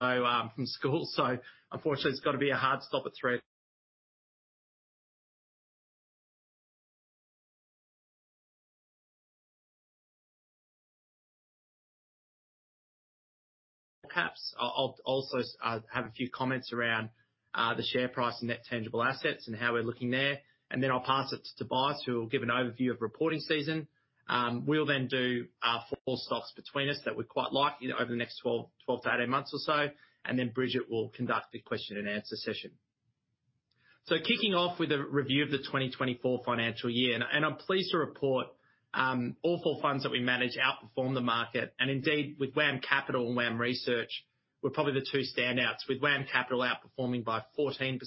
Unfortunately, it's got to be a hard stop at 3:00. Perhaps I'll also have a few comments around the share price and net tangible assets and how we're looking there. I'll pass it to Tobias, who will give an overview of reporting season. We'll then do our four stocks between us that we're quite likely over the next 12-18 months or so, and then Bridget will conduct the question and answer session. So kicking off with a review of the 2024 financial year, and I'm pleased to report, all four funds that we manage outperformed the market, and indeed, with WAM Capital and WAM Research, were probably the two standouts, with WAM Capital outperforming by 14%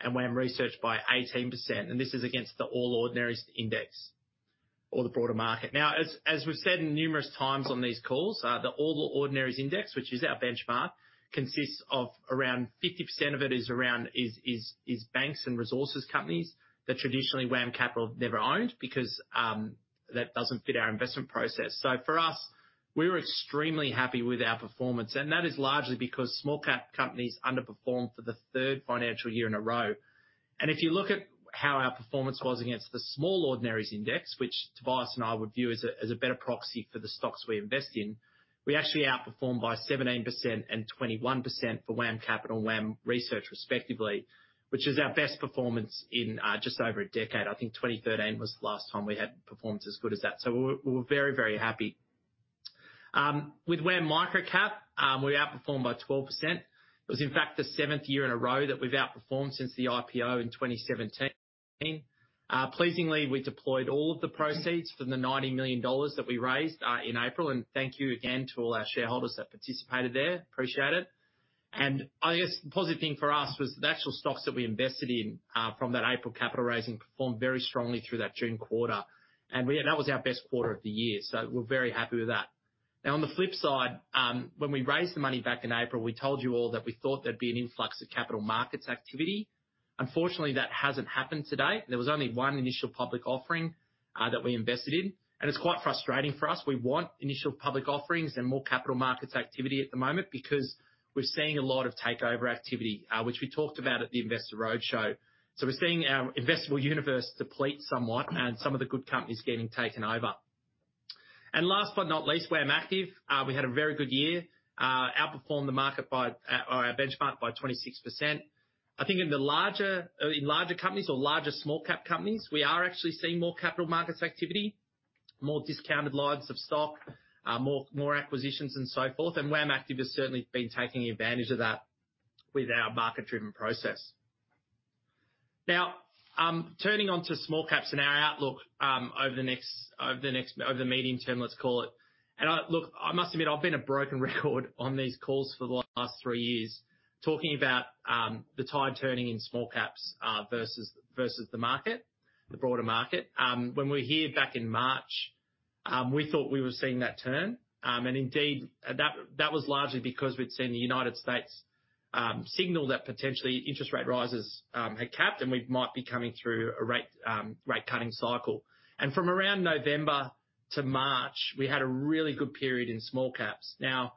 and WAM Research by 18%, and this is against the All Ordinaries Index or the broader market. Now, as we've said numerous times on these calls, the All Ordinaries Index, which is our benchmark, consists of around 50% of it is banks and resources companies that traditionally WAM Capital never owned because that doesn't fit our investment process. So for us, we were extremely happy with our performance, and that is largely because small cap companies underperformed for the third financial year in a row. If you look at how our performance was against the Small Ordinaries Index, which Tobias and I would view as a better proxy for the stocks we invest in, we actually outperformed by 17% and 21% for WAM Capital and WAM Research, respectively, which is our best performance in just over a decade. I think 2013 was the last time we had performed as good as that. So we're, we're very, very happy. With WAM Microcap, we outperformed by 12%. It was, in fact, the seventh year in a row that we've outperformed since the IPO in 2017. Pleasingly, we deployed all of the proceeds from the 90 million dollars that we raised in April, and thank you again to all our shareholders that participated there. Appreciate it. I guess the positive thing for us was the actual stocks that we invested in from that April capital raising performed very strongly through that June quarter, and that was our best quarter of the year, so we're very happy with that. Now, on the flip side, when we raised the money back in April, we told you all that we thought there'd be an influx of capital markets activity. Unfortunately, that hasn't happened today. There was only one initial public offering that we invested in, and it's quite frustrating for us. We want initial public offerings and more capital markets activity at the moment because we're seeing a lot of takeover activity, which we talked about at the Investor Roadshow. So we're seeing our investable universe deplete somewhat and some of the good companies getting taken over. Last but not least, WAM Active. We had a very good year, outperformed the market by, or our benchmark by 26%. I think in the larger, in larger companies or larger small cap companies, we are actually seeing more capital markets activity, more discounted lines of stock, more acquisitions and so forth. WAM Active has certainly been taking advantage of that with our market-driven process. Now, turning to small caps and our outlook, over the medium term, let's call it. Look, I must admit, I've been a broken record on these calls for the last three years, talking about the tide turning in small caps, versus the market, the broader market. When we were here back in March, we thought we were seeing that turn. And indeed, that was largely because we'd seen the United States signal that potentially interest rate rises had capped, and we might be coming through a rate-cutting cycle. And from around November to March, we had a really good period in small caps. Now,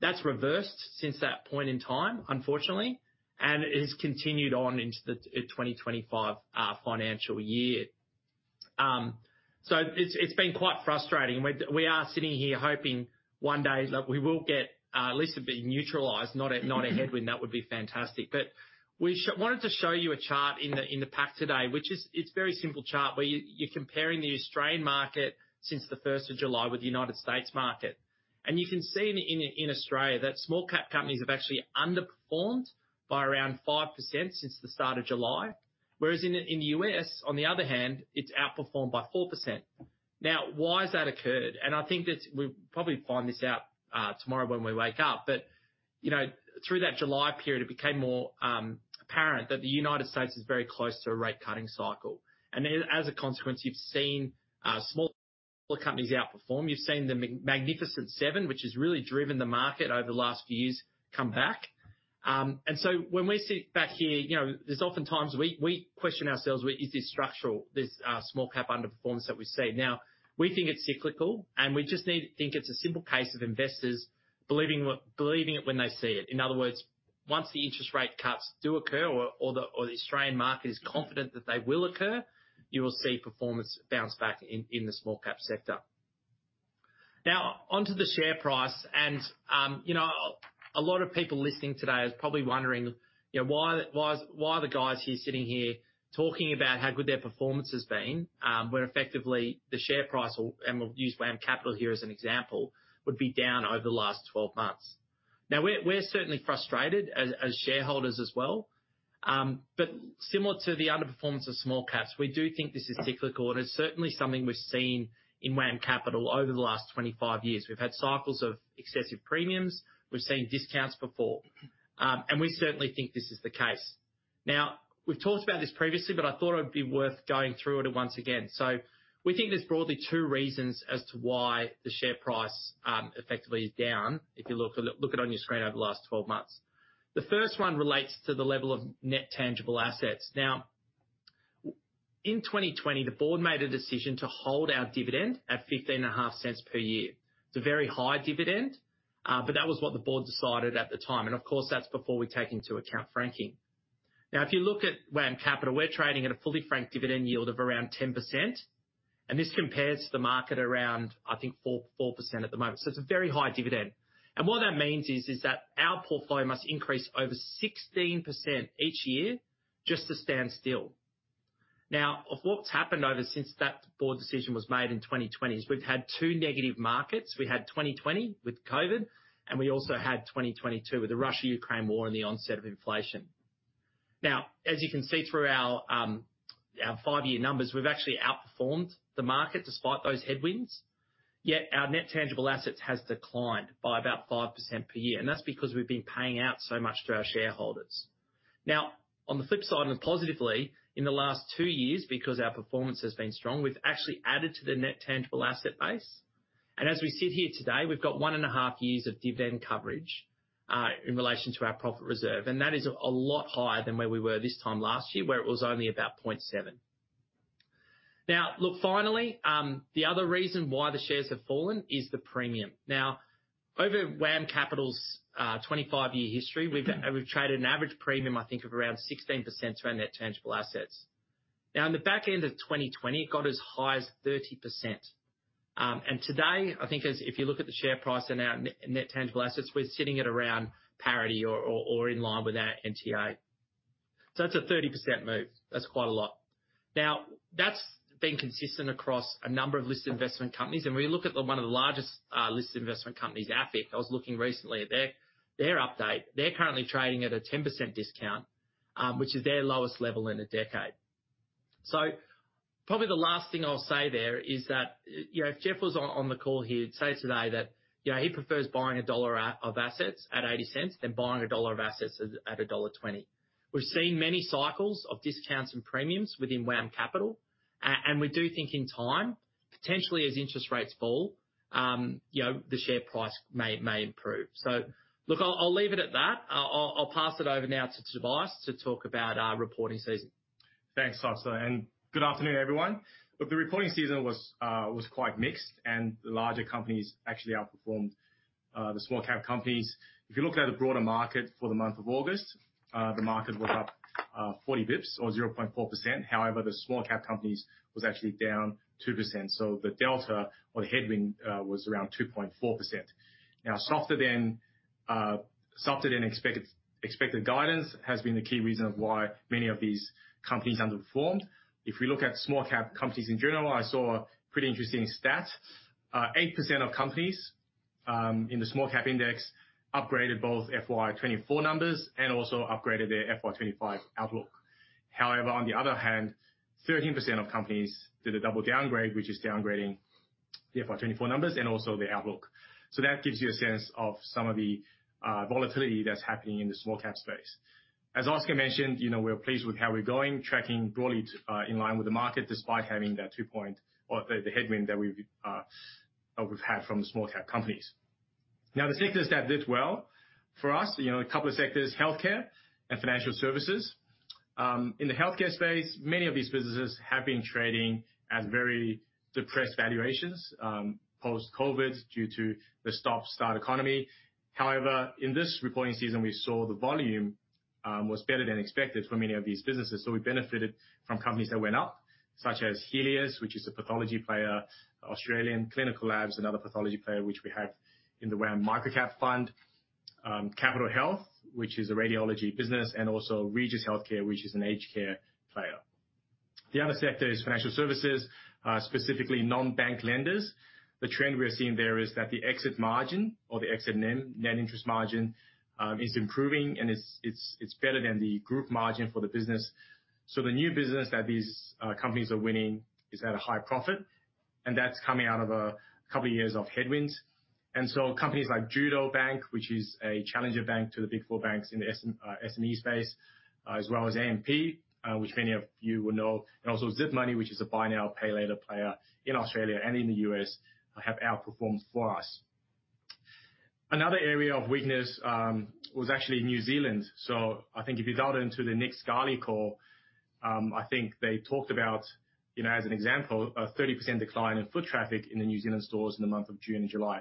that's reversed since that point in time, unfortunately, and it has continued on into the 2025 financial year. So it's been quite frustrating. We are sitting here hoping one day that we will get at least a bit neutralized, not a headwind. That would be fantastic. But we wanted to show you a chart in the pack today, which is. It's a very simple chart, where you're comparing the Australian market since the first of July with the United States market. You can see in Australia that small cap companies have actually underperformed by around 5% since the start of July. Whereas in the U.S., on the other hand, it's outperformed by 4%. Now, why has that occurred? I think that we'll probably find this out tomorrow when we wake up. You know, through that July period, it became more apparent that the United States is very close to a rate-cutting cycle. As a consequence, you've seen small companies outperform. You've seen the Magnificent Seven, which has really driven the market over the last few years, come back. And so when we sit back here, you know, there's oftentimes we question ourselves, "Is this structural, this small cap underperformance that we see?" Now, we think it's cyclical, and we just need to think it's a simple case of investors believing it when they see it. In other words, once the interest rate cuts do occur, or the Australian market is confident that they will occur, you will see performance bounce back in the small cap sector. Now, onto the share price, and you know, a lot of people listening today are probably wondering, you know, why are the guys here sitting here talking about how good their performance has been, when effectively the share price will and we'll use WAM Capital here as an example, would be down over the last 12 months. Now, we're certainly frustrated as shareholders as well. But similar to the underperformance of small caps, we do think this is cyclical, and it's certainly something we've seen in WAM Capital over the last 25 years. We've had cycles of excessive premiums. We've seen discounts before. And we certainly think this is the case. Now, we've talked about this previously, but I thought it would be worth going through it once again. We think there's broadly two reasons as to why the share price effectively is down, if you look at it on your screen over the last 12 months. The first one relates to the level of net tangible assets. Now, in 2020, the board made a decision to hold our dividend at 0.155 per year. It's a very high dividend, but that was what the board decided at the time, and of course, that's before we take into account franking. Now, if you look at WAM Capital, we're trading at a fully franked dividend yield of around 10%, and this compares to the market around, I think, 4%-4% at the moment. So it's a very high dividend. And what that means is that our portfolio must increase over 16% each year just to stand still. Now, what's happened since that board decision was made in 2020 is we've had two negative markets. We had 2020 with COVID, and we also had 2022 with the Russia-Ukraine war and the onset of inflation. Now, as you can see through our, our five-year numbers, we've actually outperformed the market despite those headwinds, yet our net tangible assets has declined by about 5% per year, and that's because we've been paying out so much to our shareholders. Now, on the flip side, and positively, in the last two years, because our performance has been strong, we've actually added to the net tangible asset base, and as we sit here today, we've got one and a half years of dividend coverage, in relation to our profit reserve, and that is a lot higher than where we were this time last year, where it was only about 0.7. Now, look, finally, the other reason why the shares have fallen is the premium. Now, over WAM Capital's 25-year history, we've traded an average premium, I think, of around 16% to our net tangible assets. Now, in the back end of 2020, it got as high as 30%. And today, I think as if you look at the share price and our net tangible assets, we're sitting at around parity or in line with our NTA. So that's a 30% move. That's quite a lot. Now, that's been consistent across a number of listed investment companies, and when you look at one of the largest listed investment companies, AFIC, I was looking recently at their update. They're currently trading at a 10% discount, which is their lowest level in a decade. So probably the last thing I'll say there is that, you know, if Jeff was on the call, he'd say today that, you know, he prefers buying a dollar out of assets at 80 cents than buying a dollar of assets at dollar 20. We've seen many cycles of discounts and premiums within WAM Capital, and we do think in time, potentially as interest rates fall, you know, the share price may improve. So look, I'll pass it over now to Tobias to talk about our reporting season. Thanks, Oscar, and good afternoon, everyone. Look, the reporting season was quite mixed, and the larger companies actually outperformed the small cap companies. If you look at the broader market for the month of August, the market was up 40 basis points or 0.4%. However, the small cap companies was actually down 2%, so the delta or the headwind was around 2.4%. Now, softer than expected guidance has been the key reason of why many of these companies underperformed. If we look at small cap companies in general, I saw a pretty interesting stat. 8% of companies in the small cap index upgraded both FY2024 numbers and also upgraded their FY2025 outlook. However, on the other hand, 13% of companies did a double downgrade, which is downgrading the FY2024 numbers and also the outlook, so that gives you a sense of some of the volatility that's happening in the small cap space. As Oscar mentioned, you know, we're pleased with how we're going, tracking broadly in line with the market, despite having that two-point- or the headwind that we've had from the small cap companies. Now, the sectors that did well for us, you know, a couple of sectors, healthcare and financial services. In the healthcare space, many of these businesses have been trading at very depressed valuations post-COVID, due to the stop-start economy. However, in this reporting season, we saw the volume was better than expected for many of these businesses. So we benefited from companies that went up, such as Healius, which is a pathology player, Australian Clinical Labs, another pathology player, which we have in the WAM Microcap Fund, Capitol Health, which is a radiology business, and also Regis Healthcare, which is an aged care player. The other sector is financial services, specifically non-bank lenders. The trend we are seeing there is that the exit margin or the exit net interest margin is improving, and it's better than the group margin for the business. So the new business that these companies are winning is at a high profit, and that's coming out of a couple of years of headwinds. And so companies like Judo Bank, which is a challenger bank to the big four banks in the SME space, as well as AMP, which many of you will know, and also Zip Money, which is a buy now, pay later player in Australia and in the U.S., have outperformed for us. Another area of weakness was actually New Zealand. So I think if you dial into the Nick Scali call, I think they talked about, you know, as an example, a 30% decline in foot traffic in the New Zealand stores in the month of June and July.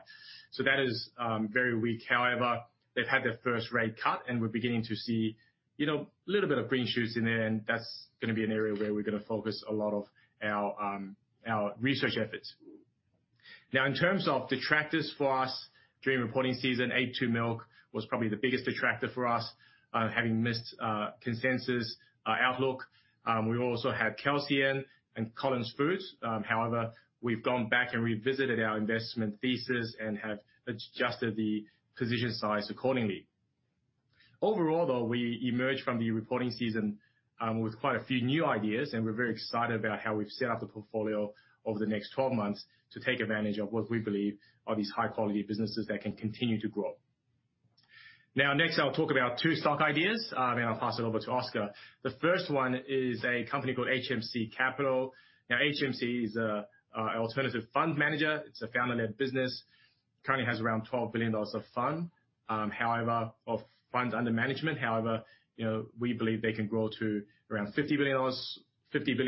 So that is very weak. However, they've had their first rate cut, and we're beginning to see, you know, a little bit of green shoots in there, and that's going to be an area where we're going to focus a lot of our research efforts. Now, in terms of detractors for us during reporting season, a2 Milk was probably the biggest detractor for us, having missed consensus outlook. We also had Kelsian and Collins Foods. However, we've gone back and revisited our investment thesis and have adjusted the position size accordingly. Overall, though, we emerged from the reporting season with quite a few new ideas, and we're very excited about how we've set up the portfolio over the next 12 months to take advantage of what we believe are these high-quality businesses that can continue to grow. Now, next, I'll talk about two stock ideas, then I'll pass it over to Oscar. The first one is a company called HMC Capital. Now, HMC is a alternative fund manager. It's a family-led business, currently has around 12 billion dollars of funds under management. However, you know, we believe they can grow to around 50 billion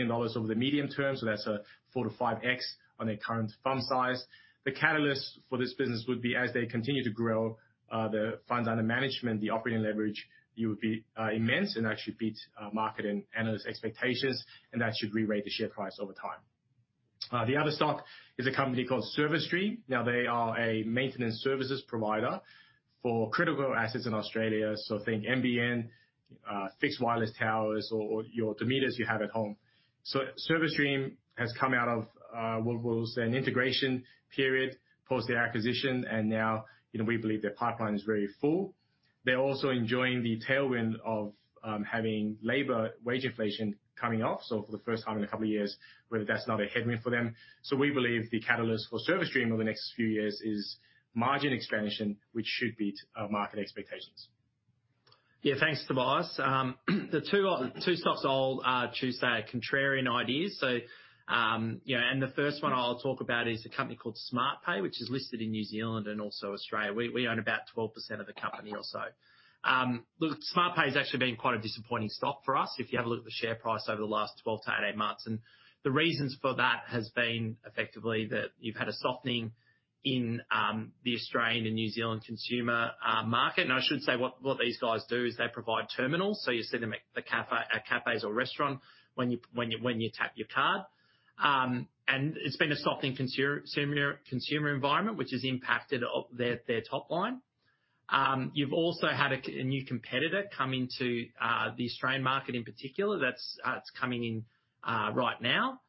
dollars over the medium term. So that's a 4-5X on their current fund size. The catalyst for this business would be as they continue to grow the funds under management, the operating leverage, it would be immense and actually beat market and analyst expectations, and that should re-rate the share price over time. The other stock is a company called Service Stream. Now, they are a maintenance services provider for critical assets in Australia. So think NBN, fixed wireless towers or your modems you have at home. Service Stream has come out of what we'll say, an integration period, post their acquisition, and now, you know, we believe their pipeline is very full. They're also enjoying the tailwind of having labor wage inflation coming off. So for the first time in a couple of years, weather that's not a headwind for them. So we believe the catalyst for Service Stream over the next few years is margin expansion, which should beat market expectations. Yeah, thanks, Tobias. The two stocks I'll choose today are contrarian ideas. So, you know, and the first one I'll talk about is a company called Smartpay, which is listed in New Zealand and also Australia. We own about 12% of the company or so. Look, Smartpay has actually been quite a disappointing stock for us. If you have a look at the share price over the last 12 to 18 months, and the reasons for that has been effectively that you've had a softening in the Australian and New Zealand consumer market. And I should say, what these guys do is they provide terminals. So you see them at the cafe, at cafes or restaurant when you tap your card. And it's been a softening consumer environment, which has impacted their top line. You've also had a new competitor come into the Australian market in particular, that's coming in right now,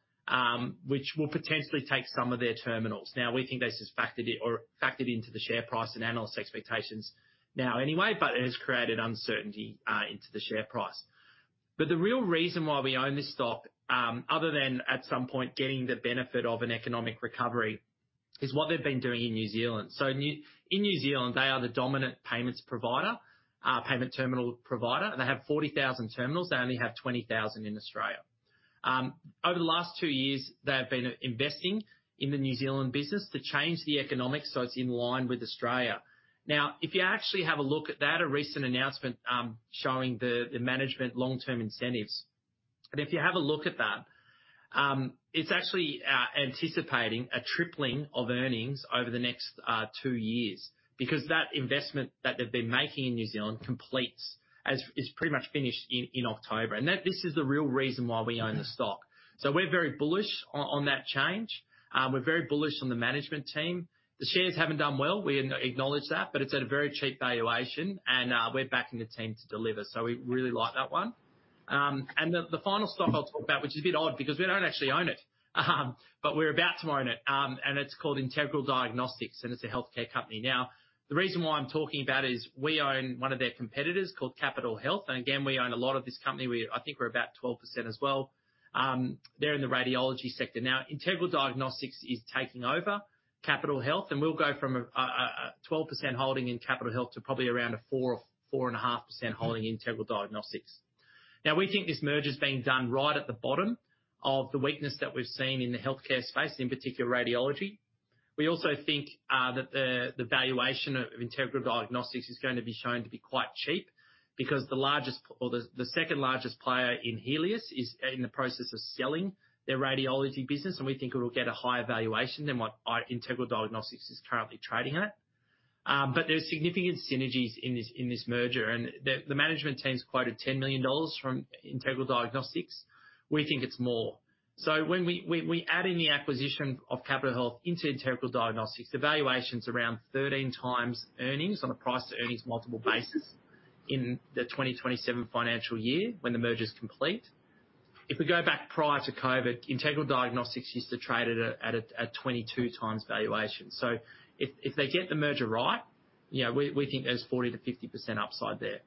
which will potentially take some of their terminals. Now, we think this is factored in, or factored into the share price and analyst expectations now anyway, but it has created uncertainty into the share price. But the real reason why we own this stock, other than at some point getting the benefit of an economic recovery, is what they've been doing in New Zealand. So in New Zealand, they are the dominant payments provider, payment terminal provider, and they have 40,000 terminals. They only have 20,000 in Australia. Over the last two years, they have been investing in the New Zealand business to change the economics so it's in line with Australia. Now, if you actually have a look at that, a recent announcement showing the management long-term incentives. But if you have a look at that, it's actually anticipating a tripling of earnings over the next two years, because that investment that they've been making in New Zealand completes, is pretty much finished in October, and that this is the real reason why we own the stock. So we're very bullish on that change. We're very bullish on the management team. The shares haven't done well. We acknowledge that, but it's at a very cheap valuation, and we're backing the team to deliver. So we really like that one. And the final stock I'll talk about, which is a bit odd, because we don't actually own it, but we're about to own it. And it's called Integral Diagnostics, and it's a healthcare company. Now, the reason why I'm talking about it is we own one of their competitors called Capitol Health, and again, we own a lot of this company. I think we're about 12% as well. They're in the radiology sector. Now, Integral Diagnostics is taking over Capitol Health, and we'll go from a 12% holding in Capitol Health to probably around a 4% or 4.5% holding in Integral Diagnostics. Now, we think this merger is being done right at the bottom of the weakness that we've seen in the healthcare space, in particular, radiology. We also think that the valuation of Integral Diagnostics is going to be shown to be quite cheap because the second largest player in Healius is in the process of selling their radiology business, and we think it'll get a higher valuation than what Integral Diagnostics is currently trading at. But there are significant synergies in this merger, and the management team's quoted 10 million dollars from Integral Diagnostics. We think it's more. So when we add in the acquisition of Capitol Health into Integral Diagnostics, the valuation's around 13 times earnings on a price to earnings multiple basis in the 2027 financial year when the merger is complete. If we go back prior to COVID, Integral Diagnostics used to trade at 22 times valuation. If they get the merger right, you know, we think there's 40%-50% upside there.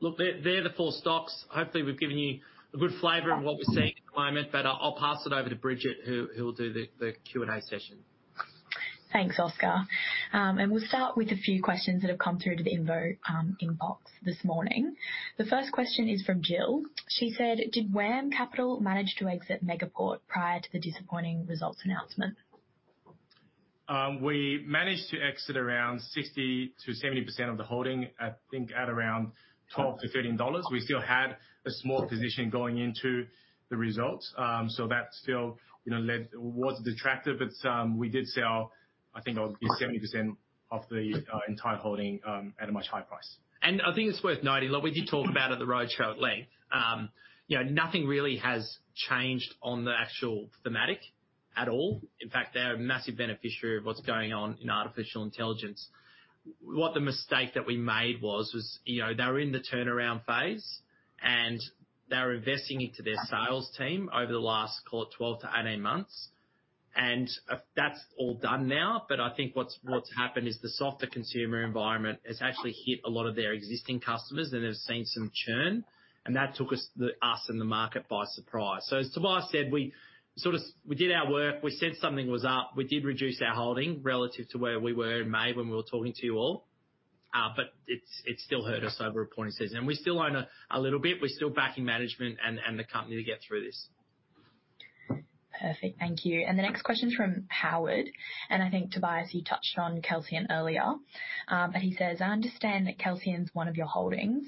Look, they're the four stocks. Hopefully, we've given you a good flavor of what we're seeing at the moment, but I'll pass it over to Bridget, who will do the Q&A session. Thanks, Oscar. And we'll start with a few questions that have come through to the Investor inbox this morning. The first question is from Jill. She said: "Did WAM Capital manage to exit Megaport prior to the disappointing results announcement?" We managed to exit around 60%-70% of the holding, I think, at around 12-13 dollars. We still had a small position going into the results. So that still, you know, led... was detractive, but we did sell, I think it was 70% of the entire holding at a much higher price. I think it's worth noting, like we did talk about at the roadshow at length, you know, nothing really has changed on the actual thematic at all. In fact, they're a massive beneficiary of what's going on in artificial intelligence. What the mistake that we made was, you know, they were in the turnaround phase, and they were investing into their sales team over the last, call it, 12-18 months. That's all done now. I think what's happened is the softer consumer environment has actually hit a lot of their existing customers, and they've seen some churn, and that took us, us and the market by surprise. As Tobias said, we did our work, we sensed something was up. We did reduce our holding relative to where we were in May when we were talking to you all. But it still hurt us over a reporting season, and we still own a little bit. We're still backing management and the company to get through this. Perfect. Thank you. And the next question is from Howard, and I think, Tobias, you touched on Kelsian earlier, but he says, "I understand that Kelsian is one of your holdings.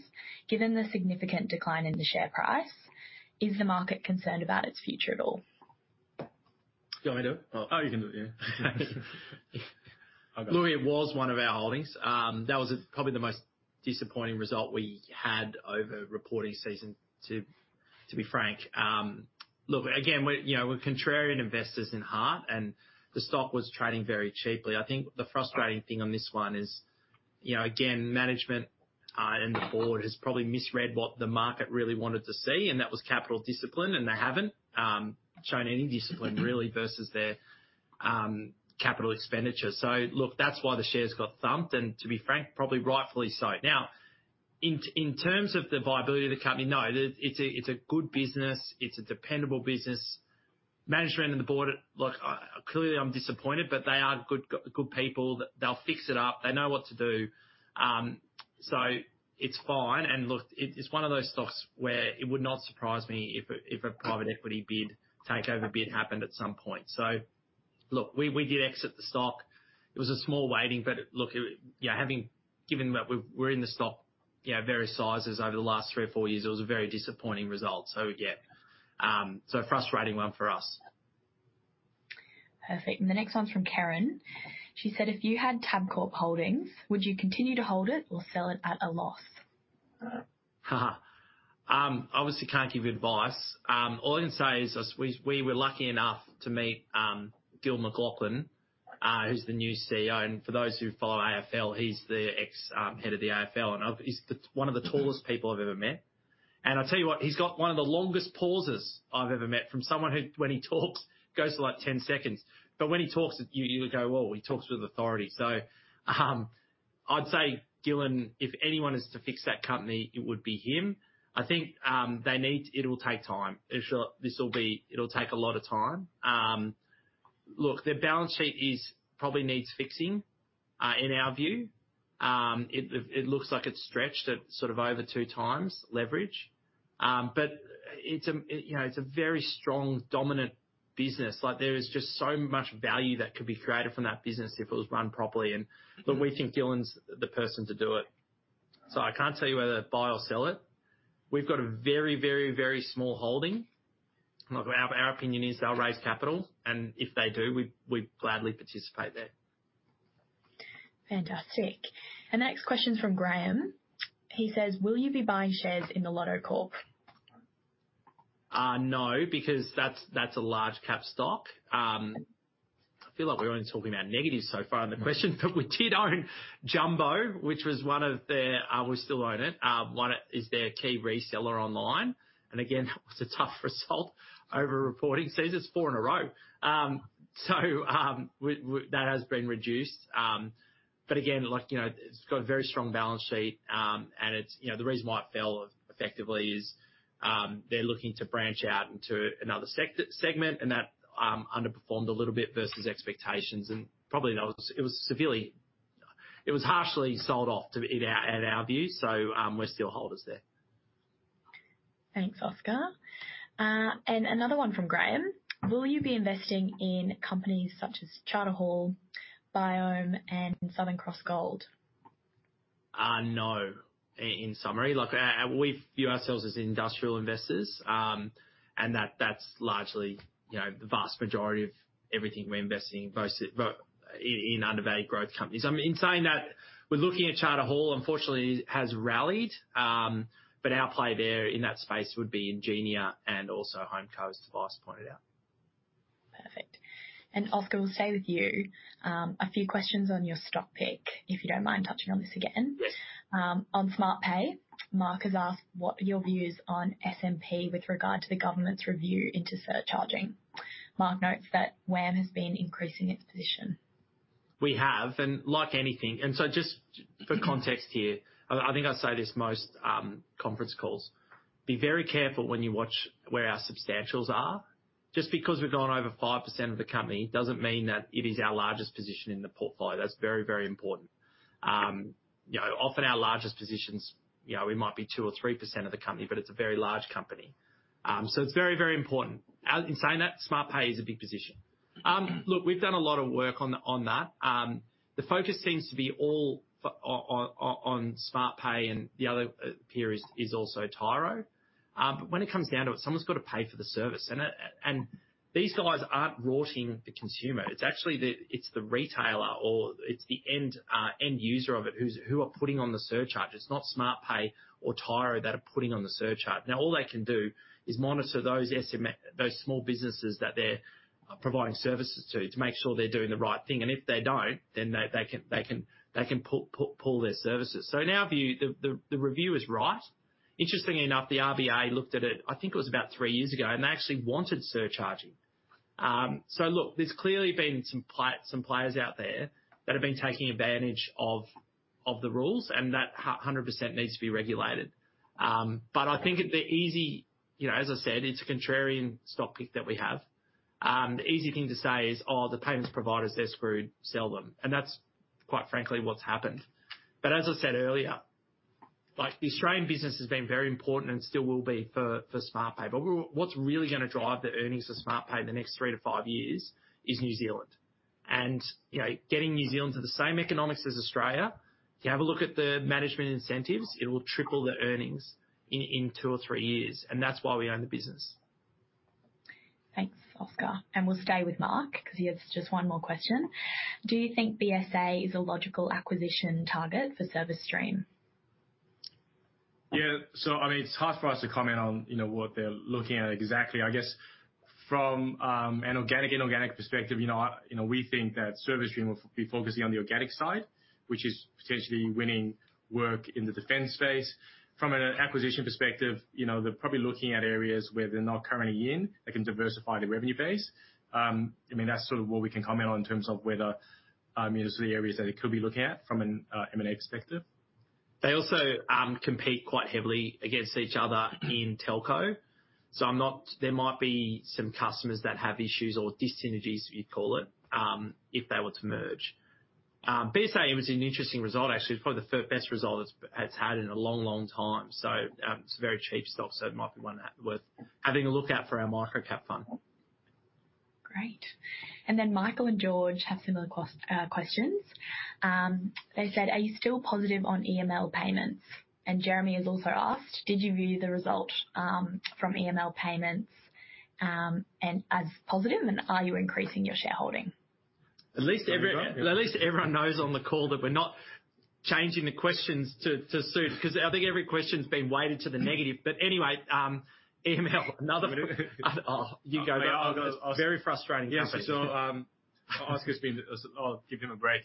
Given the significant decline in the share price, is the market concerned about its future at all? Do you want me to do it? Oh, you can do it. Yeah. Look, it was one of our holdings. That was probably the most disappointing result we had over reporting season, to be frank. Look, again, we're, you know, we're contrarian investors at heart, and the stock was trading very cheaply. I think the frustrating thing on this one is, you know, again, management and the board has probably misread what the market really wanted to see, and that was capital discipline, and they haven't shown any discipline really versus their capital expenditure. So look, that's why the shares got thumped, and to be frank, probably rightfully so. Now, in terms of the viability of the company, no, it, it's a, it's a good business. It's a dependable business. Management and the board, look, clearly, I'm disappointed, but they are good people. They'll fix it up. They know what to do. So it's fine. And look, it's one of those stocks where it would not surprise me if a private equity bid, takeover bid happened at some point. So look, we did exit the stock. It was a small weighting, but look, yeah. Given that we're in the stock, yeah, various sizes over the last three or four years, it was a very disappointing result. So, yeah, so a frustrating one for us. Perfect. And the next one's from Karen. She said, "If you had Tabcorp Holdings, would you continue to hold it or sell it at a loss? Obviously, can't give you advice. All I can say is, we were lucky enough to meet Gillon McLachlan, who's the new CEO, and for those who follow AFL, he's the ex head of the AFL, and he's the one of the tallest people I've ever met. And I'll tell you what, he's got one of the longest pauses I've ever met from someone who, when he talks, goes for, like, 10 seconds. But when he talks, you go, "Whoa!" He talks with authority. I'd say Gillon, if anyone is to fix that company, it would be him. I think they need. It'll take time. This will be. It'll take a lot of time. Look, their balance sheet probably needs fixing, in our view. It looks like it's stretched at sort of over two times leverage. But you know, it's a very strong, dominant business. Like, there is just so much value that could be created from that business if it was run properly. And look, we think Gillon's the person to do it. So I can't tell you whether to buy or sell it. We've got a very, very, very small holding. Look, our opinion is they'll raise capital, and if they do, we'd gladly participate there. Fantastic. The next question is from Graham. He says, "Will you be buying shares in The Lottery Corporation? No, because that's a large cap stock. I feel like we're only talking about negatives so far in the question, but we did own Jumbo, which was one of their... We still own it. One is their key reseller online, and again, that was a tough result over reporting. Says it's four in a row. So, that has been reduced. But again, like, you know, it's got a very strong balance sheet, and it's, you know, the reason why it fell effectively is, they're looking to branch out into another segment, and that underperformed a little bit versus expectations, and probably that was... It was harshly sold off too, in our, in our view. So, we're still holders there. Thanks, Oscar. And another one from Graham: "Will you be investing in companies such as Charter Hall, Biome, and Southern Cross Gold? No. In summary, like, we view ourselves as industrial investors, and that's largely, you know, the vast majority of everything we're investing in, most of it, but in undervalued growth companies. In saying that, we're looking at Charter Hall. Unfortunately, it has rallied, but our play there in that space would be Ingenia and also HomeCo, as Tobias pointed out. Perfect. And Oscar, we'll stay with you. A few questions on your stock pick, if you don't mind touching on this again. Yes. On Smartpay, Mark has asked what are your views on SMP with regard to the government's review into surcharging? Mark notes that WAM has been increasing its position. We have, and like anything. And so just for context here, I think I say this most conference calls, be very careful when you watch where our substantials are. Just because we've gone over 5% of the company, doesn't mean that it is our largest position in the portfolio. That's very, very important. You know, often our largest positions, you know, we might be 2% or 3% of the company, but it's a very large company. So it's very, very important. As in saying that, Smartpay is a big position. Look, we've done a lot of work on that. The focus seems to be all on Smartpay, and the other peer is also Tyro. But when it comes down to it, someone's got to pay for the service, and, and these guys aren't rorting the consumer. It's actually the... It's the retailer or it's the end, end user of it, who's, who are putting on the surcharge. It's not Smartpay or Tyro that are putting on the surcharge. Now, all they can do is monitor those small businesses that they're providing services to, to make sure they're doing the right thing. And if they don't, then they can pull their services. So in our view, the review is right. Interestingly enough, the RBA looked at it, I think it was about three years ago, and they actually wanted surcharging. So look, there's clearly been some players out there that have been taking advantage of the rules, and that 100% needs to be regulated. But I think the easy... You know, as I said, it's a contrarian stock pick that we have. The easy thing to say is, "Oh, the payments providers, they're screwed, sell them." And that's quite frankly, what's happened. But as I said earlier... Like, the Australian business has been very important and still will be for Smartpay. But what's really going to drive the earnings of Smartpay in the next three to five years is New Zealand. And, you know, getting New Zealand to the same economics as Australia, if you have a look at the management incentives, it will triple the earnings in two or three years, and that's why we own the business. Thanks, Oscar. And we'll stay with Mark, because he has just one more question: Do you think BSA is a logical acquisition target for Service Stream? Yeah. So I mean, it's hard for us to comment on, you know, what they're looking at exactly. I guess from an organic, inorganic perspective, you know, we think that Service Stream will be focusing on the organic side, which is potentially winning work in the defense space. From an acquisition perspective, you know, they're probably looking at areas where they're not currently in. They can diversify their revenue base. I mean, that's sort of what we can comment on in terms of whether, I mean, those are the areas that it could be looking at from an M&A perspective. They also compete quite heavily against each other in telco, so I'm not-- there might be some customers that have issues or dis-synergies, you'd call it, if they were to merge. BSA was an interesting result, actually, probably the best result it's had in a long, long time. So, it's a very cheap stock, so it might be one worth having a look at for our micro-cap fund. Great. And then Michael and George have similar cost questions. They said, "Are you still positive on EML Payments?" And Jeremy has also asked, "Did you view the result from EML Payments and as positive, and are you increasing your shareholding? At least every- At least everyone knows on the call that we're not changing the questions to suit, because I think every question's been weighted to the negative. But anyway, EML, another- Oh, you go. Yeah, I'll go. Very frustrating. Yeah. I'll give him a break.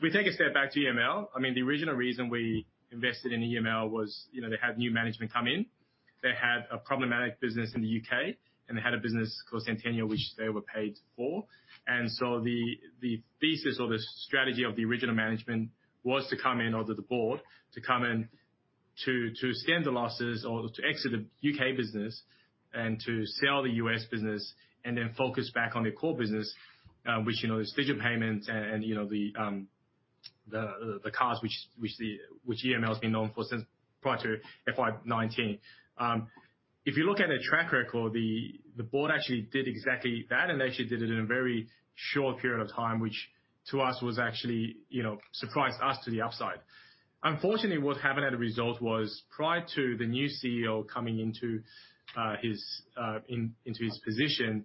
We take a step back to EML. I mean, the original reason we invested in EML was, you know, they had new management come in. They had a problematic business in the U.K., and they had a business called Centennial, which they were paid for. And so the thesis or the strategy of the original management was to come in onto the board to stem the losses or to exit the U.K. business and to sell the U.S. business and then focus back on their core business, which, you know, is digital payments and the cards which EML has been known for since prior to FY19. If you look at their track record, the board actually did exactly that, and they actually did it in a very short period of time, which to us, was actually, you know, surprised us to the upside. Unfortunately, what happened as a result was prior to the new CEO coming into his position,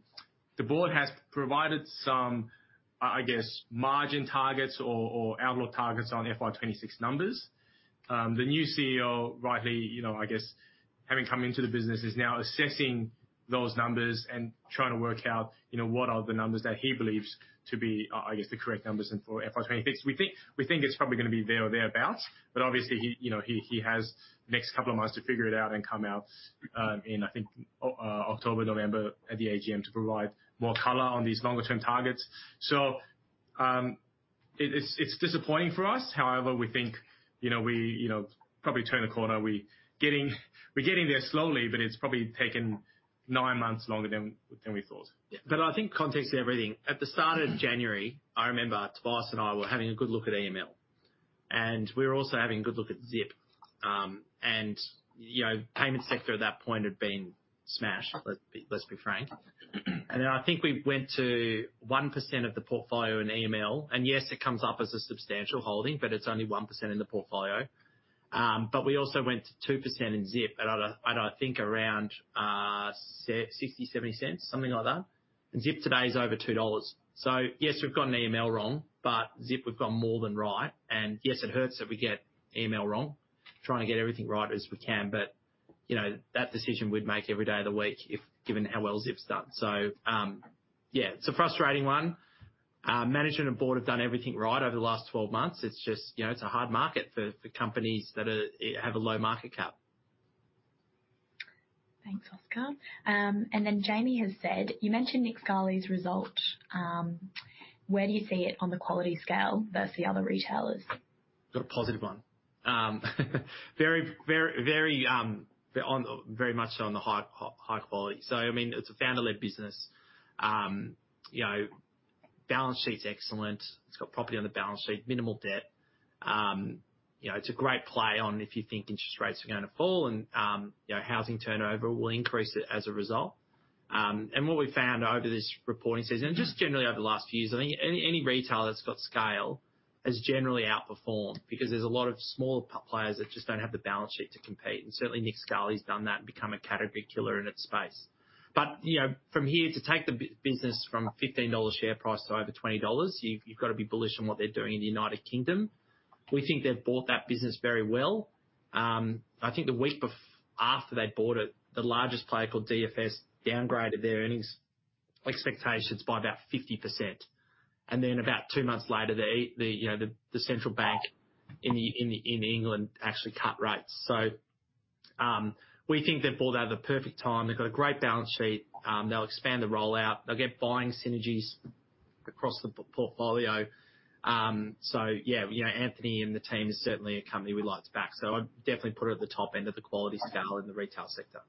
the board has provided some, I guess, margin targets or outlook targets on FY26 numbers. The new CEO, rightly, you know, I guess, having come into the business, is now assessing those numbers and trying to work out, you know, what are the numbers that he believes to be, I guess, the correct numbers and for FY26. We think it's probably going to be there or thereabouts, but obviously he, you know, he has the next couple of months to figure it out and come out in, I think, October, November at the AGM, to provide more color on these longer-term targets. So, it's disappointing for us. However, we think, you know, we probably turn the corner. We're getting there slowly, but it's probably taken nine months longer than we thought. Yeah. But I think context is everything. At the start of January, I remember Tobias and I were having a good look at EML, and we were also having a good look at Zip. And, you know, payment sector at that point had been smashed, let's be frank. And then I think we went to 1% of the portfolio in EML. And yes, it comes up as a substantial holding, but it's only 1% in the portfolio. But we also went to 2% in Zip at, I think, around, 0.60-0.70, something like that. And Zip today is over 2 dollars. So yes, we've gotten EML wrong, but Zip, we've got more than right. Yes, it hurts that we get EML wrong, trying to get everything right as we can, but, you know, that decision we'd make every day of the week if given how well Zip's done. Yeah, it's a frustrating one. Management and board have done everything right over the last 12 months. It's just, you know, it's a hard market for companies that have a low market cap. Thanks, Oscar. And then Jamie has said, "You mentioned Nick Scali's result. Where do you see it on the quality scale versus the other retailers? Got a positive one. Very much on the high quality. So I mean, it's a founder-led business. You know, balance sheet's excellent. It's got property on the balance sheet, minimal debt. You know, it's a great play on if you think interest rates are going to fall and, you know, housing turnover will increase as a result. And what we found over this reporting season, and just generally over the last few years, I think any retailer that's got scale has generally outperformed because there's a lot of smaller players that just don't have the balance sheet to compete. And certainly, Nick Scali's done that and become a category killer in its space. But, you know, from here, to take the business from 15 dollar share price to over 20 dollars, you've got to be bullish on what they're doing in the United Kingdom. We think they've bought that business very well. I think the week after they bought it, the largest player, called DFS, downgraded their earnings expectations by about 50%. And then about two months later, you know, the central bank in England actually cut rates. So, we think they've bought that at the perfect time. They've got a great balance sheet. They'll expand the rollout. They'll get buying synergies across the portfolio. So yeah, you know, Anthony and the team is certainly a company we like to back. I'd definitely put it at the top end of the quality scale in the retail sector.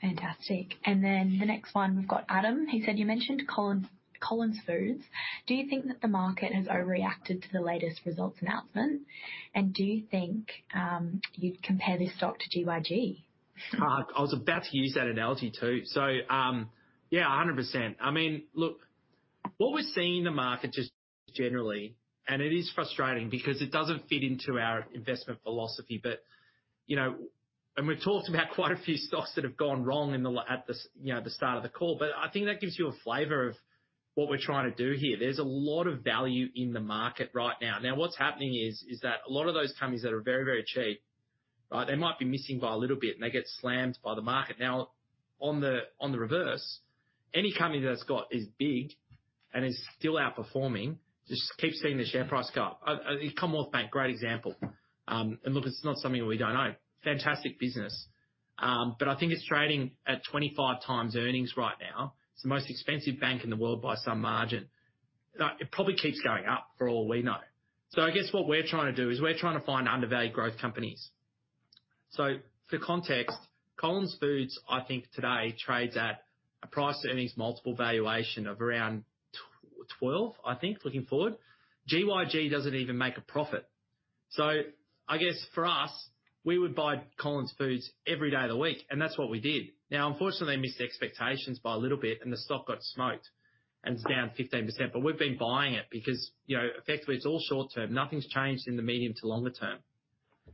Fantastic! And then the next one, we've got Adam. He said, "You mentioned Collins, Collins Foods. Do you think that the market has overreacted to the latest results announcement? And do you think you'd compare this stock to GYG? I was about to use that analogy, too. So, yeah, 100%. I mean, look, what we're seeing in the market just generally, and it is frustrating because it doesn't fit into our investment philosophy. But, you know, and we've talked about quite a few stocks that have gone wrong in the last, you know, at the start of the call. But I think that gives you a flavor of what we're trying to do here. There's a lot of value in the market right now. Now, what's happening is that a lot of those companies that are very, very cheap, right? They might be missing by a little bit, and they get slammed by the market. Now, on the reverse, any company that's big and is still outperforming, just keeps seeing their share price go up. Commonwealth Bank, great example. And look, it's not something we don't know, fantastic business. But I think it's trading at 25 times earnings right now. It's the most expensive bank in the world by some margin. It probably keeps going up for all we know. So I guess what we're trying to do is we're trying to find undervalued growth companies. So for context, Collins Foods, I think today, trades at a price-to-earnings multiple valuation of around 12, I think, looking forward. GYG doesn't even make a profit. So I guess for us, we would buy Collins Foods every day of the week, and that's what we did. Now, unfortunately, they missed expectations by a little bit, and the stock got smoked, and it's down 15%. But we've been buying it because, you know, effectively it's all short term. Nothing's changed in the medium to longer term.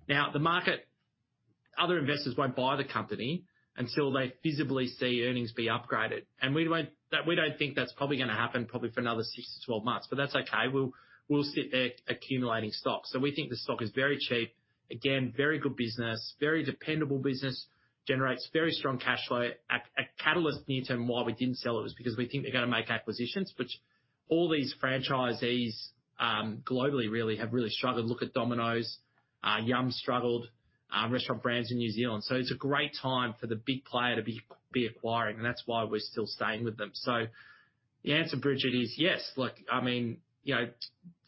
Now, the market, other investors won't buy the company until they visibly see earnings be upgraded. And we won't. That, we don't think that's probably going to happen for another six to 12 months, but that's okay. We'll sit there accumulating stocks. So we think the stock is very cheap. Again, very good business, very dependable business, generates very strong cash flow. At catalyst near term, why we didn't sell it was because we think they're going to make acquisitions, which all these franchisees globally really have struggled. Look at Domino's, Yum! struggled, Restaurant Brands in New Zealand. So it's a great time for the big player to be acquiring, and that's why we're still staying with them. So the answer, Bridget, is yes. Look, I mean, you know,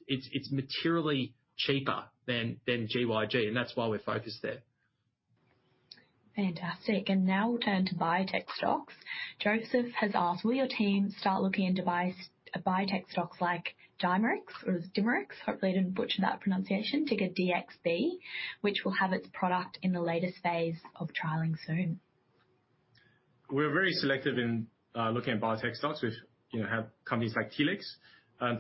it's materially cheaper than GYG, and that's why we're focused there. Fantastic. Now we'll turn to biotech stocks. Joseph has asked, "Will your team start looking into biotech stocks like Dimerix or Dimerix?" Hopefully, I didn't butcher that pronunciation. Ticker DXB, which will have its product in the latest phase of trialing soon. We're very selective in looking at biotech stocks. We have, you know, companies like Telix.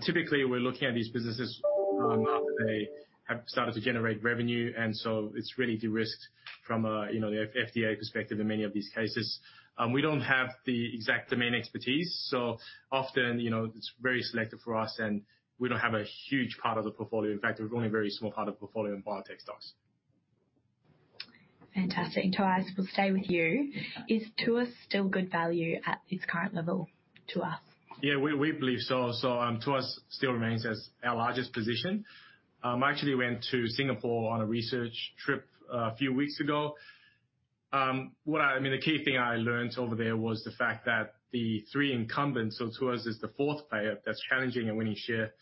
Typically, we're looking at these businesses after they have started to generate revenue, and so it's really de-risked from a, you know, the FDA perspective in many of these cases. We don't have the exact domain expertise, so often, you know, it's very selective for us, and we don't have a huge part of the portfolio. In fact, we've only a very small part of portfolio in biotech stocks. Fantastic. And Tobias, we'll stay with you. Yes. Is Tuas still good value at its current level, Tuas? Yeah, we believe so. So, Tuas still remains as our largest position. I actually went to Singapore on a research trip a few weeks ago. I mean, the key thing I learned over there was the fact that the three incumbents, so Tuas is the fourth player that's challenging and winning share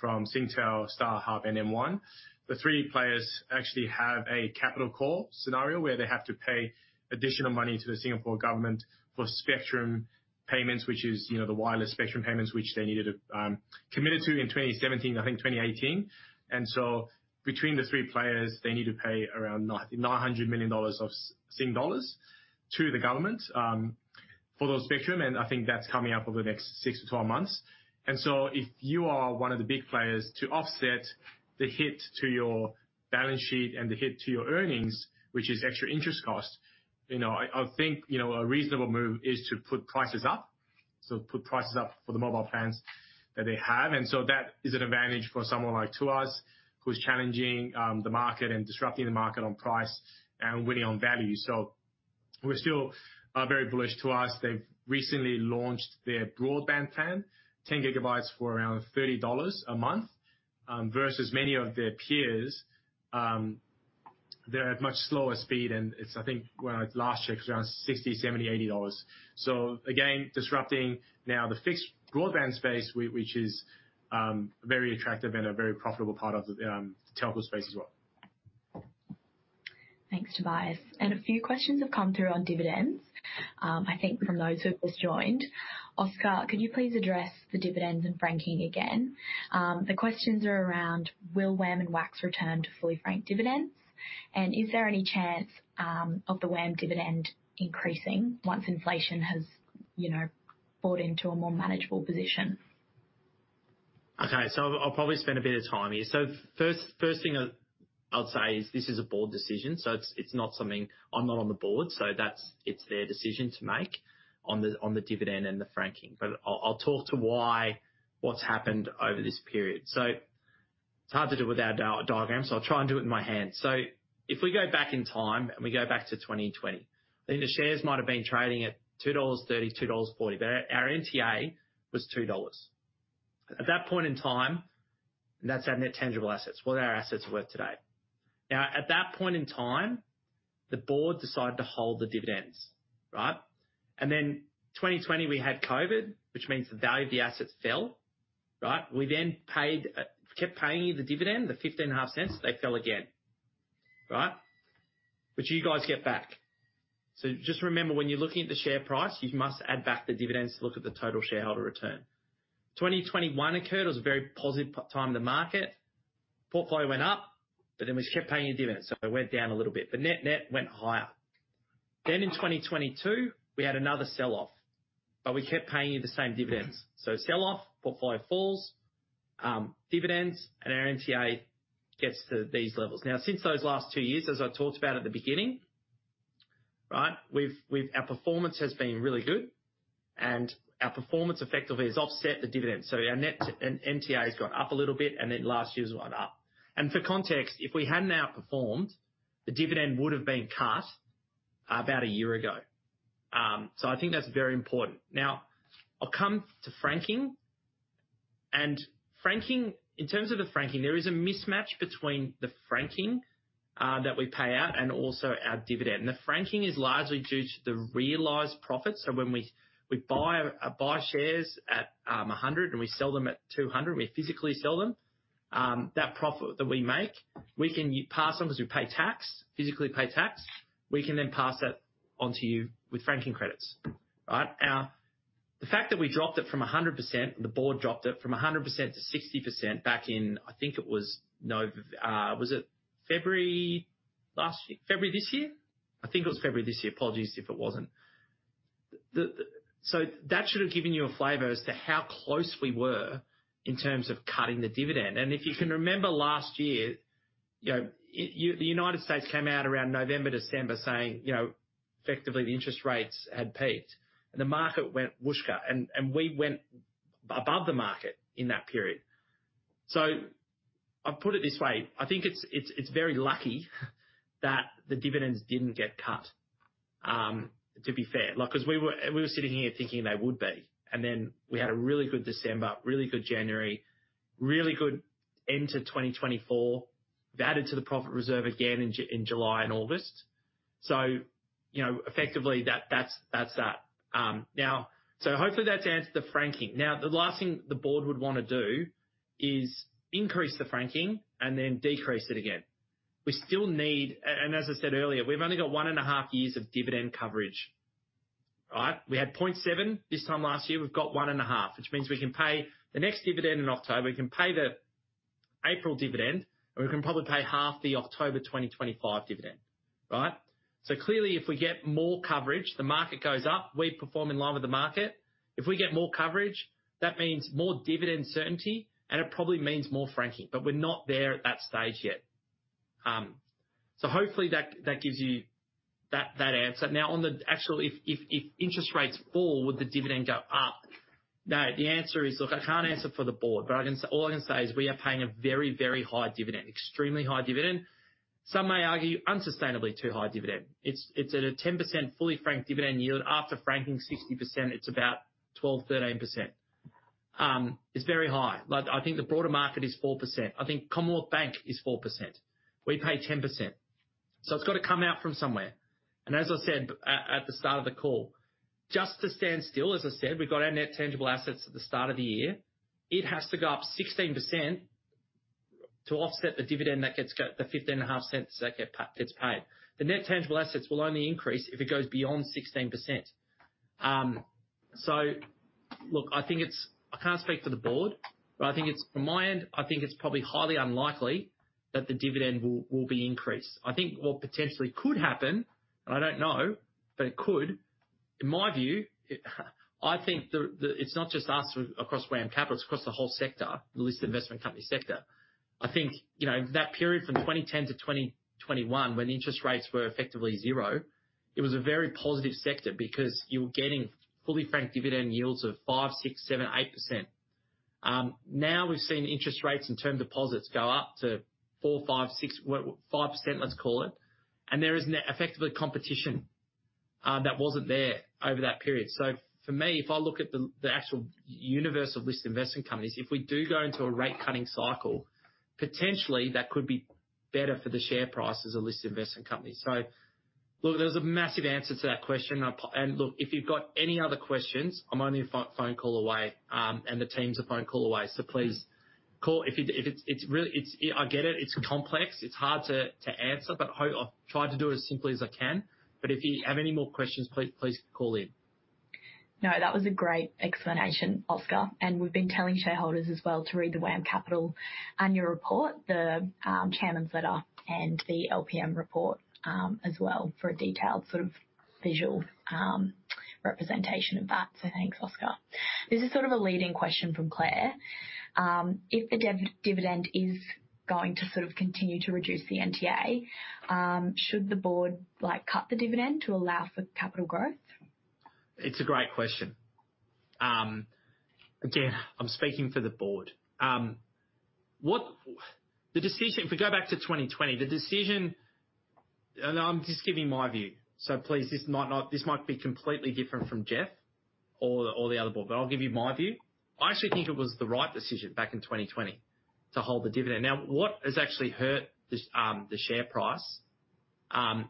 from Singtel, StarHub, and M1. The three players actually have a capital call scenario where they have to pay additional money to the Singapore government for spectrum payments, which is, you know, the wireless spectrum payments, which they needed to commit to in 2017, I think 2018. And so between the three players, they need to pay around 900 million dollars to the government for those spectrum, and I think that's coming up over the next six to 12 months. And so if you are one of the big players, to offset the hit to your balance sheet and the hit to your earnings, which is extra interest cost, you know, I think, you know, a reasonable move is to put prices up. So put prices up for the mobile plans that they have. And so that is an advantage for someone like Tuas, who's challenging the market and disrupting the market on price and winning on value. So we're still very bullish to Tuas. They've recently launched their broadband plan, 10 gigabits for around 30 dollars a month, versus many of their peers. They're at much slower speed, and it's, I think, when I last checked, it was around 60 dollars, 70, 80. So again, disrupting now the fixed broadband space, which is very attractive and a very profitable part of the telco space as well. Thanks, Tobias. And a few questions have come through on dividends, I think from those who've just joined. Oscar, could you please address the dividends and franking again? The questions are around: will WAM and WAX return to fully franked dividends? And is there any chance of the WAM dividend increasing once inflation has, you know, brought into a more manageable position? Okay, so I'll probably spend a bit of time here. First thing I'd say is this is a board decision, so it's not something. I'm not on the board, so that's. It's their decision to make on the dividend and the franking. But I'll talk to why what's happened over this period. So it's hard to do without a diagram, so I'll try and do it in my hand. So if we go back in time, and we go back to 2020, I think the shares might have been trading at 2.30-2.40 dollars, but our NTA was 2.00 dollars. At that point in time, and that's our net tangible assets. What are our assets worth today? Now, at that point in time, the board decided to hold the dividends, right? Then 2020, we had COVID, which means the value of the assets fell. Right? We then paid, kept paying you the dividend, the 0.155. They fell again, right? Which you guys get back. So just remember, when you're looking at the share price, you must add back the dividends to look at the total shareholder return. 2021 occurred, it was a very positive period in the market. Portfolio went up, but then we kept paying you dividends, so it went down a little bit. The net net went higher. Then in 2022, we had another sell-off, but we kept paying you the same dividends. So sell-off, portfolio falls, dividends, and our NTA gets to these levels. Now, since those last two years, as I talked about at the beginning, right, our performance has been really good, and our performance effectively has offset the dividend. So our net tangible assets and NTA has gone up a little bit, and then last year's went up. And for context, if we hadn't outperformed, the dividend would have been cut about a year ago. So I think that's very important. Now, I'll come to franking. And franking, in terms of the franking, there is a mismatch between the franking that we pay out and also our dividend. And the franking is largely due to the realized profits. So when we buy shares at 100 and we sell them at 200, we physically sell them, that profit that we make, we can pass on because we pay tax, physically pay tax, we can then pass that on to you with franking credits. Right? Now, the fact that we dropped it from 100%, the board dropped it from 100%-60% back in, I think it was February last year? February this year? I think it was February this year. Apologies if it wasn't. So that should have given you a flavor as to how close we were in terms of cutting the dividend. If you can remember last year, you know, the United States came out around November, December, saying, you know, effectively, the interest rates had peaked, and the market went whoosh, and we went above the market in that period. So I'll put it this way: I think it's very lucky that the dividends didn't get cut, to be fair. Like, because we were sitting here thinking they would be, and then we had a really good December, really good January, really good into 2024. We added to the profit reserve again in July and August. So, you know, effectively, that's that. Now, so hopefully, that's answered the franking. Now, the last thing the board would want to do is increase the franking and then decrease it again. We still need... As I said earlier, we've only got one and a half years of dividend coverage. All right? We had point seven this time last year. We've got one and a half, which means we can pay the next dividend in October, we can pay the April dividend, and we can probably pay half the October 2025 dividend. Right? Clearly, if we get more coverage, the market goes up, we perform in line with the market. If we get more coverage, that means more dividend certainty, and it probably means more franking, but we're not there at that stage yet, so hopefully that gives you that answer. Now, on the actual, if interest rates fall, would the dividend go up? Now, the answer is... Look, I can't answer for the board, but I can say all I can say is we are paying a very, very high dividend, extremely high dividend. Some may argue unsustainably too high dividend. It's at a 10% fully franked dividend yield. After franking 60%, it's about 12-13%. It's very high. Like, I think the broader market is 4%. I think Commonwealth Bank is 4%. We pay 10%, so it's got to come out from somewhere. And as I said at the start of the call, just to stand still, as I said, we've got our net tangible assets at the start of the year. It has to go up 16% to offset the dividend, the $0.155 that gets paid. The net tangible assets will only increase if it goes beyond 16%. So look, I think it's. I can't speak for the board, but I think it's, from my end, I think it's probably highly unlikely that the dividend will be increased. I think what potentially could happen, and I don't know, but it could, in my view, it. I think it's not just us across WAM Capital, it's across the whole sector, the listed investment company sector. I think, you know, that period from 2010 to 2021, when interest rates were effectively zero, it was a very positive sector because you were getting fully franked dividend yields of 5-8%. Now we've seen interest rates and term deposits go up to 4, 5, 6, 5%, let's call it, and there is effectively competition that wasn't there over that period. So for me, if I look at the actual universe of listed investing companies, if we do go into a rate cutting cycle, potentially that could be better for the share prices of listed investing companies. So look, there's a massive answer to that question. And look, if you've got any other questions, I'm only a phone call away, and the team's a phone call away, so please call. If it's really, I get it, it's complex, it's hard to answer, but I've tried to do it as simply as I can. But if you have any more questions, please call in. No, that was a great explanation, Oscar, and we've been telling shareholders as well to read the WAM Capital annual report, the chairman's letter and the LPM report, as well, for a detailed sort of visual representation of that. So thanks, Oscar. This is sort of a leading question from Claire: If the dividend is going to sort of continue to reduce the NTA, should the board, like, cut the dividend to allow for capital growth? It's a great question. Again, I'm speaking for the board. The decision - if we go back to 2020, the decision, and I'm just giving my view, so please, this might not, this might be completely different from Jeff or the other board, but I'll give you my view. I actually think it was the right decision back in 2020 to hold the dividend. Now, what has actually hurt the share price and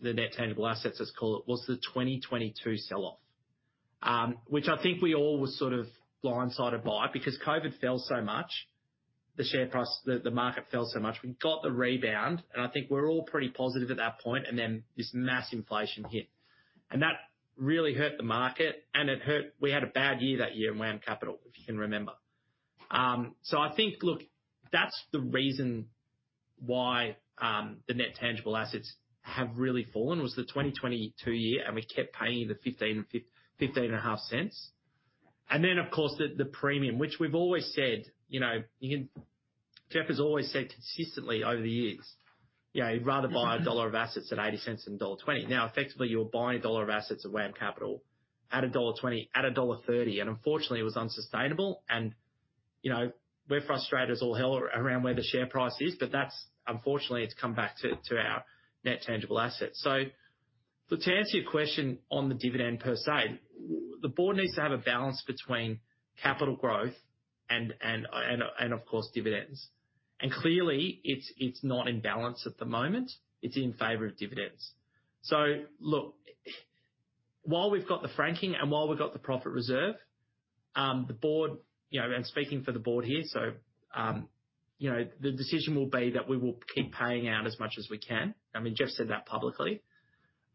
the net tangible assets, let's call it, was the 2022 sell-off. Which I think we all were sort of blindsided by, because COVID fell so much, the market fell so much. We got the rebound, and I think we're all pretty positive at that point, and then this mass inflation hit. And that really hurt the market, and it hurt... We had a bad year that year in WAM Capital, if you can remember. So I think, look, that's the reason why the net tangible assets have really fallen, was the 2022 year, and we kept paying the 0.15 and AUD 0.155. And then, of course, the premium, which we've always said, you know, Jeff has always said consistently over the years, you know, he'd rather buy a dollar of assets at 0.80 than dollar 1.20. Now, effectively, you're buying a dollar of assets at WAM Capital at dollar 1.20, at dollar 1.30, and unfortunately it was unsustainable. And, you know, we're frustrated as all hell around where the share price is, but that's unfortunately, it's come back to our net tangible assets. So look, to answer your question on the dividend per se, the board needs to have a balance between capital growth and of course, dividends. Clearly, it's not in balance at the moment, it's in favor of dividends. So look, while we've got the franking and while we've got the profit reserve, the board, you know, I'm speaking for the board here, so, you know, the decision will be that we will keep paying out as much as we can. I mean, Jeff said that publicly.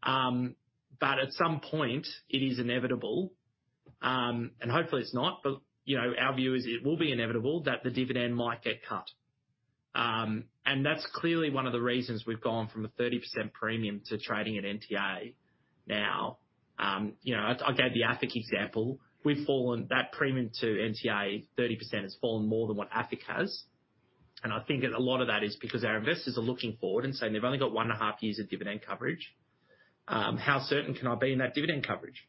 But at some point it is inevitable, and hopefully it's not, but, you know, our view is it will be inevitable that the dividend might get cut. And that's clearly one of the reasons we've gone from a 30% premium to trading at NTA now. You know, I gave the AFIC example. We've fallen - that premium to NTA, 30%, has fallen more than what AFIC has. And I think a lot of that is because our investors are looking forward and saying they've only got one and a half years of dividend coverage. "How certain can I be in that dividend coverage?"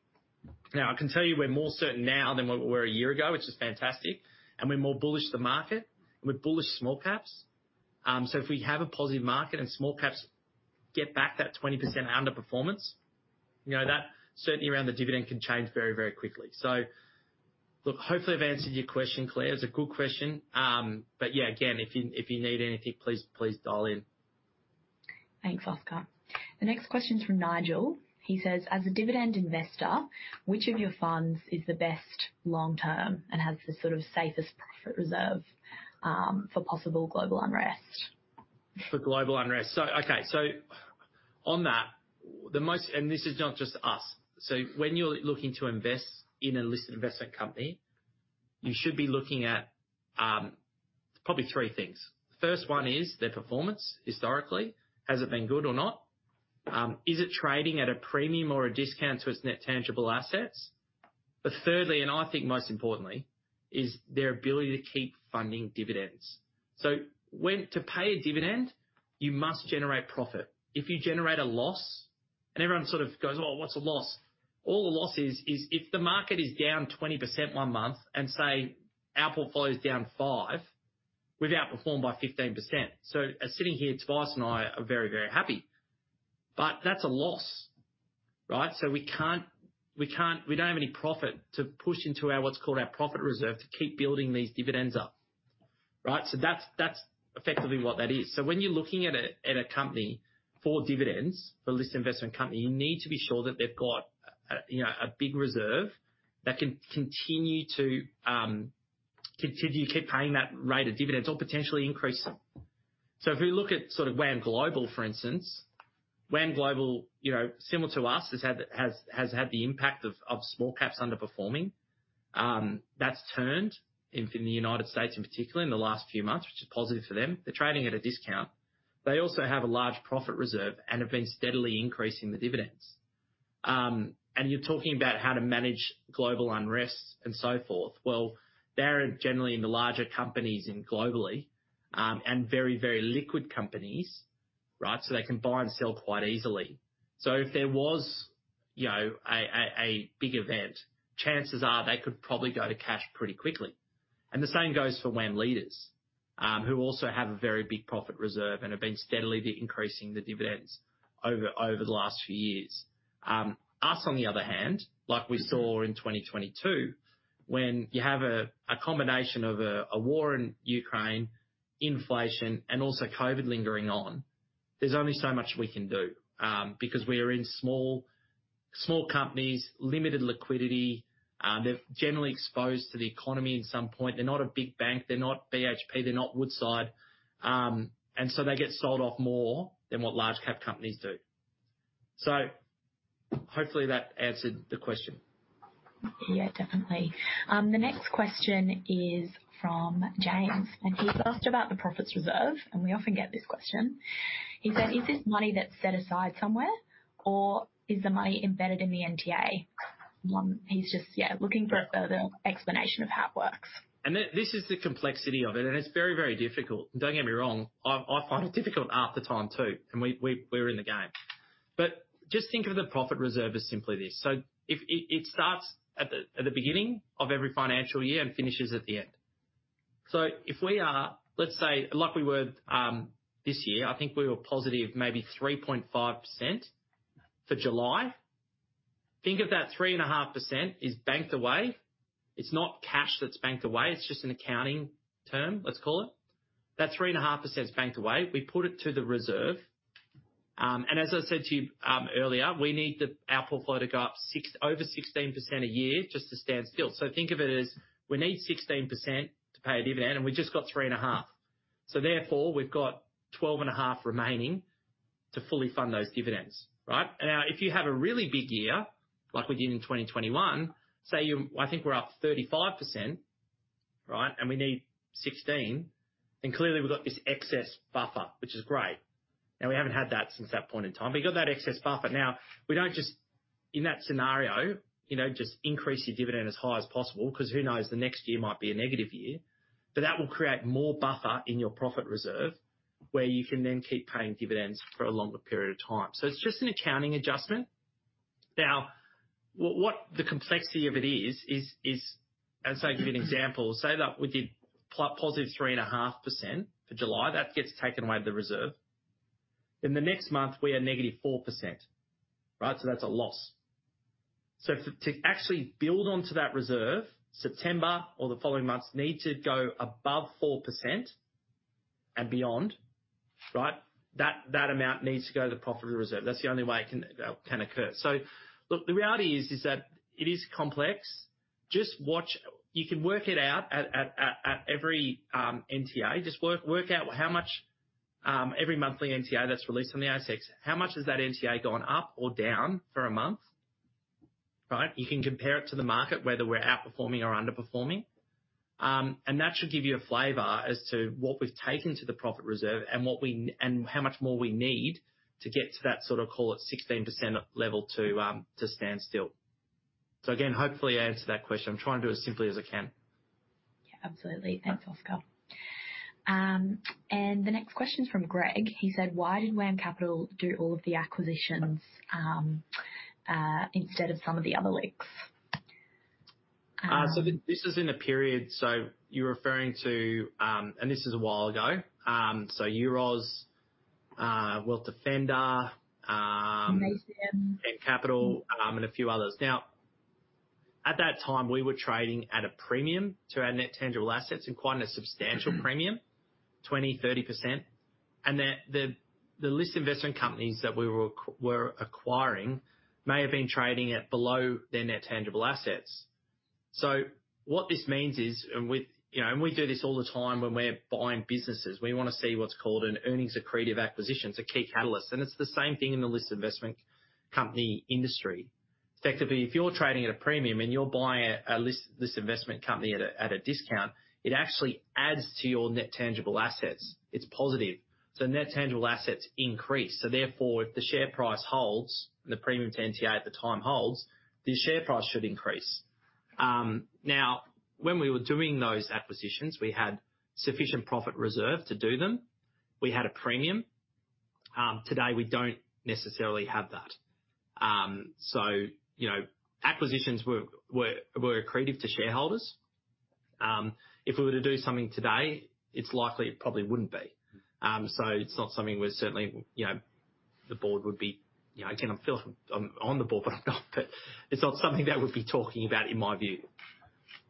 Now, I can tell you we're more certain now than we were a year ago, which is fantastic, and we're more bullish the market, and we're bullish small caps. So if we have a positive market and small caps get back that 20% underperformance, you know, that certainty around the dividend can change very, very quickly. So look, hopefully, I've answered your question, Claire. It's a good question. But yeah, again, if you need anything, please, please dial in. Thanks, Oscar. The next question is from Nigel. He says, "As a dividend investor, which of your funds is the best long term and has the sort of safest profit reserve for possible global unrest? For global unrest. So okay, so on that, the most. And this is not just us. So when you're looking to invest in a listed investment company, you should be looking at, probably three things. First one is their performance. Historically, has it been good or not? Is it trading at a premium or a discount to its net tangible assets? But thirdly, and I think most importantly, is their ability to keep funding dividends. So when to pay a dividend, you must generate profit. If you generate a loss and everyone sort of goes, "Oh, what's a loss?" All a loss is, is if the market is down 20% one month and say, our portfolio is down 5, we've outperformed by 15%. So as sitting here, Tobias and I are very, very happy, but that's a loss, right? So we can't we don't have any profit to push into our what's called our profit reserve, to keep building these dividends up, right? That's effectively what that is. When you're looking at a company for dividends, for a listed investment company, you need to be sure that they've got a, you know, a big reserve that can continue to keep paying that rate of dividends or potentially increase them. If we look at sort of WAM Global, for instance, WAM Global, you know, similar to us, has had the impact of small caps underperforming. That's turned in the United States, in particular in the last few months, which is positive for them. They're trading at a discount. They also have a large profit reserve and have been steadily increasing the dividends. And you're talking about how to manage global unrest and so forth. Well, they're generally in the larger companies in globally, and very, very liquid companies, right? So they can buy and sell quite easily. So if there was, you know, a big event, chances are they could probably go to cash pretty quickly. And the same goes for WAM Leaders, who also have a very big profit reserve and have been steadily increasing the dividends over the last few years. Us, on the other hand, like we saw in 2022, when you have a combination of a war in Ukraine, inflation, and also COVID lingering on, there's only so much we can do, because we are in small, small companies, limited liquidity, they're generally exposed to the economy at some point. They're not a big bank, they're not BHP, they're not Woodside, and so they get sold off more than what large cap companies do. So hopefully, that answered the question. Yeah, definitely. The next question is from James, and he's asked about the profit reserve, and we often get this question. He said, "Is this money that's set aside somewhere, or is the money embedded in the NTA?" He's just, yeah, looking for a further explanation of how it works. This is the complexity of it, and it's very, very difficult. Don't get me wrong, I find it difficult half the time, too, and we're in the game. But just think of the profit reserve as simply this: so if it starts at the beginning of every financial year and finishes at the end. So if we are, let's say, like we were this year, I think we were positive, maybe 3.5% for July. Think of that 3.5% is banked away. It's not cash that's banked away, it's just an accounting term, let's call it. That 3.5% is banked away. We put it to the reserve. And as I said to you earlier, we need our portfolio to go up over 16% a year just to stand still. So think of it as we need 16% to pay a dividend, and we've just got 3.5%, so therefore, we've got 12.5% remaining to fully fund those dividends. Right? And now, if you have a really big year, like we did in 2021, I think we're up 35%, right? And we need 16%, then clearly we've got this excess buffer, which is great. Now, we haven't had that since that point in time, but we've got that excess buffer. Now, we don't just, in that scenario, you know, just increase your dividend as high as possible, because who knows, the next year might be a negative year. But that will create more buffer in your profit reserve, where you can then keep paying dividends for a longer period of time. So it's just an accounting adjustment. Now, what the complexity of it is is. And so I'll give you an example. Say that we did positive 3.5% for July. That gets taken away the reserve. Then the next month, we are negative 4%, right? So to actually build onto that reserve, September or the following months need to go above 4% and beyond, right? That amount needs to go to the profit reserve. That's the only way it can occur. So look, the reality is that it is complex. Just watch. You can work it out at every NTA. Just work out how much every monthly NTA that's released on the ASX, how much has that NTA gone up or down for a month, right? You can compare it to the market, whether we're outperforming or underperforming. And that should give you a flavor as to what we've taken to the profit reserve and how much more we need to get to that sort of, call it 16% level to stand still. So again, hopefully I answered that question. I'm trying to do it as simply as I can. Yeah, absolutely. Thanks, Oscar, and the next question is from Greg. He said: "Why did WAM Capital do all of the acquisitions, instead of some of the other LICs? So this is in a period, so you're referring to, and this is a while ago, so Euroz, Wealth Defender, WAM Capital, and a few others. Now, at that time, we were trading at a premium to our net tangible assets, and quite a substantial premium, 20-30%. And the listed investment companies that we were acquiring may have been trading at below their net tangible assets. So what this means is, and with. You know, and we do this all the time when we're buying businesses, we want to see what's called an earnings accretive acquisition. It's a key catalyst, and it's the same thing in the listed investment company industry. Effectively, if you're trading at a premium and you're buying a listed investment company at a discount, it actually adds to your net tangible assets. It's positive. So net tangible assets increase, so therefore, if the share price holds and the premium to NTA at the time holds, the share price should increase. Now, when we were doing those acquisitions, we had sufficient profit reserve to do them. We had a premium. Today, we don't necessarily have that. So you know, acquisitions were accretive to shareholders. If we were to do something today, it's likely it probably wouldn't be. So it's not something we're certainly, you know, the board would be, you know, again, I feel I'm on the board, but I'm not but it's not something they would be talking about in my view.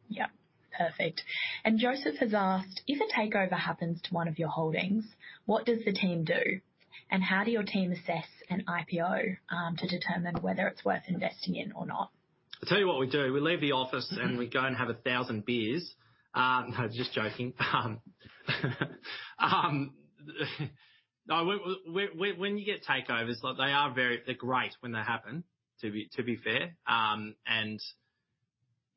Yep, perfect. And Joseph has asked: If a takeover happens to one of your holdings, what does the team do? And how do your team assess an IPO to determine whether it's worth investing in or not? I'll tell you what we do. We leave the office, and we go and have a thousand beers. No, just joking. No, when you get takeovers, like, they're great when they happen, to be fair. And,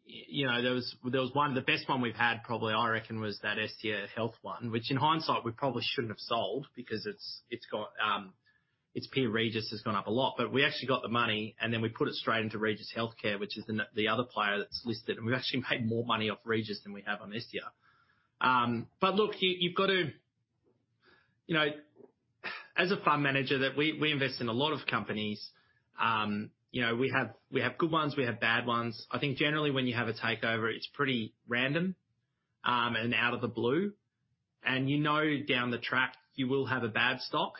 you know, there was one, the best one we've had, probably, I reckon, was that Estia Health one, which in hindsight, we probably shouldn't have sold because it's got its peer, Regis, has gone up a lot. But we actually got the money, and then we put it straight into Regis Healthcare, which is the other player that's listed, and we've actually made more money off Regis than we have on Estia. But look, you've got to... You know, as a fund manager, that we invest in a lot of companies. You know, we have good ones, we have bad ones. I think generally when you have a takeover, it's pretty random and out of the blue, and you know, down the track, you will have a bad stock.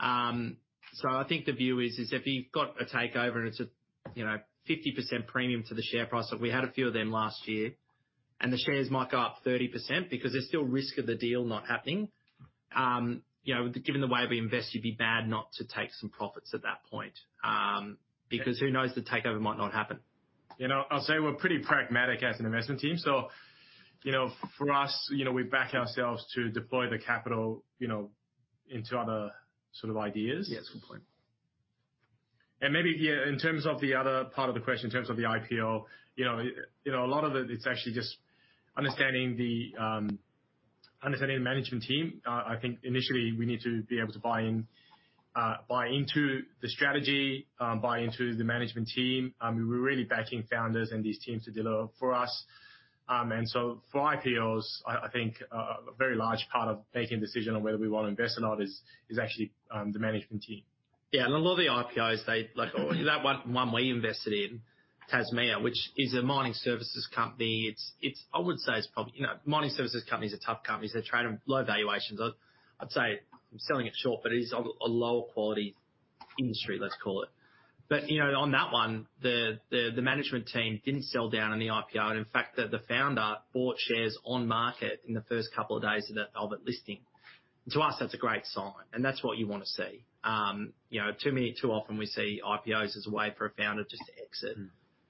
So I think the view is if you've got a takeover and it's a, you know, 50% premium to the share price, like we had a few of them last year, and the shares might go up 30% because there's still risk of the deal not happening, you know, given the way we invest, you'd be mad not to take some profits at that point, because who knows, the takeover might not happen. You know, I'll say we're pretty pragmatic as an investment team, so, you know, for us, you know, we back ourselves to deploy the capital, you know, into other sort of ideas. Yes, completely. And maybe, yeah, in terms of the other part of the question, in terms of the IPO, you know, a lot of it, it's actually just understanding the management team. I think initially we need to be able to buy in, buy into the strategy, buy into the management team. I mean, we're really backing founders and these teams to deliver for us. And so for IPOs, I think a very large part of making a decision on whether we want to invest or not is actually the management team. Yeah, and a lot of the IPOs. That one we invested in, Tasmea, which is a mining services company. It's probably, you know, mining services companies are tough companies. They trade on low valuations. I'd say I'm selling it short, but it is a lower quality industry, let's call it. You know, on that one, the management team didn't sell down on the IPO, and in fact, the founder bought shares on market in the first couple of days of it listing. To us, that's a great sign, and that's what you want to see. You know, too often we see IPOs as a way for a founder just to exit,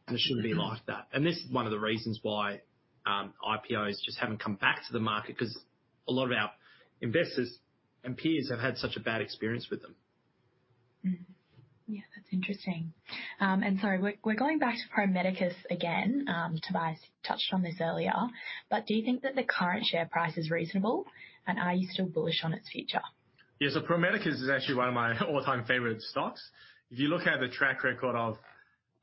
and it shouldn't be like that. This is one of the reasons why, IPOs just haven't come back to the market, because a lot of our investors and peers have had such a bad experience with them. Mm-hmm. Yeah, that's interesting, and so we're going back to Pro Medicus again. Tobias touched on this earlier, but do you think that the current share price is reasonable, and are you still bullish on its future? Yeah, so Pro Medicus is actually one of my all-time favorite stocks. If you look at the track record of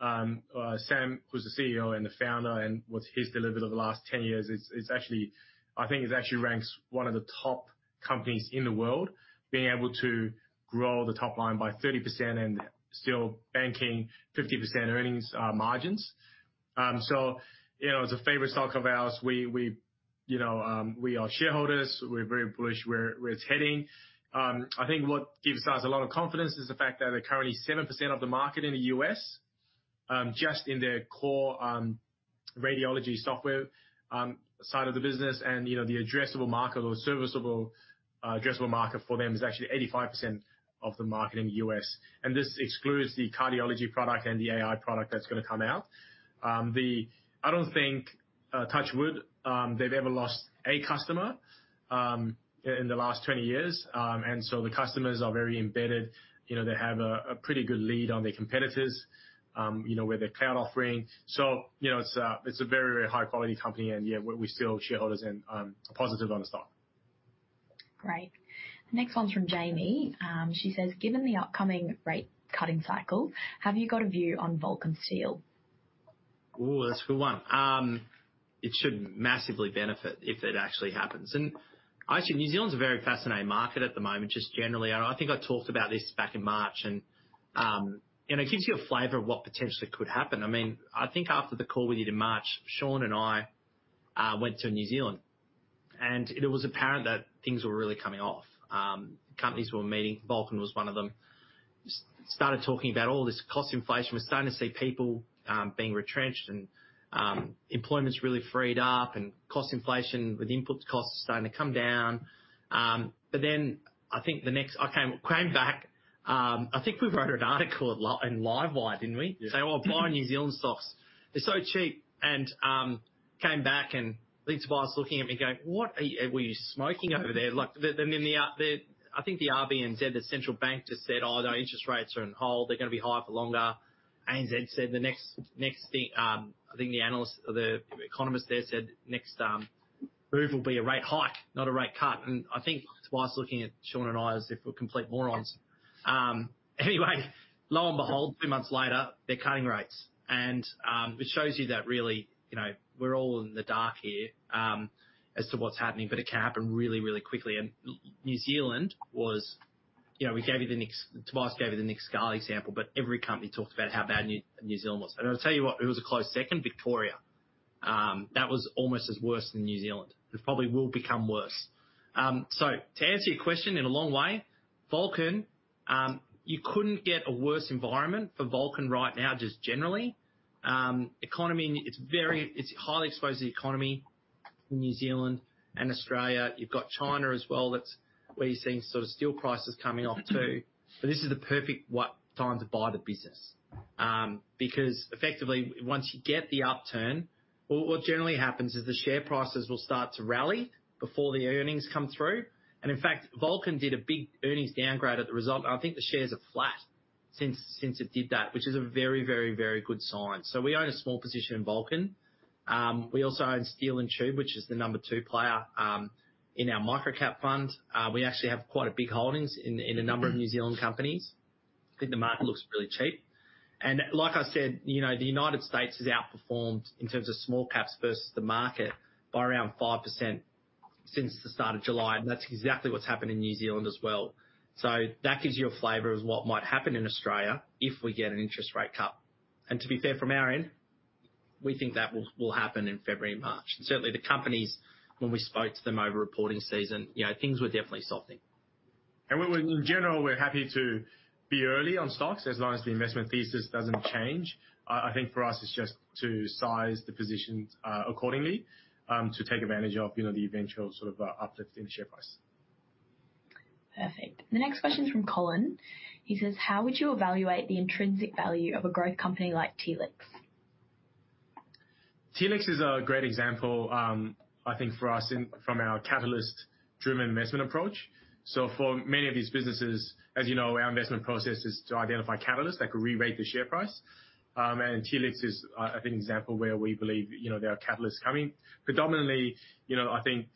Sam, who's the CEO and the founder, and what he's delivered over the last 10 years, it's actually. I think it actually ranks one of the top companies in the world, being able to grow the top line by 30% and still banking 50% earnings margins. So, you know, it's a favorite stock of ours. We, you know, we are shareholders. We're very bullish where it's heading. I think what gives us a lot of confidence is the fact that they're currently 7% of the market in the U.S., just in their core radiology software side of the business. You know, the addressable market or serviceable, addressable market for them is actually 85% of the market in the U.S. This excludes the cardiology product and the AI product that's going to come out. I don't think, touch wood, they've ever lost a customer in the last 20 years. The customers are very embedded. You know, they have a pretty good lead on their competitors, you know, with their cloud offering. You know, it's a, it's a very, very high quality company, and yeah, we're still shareholders and positive on the stock. Great. The next one's from Jamie. She says, "Given the upcoming rate cutting cycle, have you got a view on Vulcan Steel? Ooh, that's a good one. It should massively benefit if it actually happens. Actually, New Zealand's a very fascinating market at the moment, just generally, and I think I talked about this back in March, and it gives you a flavor of what potentially could happen. I mean, I think after the call with you in March, Shaun and I went to New Zealand, and it was apparent that things were really coming off. Companies we were meeting, Vulcan was one of them, started talking about all this cost inflation. We're starting to see people being retrenched and employment's really freed up and cost inflation with input costs starting to come down. But then I think I came back. I think we wrote an article in Livewire, didn't we? Yeah. Say, "Oh, buy New Zealand stocks, they're so cheap." And came back and lead advisor's looking at me going, "What were you smoking over there?" Like, the, and the, I think the RBNZ, the central bank, just said, "Oh, the interest rates are on hold. They're going to be high for longer." ANZ said the next thing. I think the analyst or the economist there said, "Next, move will be a rate hike, not a rate cut." And I think Tobias looking at Shaun and I as if we're complete morons. Anyway, lo and behold, two months later, they're cutting rates. And it shows you that really, you know, we're all in the dark here, as to what's happening, but it can happen really, really quickly. And New Zealand was... You know, we gave you the next-- Tobias gave you the NextEd example, but every company talked about how bad New Zealand was. And I'll tell you what, it was a close second, Victoria. That was almost as worse than New Zealand. It probably will become worse. So to answer your question in a long way, Vulcan, you couldn't get a worse environment for Vulcan right now, just generally. Economy, it's highly exposed to the economy in New Zealand and Australia. You've got China as well. That's where you're seeing sort of steel prices coming off, too. But this is the perfect time to buy the business, because effectively, once you get the upturn, what generally happens is the share prices will start to rally before the earnings come through. In fact, Vulcan did a big earnings downgrade at the result, and I think the shares are flat since it did that, which is a very, very, very good sign. We own a small position in Vulcan. We also own Steel & Tube, which is the number two player in our micro-cap fund. We actually have quite a big holdings in a number of New Zealand companies. I think the market looks really cheap. Like I said, you know, the United States has outperformed in terms of small caps versus the market by around 5% since the start of July, and that's exactly what's happened in New Zealand as well. That gives you a flavor of what might happen in Australia if we get an interest rate cut. To be fair, from our end, we think that will happen in February and March. Certainly, the companies, when we spoke to them over reporting season, you know, things were definitely softening. We in general, we're happy to be early on stocks, as long as the investment thesis doesn't change. I think for us it's just to size the positions accordingly to take advantage of, you know, the eventual sort of uplift in the share price. Perfect. The next question is from Colin. He says, "How would you evaluate the intrinsic value of a growth company like Telix? Telix is a great example, I think for us, from our catalyst-driven investment approach, so for many of these businesses, as you know, our investment process is to identify catalysts that could rerate the share price, and Telix is, I think, example where we believe, you know, there are catalysts coming. Predominantly, you know, I think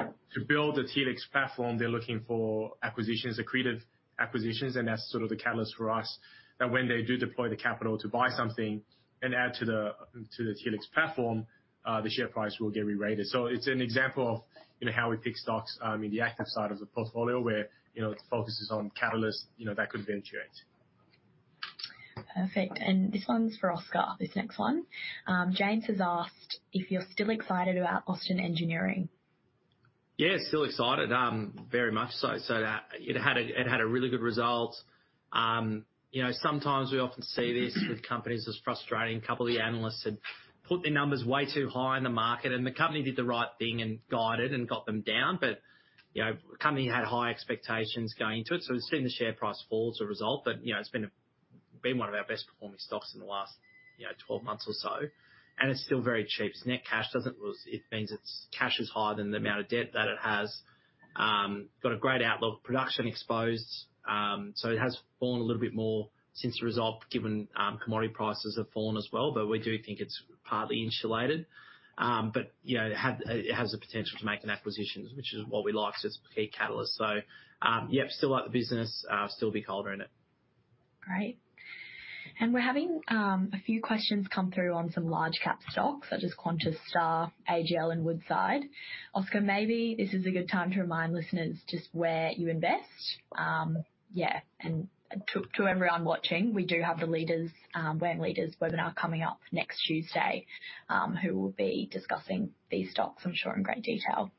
to build the Telix platform, they're looking for acquisitions, accretive acquisitions, and that's sort of the catalyst for us, that when they do deploy the capital to buy something and add to the Telix platform, the share price will get rerated, so it's an example of, you know, how we pick stocks in the active side of the portfolio, where, you know, it focuses on catalysts, you know, that could eventuate. Perfect. And this one's for Oscar, this next one. James has asked if you're still excited about Austin Engineering? Yeah, still excited, very much so. So that it had a really good result. You know, sometimes we often see this with companies. It's frustrating. A couple of the analysts had put their numbers way too high in the market, and the company did the right thing and guided and got them down. But, you know, the company had high expectations going into it, so we've seen the share price fall as a result. But, you know, it's been one of our best performing stocks in the last 12 months or so, and it's still very cheap. Its net cash doesn't lose. It means its cash is higher than the amount of debt that it has. Got a great outlook, production exposed, so it has fallen a little bit more since the result given, commodity prices have fallen as well. But we do think it's partly insulated. You know, it has the potential to make an acquisition, which is what we like, so it's a key catalyst. So, yeah, still like the business, still a holder in it. Great. And we're having a few questions come through on some large cap stocks such as Qantas, Star, AGL, and Woodside. Oscar, maybe this is a good time to remind listeners just where you invest. Yeah, and to everyone watching, we do have the leaders, WAM Leaders webinar coming up next Tuesday, who will be discussing these stocks, I'm sure, in great detail.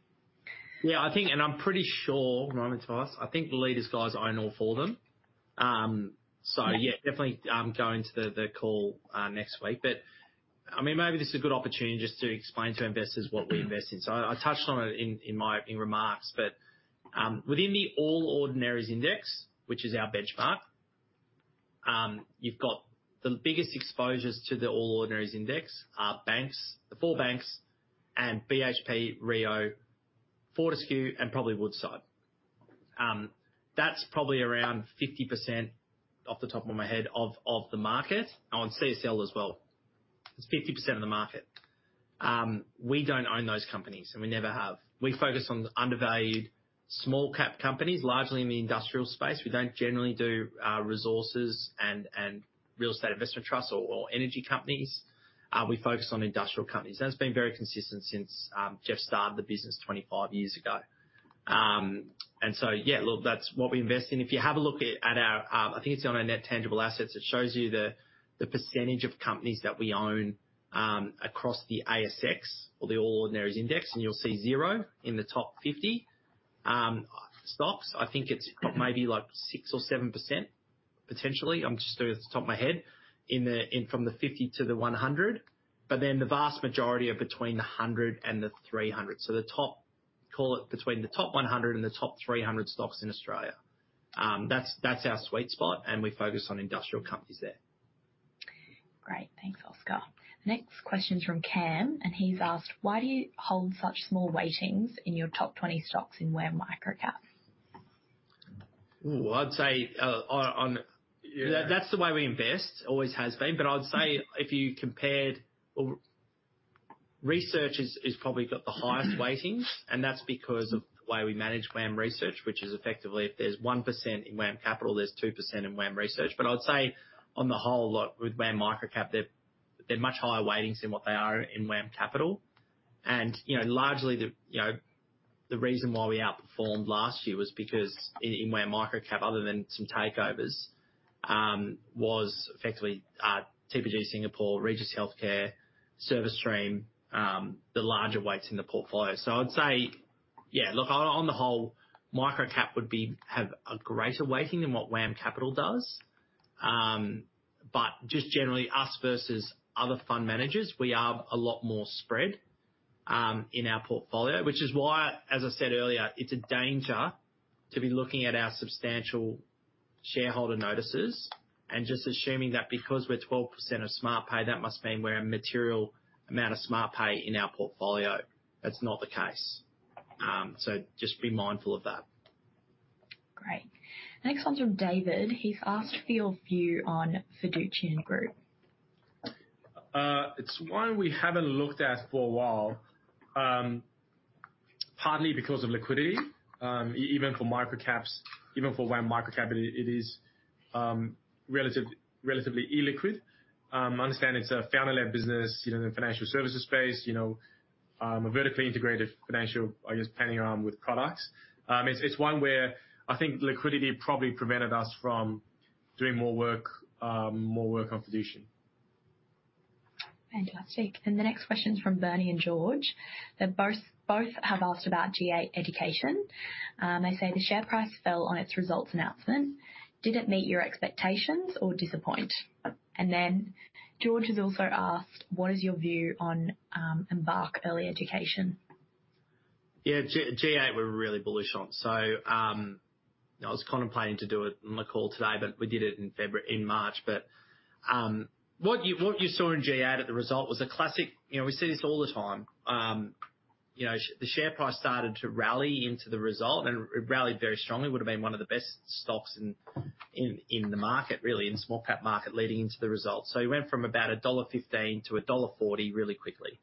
Yeah, I think, and I'm pretty sure, our man Tobias, I think the Leaders guys own all four of them. So yeah, definitely, go into the call next week. But, I mean, maybe this is a good opportunity just to explain to investors what we invest in. So I touched on it in my opening remarks, but, within the All Ordinaries Index, which is our benchmark, you've got the biggest exposures to the All Ordinaries Index are banks, the four banks, and BHP, Rio, Fortescue, and probably Woodside. That's probably around 50%, off the top of my head, of the market. Oh, and CSL as well. It's 50% of the market. We don't own those companies, and we never have. We focus on the undervalued small cap companies, largely in the industrial space. We don't generally do resources and real estate investment trusts or energy companies. We focus on industrial companies. That's been very consistent since Jeff started the business 25 years ago. And so, yeah, look, that's what we invest in. If you have a look at our, I think it's on our net tangible assets, it shows you the percentage of companies that we own across the ASX or the All Ordinaries Index, and you'll see zero in the top 50 stocks. I think it's maybe like 6 or 7%, potentially. I'm just doing it off the top of my head. In from the 50 to the 100, but then the vast majority are between the 100 and the 300. The top, call it between the top 100 and the top 300 stocks in Australia. That's our sweet spot, and we focus on industrial companies there. Great. Thanks, Oscar. The next question is from Cam, and he's asked: Why do you hold such small weightings in your top 20 stocks in WAM Micro-Cap? Ooh, I'd say, That's the way we invest, always has been. But I'd say if you compared... Research is probably got the highest weighting, and that's because of the way we manage WAM Research, which is effectively if there's 1% in WAM Capital, there's 2% in WAM Research. But I'd say on the whole, look, with WAM Micro-Cap, they're much higher weightings than what they are in WAM Capital. And, you know, largely the, you know, the reason why we outperformed last year was because in WAM Micro-Cap, other than some takeovers, was effectively, TPG Singapore, Regis Healthcare, Service Stream, the larger weights in the portfolio. So I'd say, yeah, look, on the whole, Micro-Cap would have a greater weighting than what WAM Capital does. But just generally, us versus other fund managers, we are a lot more spread in our portfolio, which is why, as I said earlier, it's a danger to be looking at our substantial shareholder notices and just assuming that because we're 12% of Smartpay, that must mean we're a material amount of Smartpay in our portfolio. That's not the case. So just be mindful of that. Great. The next one's from David. He's asked for your view on Fiducian Group. It's one we haven't looked at for a while, partly because of liquidity. Even for micro-caps, even for WAM Micro-Cap, it is relatively illiquid. I understand it's a founder-led business, you know, in the financial services space, you know, a vertically integrated financial, I guess, planning arm with products. It's one where I think liquidity probably prevented us from doing more work, more work on Fiducian. Fantastic. And the next question is from Bernie and George. They're both have asked about G8 Education. They say the share price fell on its results announcement. Did it meet your expectations or disappoint? And then George has also asked, What is your view on Embark Education? Yeah, G8 we're really bullish on. So, I was contemplating to do it on the call today, but we did it in March. But, what you saw in G8 at the result was a classic... You know, we see this all the time. You know, the share price started to rally into the result, and it rallied very strongly. Would have been one of the best stocks in the market, really, in small cap market leading into the results. So it went from about 1.15-1.40 dollar really quickly.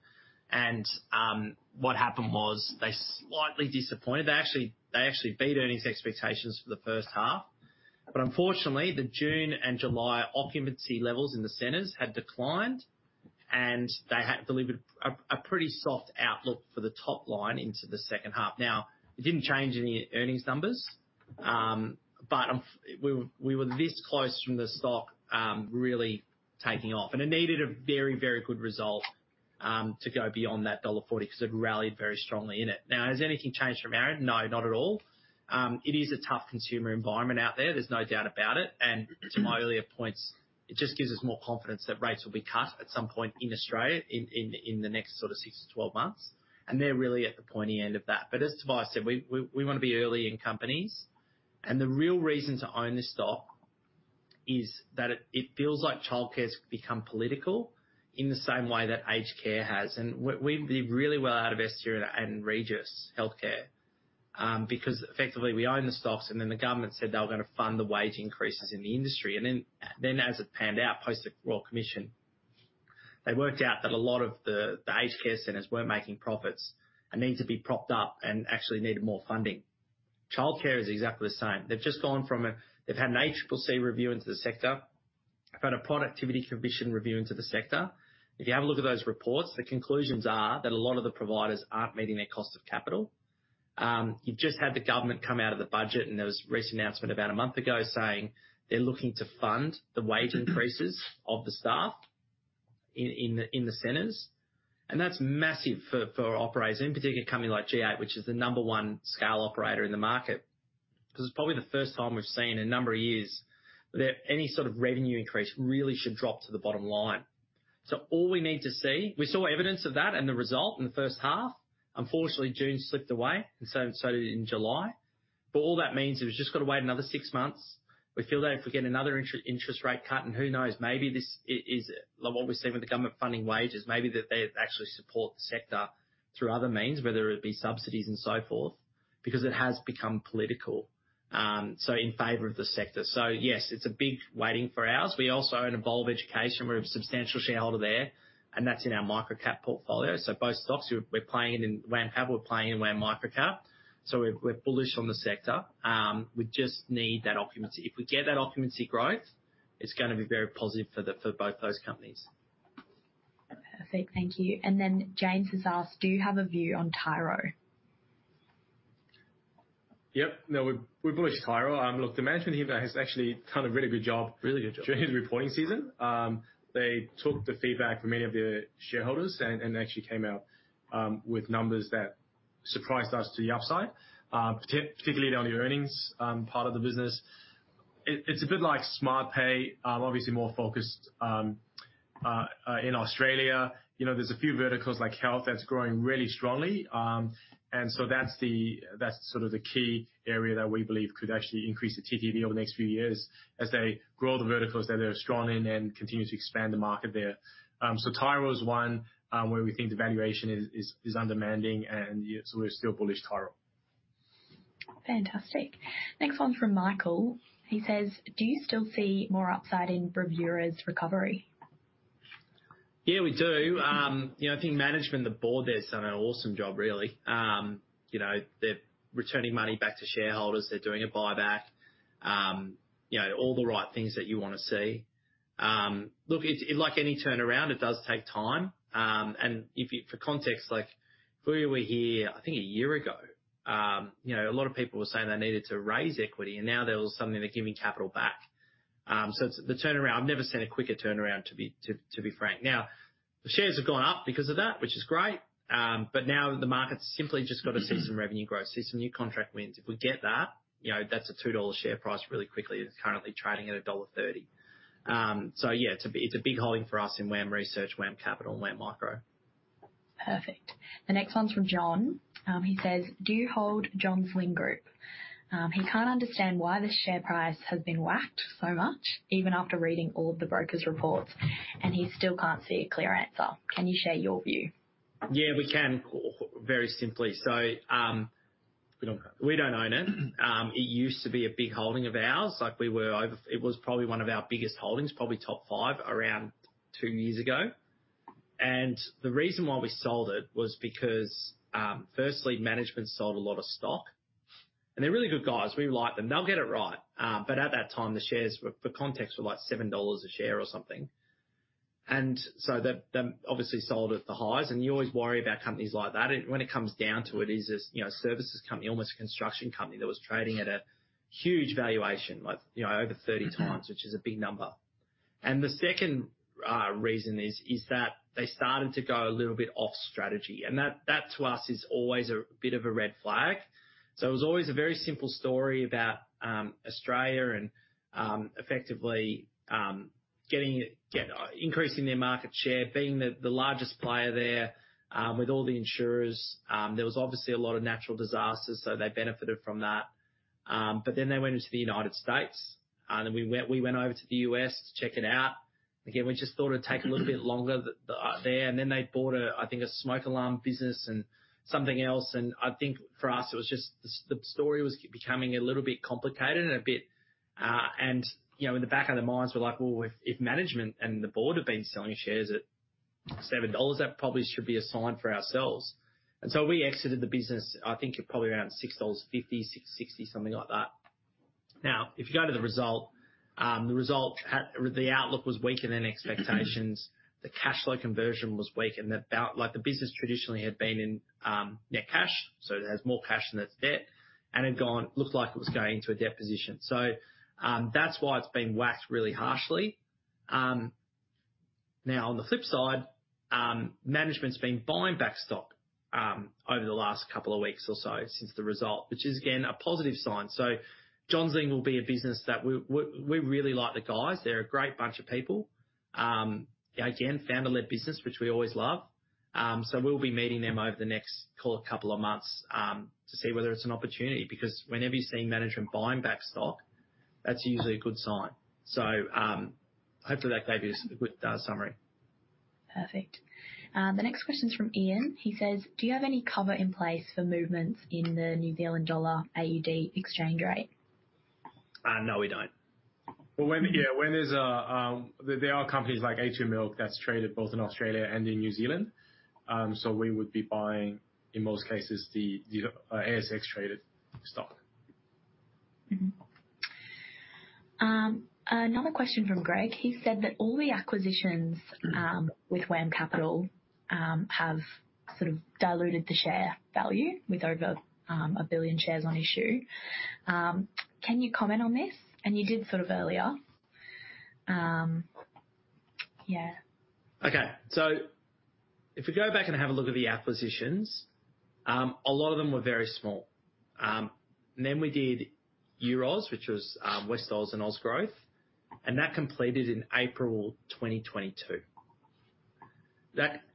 And, what happened was they slightly disappointed. They actually beat earnings expectations for the first half- But unfortunately, the June and July occupancy levels in the centers had declined, and they had delivered a pretty soft outlook for the top line into the second half. Now, it didn't change any earnings numbers, but we were this close from the stock really taking off, and it needed a very, very good result to go beyond that dollar 1.40 because it rallied very strongly in it. Now, has anything changed from our end? No, not at all. It is a tough consumer environment out there, there's no doubt about it. And to my earlier points, it just gives us more confidence that rates will be cut at some point in Australia in the next sort of six to 12 months, and they're really at the pointy end of that. But as Tobias said, we want to be early in companies, and the real reason to own this stock is that it feels like childcare has become political in the same way that aged care has. And we did really well out of Estia and Regis Healthcare, because effectively we own the stocks, and then the government said they were going to fund the wage increases in the industry. And then, as it panned out, post the Royal Commission, they worked out that a lot of the aged care centers weren't making profits and needed to be propped up and actually needed more funding. Childcare is exactly the same. They've just gone from a... They've had an ACCC review into the sector, they've had a Productivity Commission review into the sector. If you have a look at those reports, the conclusions are that a lot of the providers aren't meeting their cost of capital. You've just had the government come out of the budget, and there was a recent announcement about a month ago saying they're looking to fund the wage increases of the staff in the centers, and that's massive for operators, in particular, a company like G8, which is the number one scale operator in the market. This is probably the first time we've seen in a number of years that any sort of revenue increase really should drop to the bottom line. So all we need to see. We saw evidence of that and the result in the first half. Unfortunately, June slipped away, and so did July. But all that means is we've just got to wait another six months. We feel that if we get another interest rate cut, and who knows, maybe this is like what we're seeing with the government funding wages, maybe that they actually support the sector through other means, whether it be subsidies and so forth, because it has become political, so in favor of the sector. So yes, it's a big weighting for ours. We also own Evolve Education. We're a substantial shareholder there, and that's in our micro-cap portfolio. So both stocks, we're playing in WAM Capital, we're playing in WAM Micro-Cap, so we're bullish on the sector. We just need that occupancy. If we get that occupancy growth, it's going to be very positive for both those companies. Perfect. Thank you. And then James has asked, "Do you have a view on Tyro? Yep. No, we're bullish Tyro. Look, the management here has actually done a really good job- Really good job. -during the reporting season. They took the feedback from many of the shareholders and actually came out with numbers that surprised us to the upside, particularly on the earnings part of the business. It's a bit like Smartpay, obviously more focused in Australia. You know, there's a few verticals like health, that's growing really strongly. And so that's the key area that we believe could actually increase the TTV over the next few years as they grow the verticals that they're strong in and continue to expand the market there. So Tyro is one where we think the valuation is undemanding, and yeah, so we're still bullish Tyro. Fantastic. Next one from Michael. He says, "Do you still see more upside in Bravura's recovery? Yeah, we do. You know, I think management and the board there has done an awesome job, really. You know, they're returning money back to shareholders. They're doing a buyback. You know, all the right things that you want to see. Look, like any turnaround, it does take time. For context, like Bravura were here, I think a year ago, you know, a lot of people were saying they needed to raise equity, and now they're all suddenly, they're giving capital back. So the turnaround, I've never seen a quicker turnaround, to be frank. Now, the shares have gone up because of that, which is great, but now the market's simply just got to see some revenue growth, see some new contract wins. If we get that, you know, that's a 2 dollar share price really quickly. It's currently trading at dollar 1.30. So yeah, it's a big holding for us in WAM Research, WAM Capital, and WAM Micro. Perfect. The next one's from John. He says, "Do you hold Johns Lyng Group?" He can't understand why the share price has been whacked so much, even after reading all the brokers' reports, and he still can't see a clear answer. Can you share your view? Yeah, we can, very simply. So, we don't, we don't own it. It used to be a big holding of ours, like we were over... It was probably one of our biggest holdings, probably top five around two years ago. And the reason why we sold it was because, firstly, management sold a lot of stock, and they're really good guys. We like them. They'll get it right. But at that time, the shares, for context, were like 7 dollars a share or something. And so they obviously sold at the highs, and you always worry about companies like that. When it comes down to it, it is a, you know, services company, almost a construction company that was trading at a huge valuation, like, you know, over 30 times, which is a big number. And the second reason is that they started to go a little bit off strategy, and that to us is always a bit of a red flag. So it was always a very simple story about Australia and effectively getting increasing their market share, being the largest player there with all the insurers. There was obviously a lot of natural disasters, so they benefited from that. But then they went into the United States, and then we went over to the U.S. to check it out. Again, we just thought it'd take a little bit longer there, and then they bought a, I think, a smoke alarm business and something else, and I think for us it was just the story was becoming a little bit complicated and a bit. You know, in the back of their minds, we're like, "Well, if management and the board have been selling shares at 7 dollars, that probably should be a sign for ourselves." We exited the business, I think at probably around 6.50 dollars, 6.60, something like that. Now, if you go to the result, the outlook was weaker than expectations. The cash flow conversion was weakened, about like the business traditionally had been in net cash, so it has more cash than its debt and looked like it was going into a debt position. That's why it's been whacked really harshly. Now, on the flip side, management's been buying back stock over the last couple of weeks or so since the result, which is, again, a positive sign. So Johns Lyng will be a business that we really like the guys. They're a great bunch of people. Again, founder-led business, which we always love. So we'll be meeting them over the next, call it, couple of months, to see whether it's an opportunity, because whenever you're seeing management buying back stock, that's usually a good sign. So, hopefully, that gave you a good summary. Perfect. The next question is from Ian. He says, "Do you have any cover in place for movements in the New Zealand dollar AUD exchange rate? No, we don't. But when, yeah, when there's a... There are companies like a2 Milk that's traded both in Australia and in New Zealand. So we would be buying, in most cases, the ASX-traded stock. Mm-hmm. Another question from Greg. He said that all the acquisitions with WAM Capital have sort of diluted the share value with over a billion shares on issue. Can you comment on this? And you did sort of earlier. Yeah. Okay, so if we go back and have a look at the acquisitions, a lot of them were very small, and then we did Euroz, which was Westoz and Ozgrowth, and that completed in April 2022.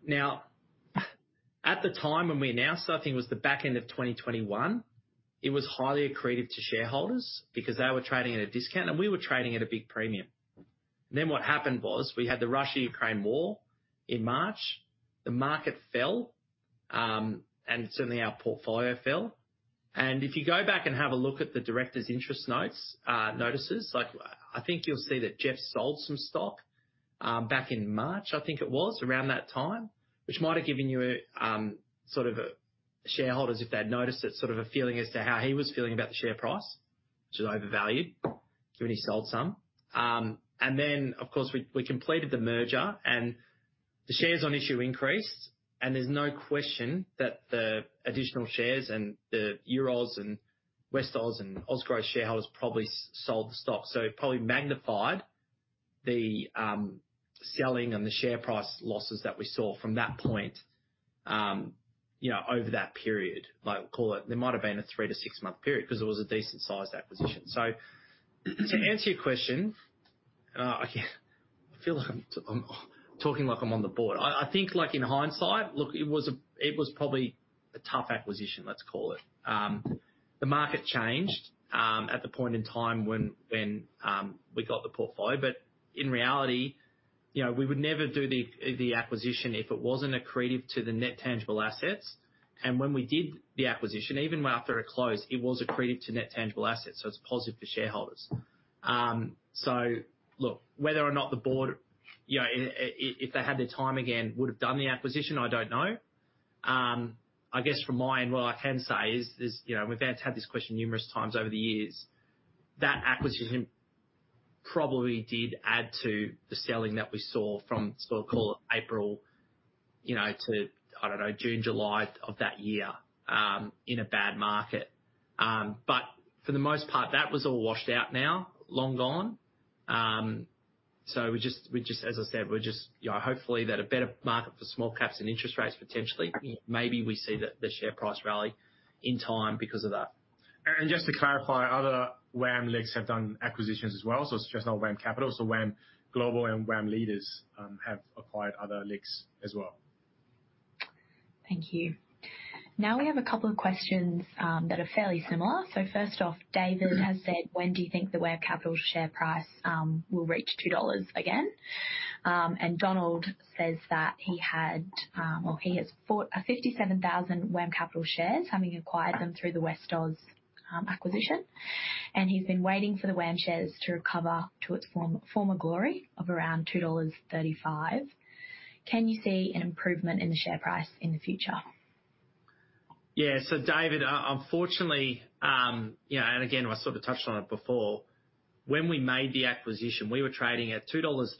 Now, at the time when we announced, I think it was the back end of 2021, it was highly accretive to shareholders because they were trading at a discount, and we were trading at a big premium, and then what happened was we had the Russia-Ukraine war in March. The market fell, and certainly our portfolio fell. If you go back and have a look at the directors' interest notices, like, I think you'll see that Jeff sold some stock back in March, I think it was, around that time, which might have given you a sort of a shareholders, if they'd noticed it, sort of a feeling as to how he was feeling about the share price, which is overvalued, given he sold some. And then, of course, we completed the merger, and the shares on issue increased, and there's no question that the additional shares and the Euroz and Westoz and Ozgrowth shareholders probably sold the stock. So it probably magnified the selling and the share price losses that we saw from that point, you know, over that period, like, call it. There might have been a three- to six-month period because it was a decent-sized acquisition. To answer your question, I feel like I'm talking like I'm on the board. I think, like, in hindsight, look, it was a... It was probably a tough acquisition, let's call it. The market changed at the point in time when we got the portfolio, but in reality, you know, we would never do the acquisition if it wasn't accretive to the net tangible assets. And when we did the acquisition, even after it closed, it was accretive to net tangible assets, so it's positive for shareholders. So look, whether or not the board, you know, if they had the time again, would have done the acquisition, I don't know. I guess from my end, what I can say is, you know, we've had this question numerous times over the years, that acquisition probably did add to the selling that we saw from, so call it April, you know, to, I don't know, June, July of that year, in a bad market. But for the most part, that was all washed out now, long gone. So we just, as I said, we're just, you know, hopefully, that a better market for small caps and interest rates, potentially, maybe we see the share price rally in time because of that. Just to clarify, other WAM LICs have done acquisitions as well, so it's just not WAM Capital. WAM Global and WAM Leaders have acquired other LICs as well. Thank you. Now, we have a couple of questions that are fairly similar. So first off, David has said, "When do you think the WAM Capital share price will reach $2 again?" And Donald says that he had or he has bought 57,000 WAM Capital shares, having acquired them through the Westoz acquisition, and he's been waiting for the WAM shares to recover to its former glory of around $2.35. Can you see an improvement in the share price in the future? Yeah. So David, unfortunately, you know, and again, I sort of touched on it before, when we made the acquisition, we were trading at 2.35 dollars.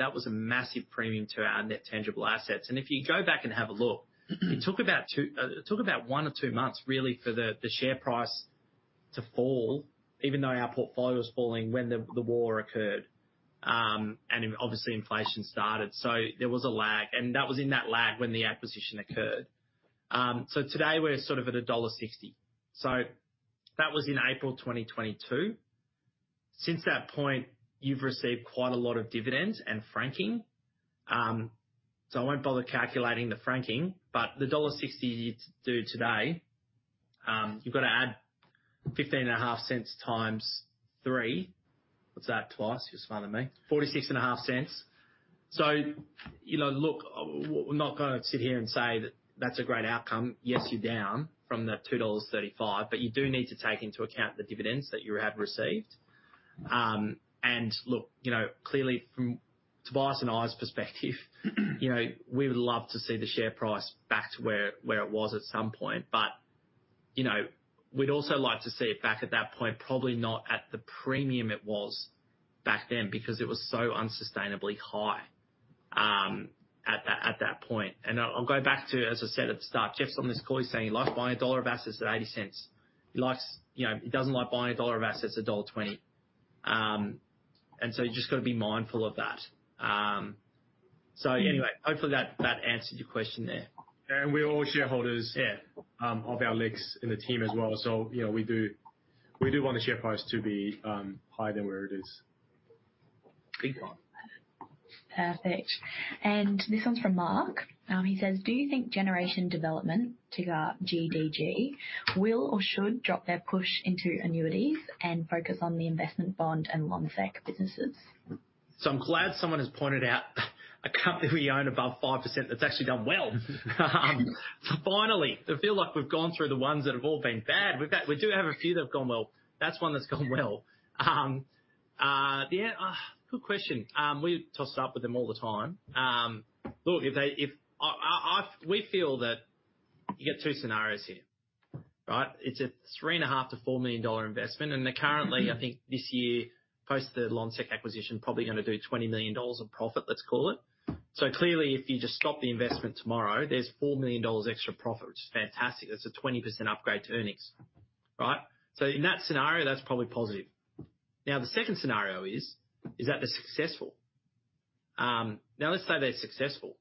That was a massive premium to our net tangible assets. And if you go back and have a look, it took about one or two months, really, for the share price to fall, even though our portfolio was falling when the war occurred, and obviously inflation started. So there was a lag, and that was in that lag when the acquisition occurred. So today, we're sort of at dollar 1.60. So that was in April 2022. Since that point, you've received quite a lot of dividends and franking. So I won't bother calculating the franking, but the dollar 1.60 you do today, you've got to add 0.155 times three. What's that twice? You're smarter than me. 0.465. So, you know, look, we're not going to sit here and say that that's a great outcome. Yes, you're down from the 2.35 dollars, but you do need to take into account the dividends that you have received. And look, you know, clearly from Tobias and I's perspective, you know, we would love to see the share price back to where it was at some point. But, you know, we'd also like to see it back at that point, probably not at the premium it was back then, because it was so unsustainably high at that point. I'll go back to, as I said at the start, Jeff's on this call. He's saying he likes buying a dollar of assets at eighty cents. He likes, you know, he doesn't like buying a dollar of assets at dollar 20. And so you've just got to be mindful of that. So anyway, hopefully that answered your question there. We're all shareholders- Yeah... of Alix in the team as well. So, you know, we do want the share price to be higher than where it is. Yep. Perfect. And this one's from Mark. He says, "Do you think Generation Development, ticker GDG, will or should drop their push into annuities and focus on the investment bond and Lonsec businesses? I'm glad someone has pointed out a company we own above 5% that's actually done well. So finally! I feel like we've gone through the ones that have all been bad. We've got, we do have a few that have gone well. That's one that's gone well. Good question. We toss it up with them all the time. Look, if we feel that you get two scenarios here, right? It's a 3.5 million-4 million dollar investment, and they're currently, I think, this year, post the Lonsec acquisition, probably going to do 20 million dollars of profit, let's call it. So clearly, if you just stop the investment tomorrow, there's 4 million dollars extra profit, which is fantastic. That's a 20% upgrade to earnings, right? So in that scenario, that's probably positive. Now, the second scenario is that they're successful. Now let's say they're successful,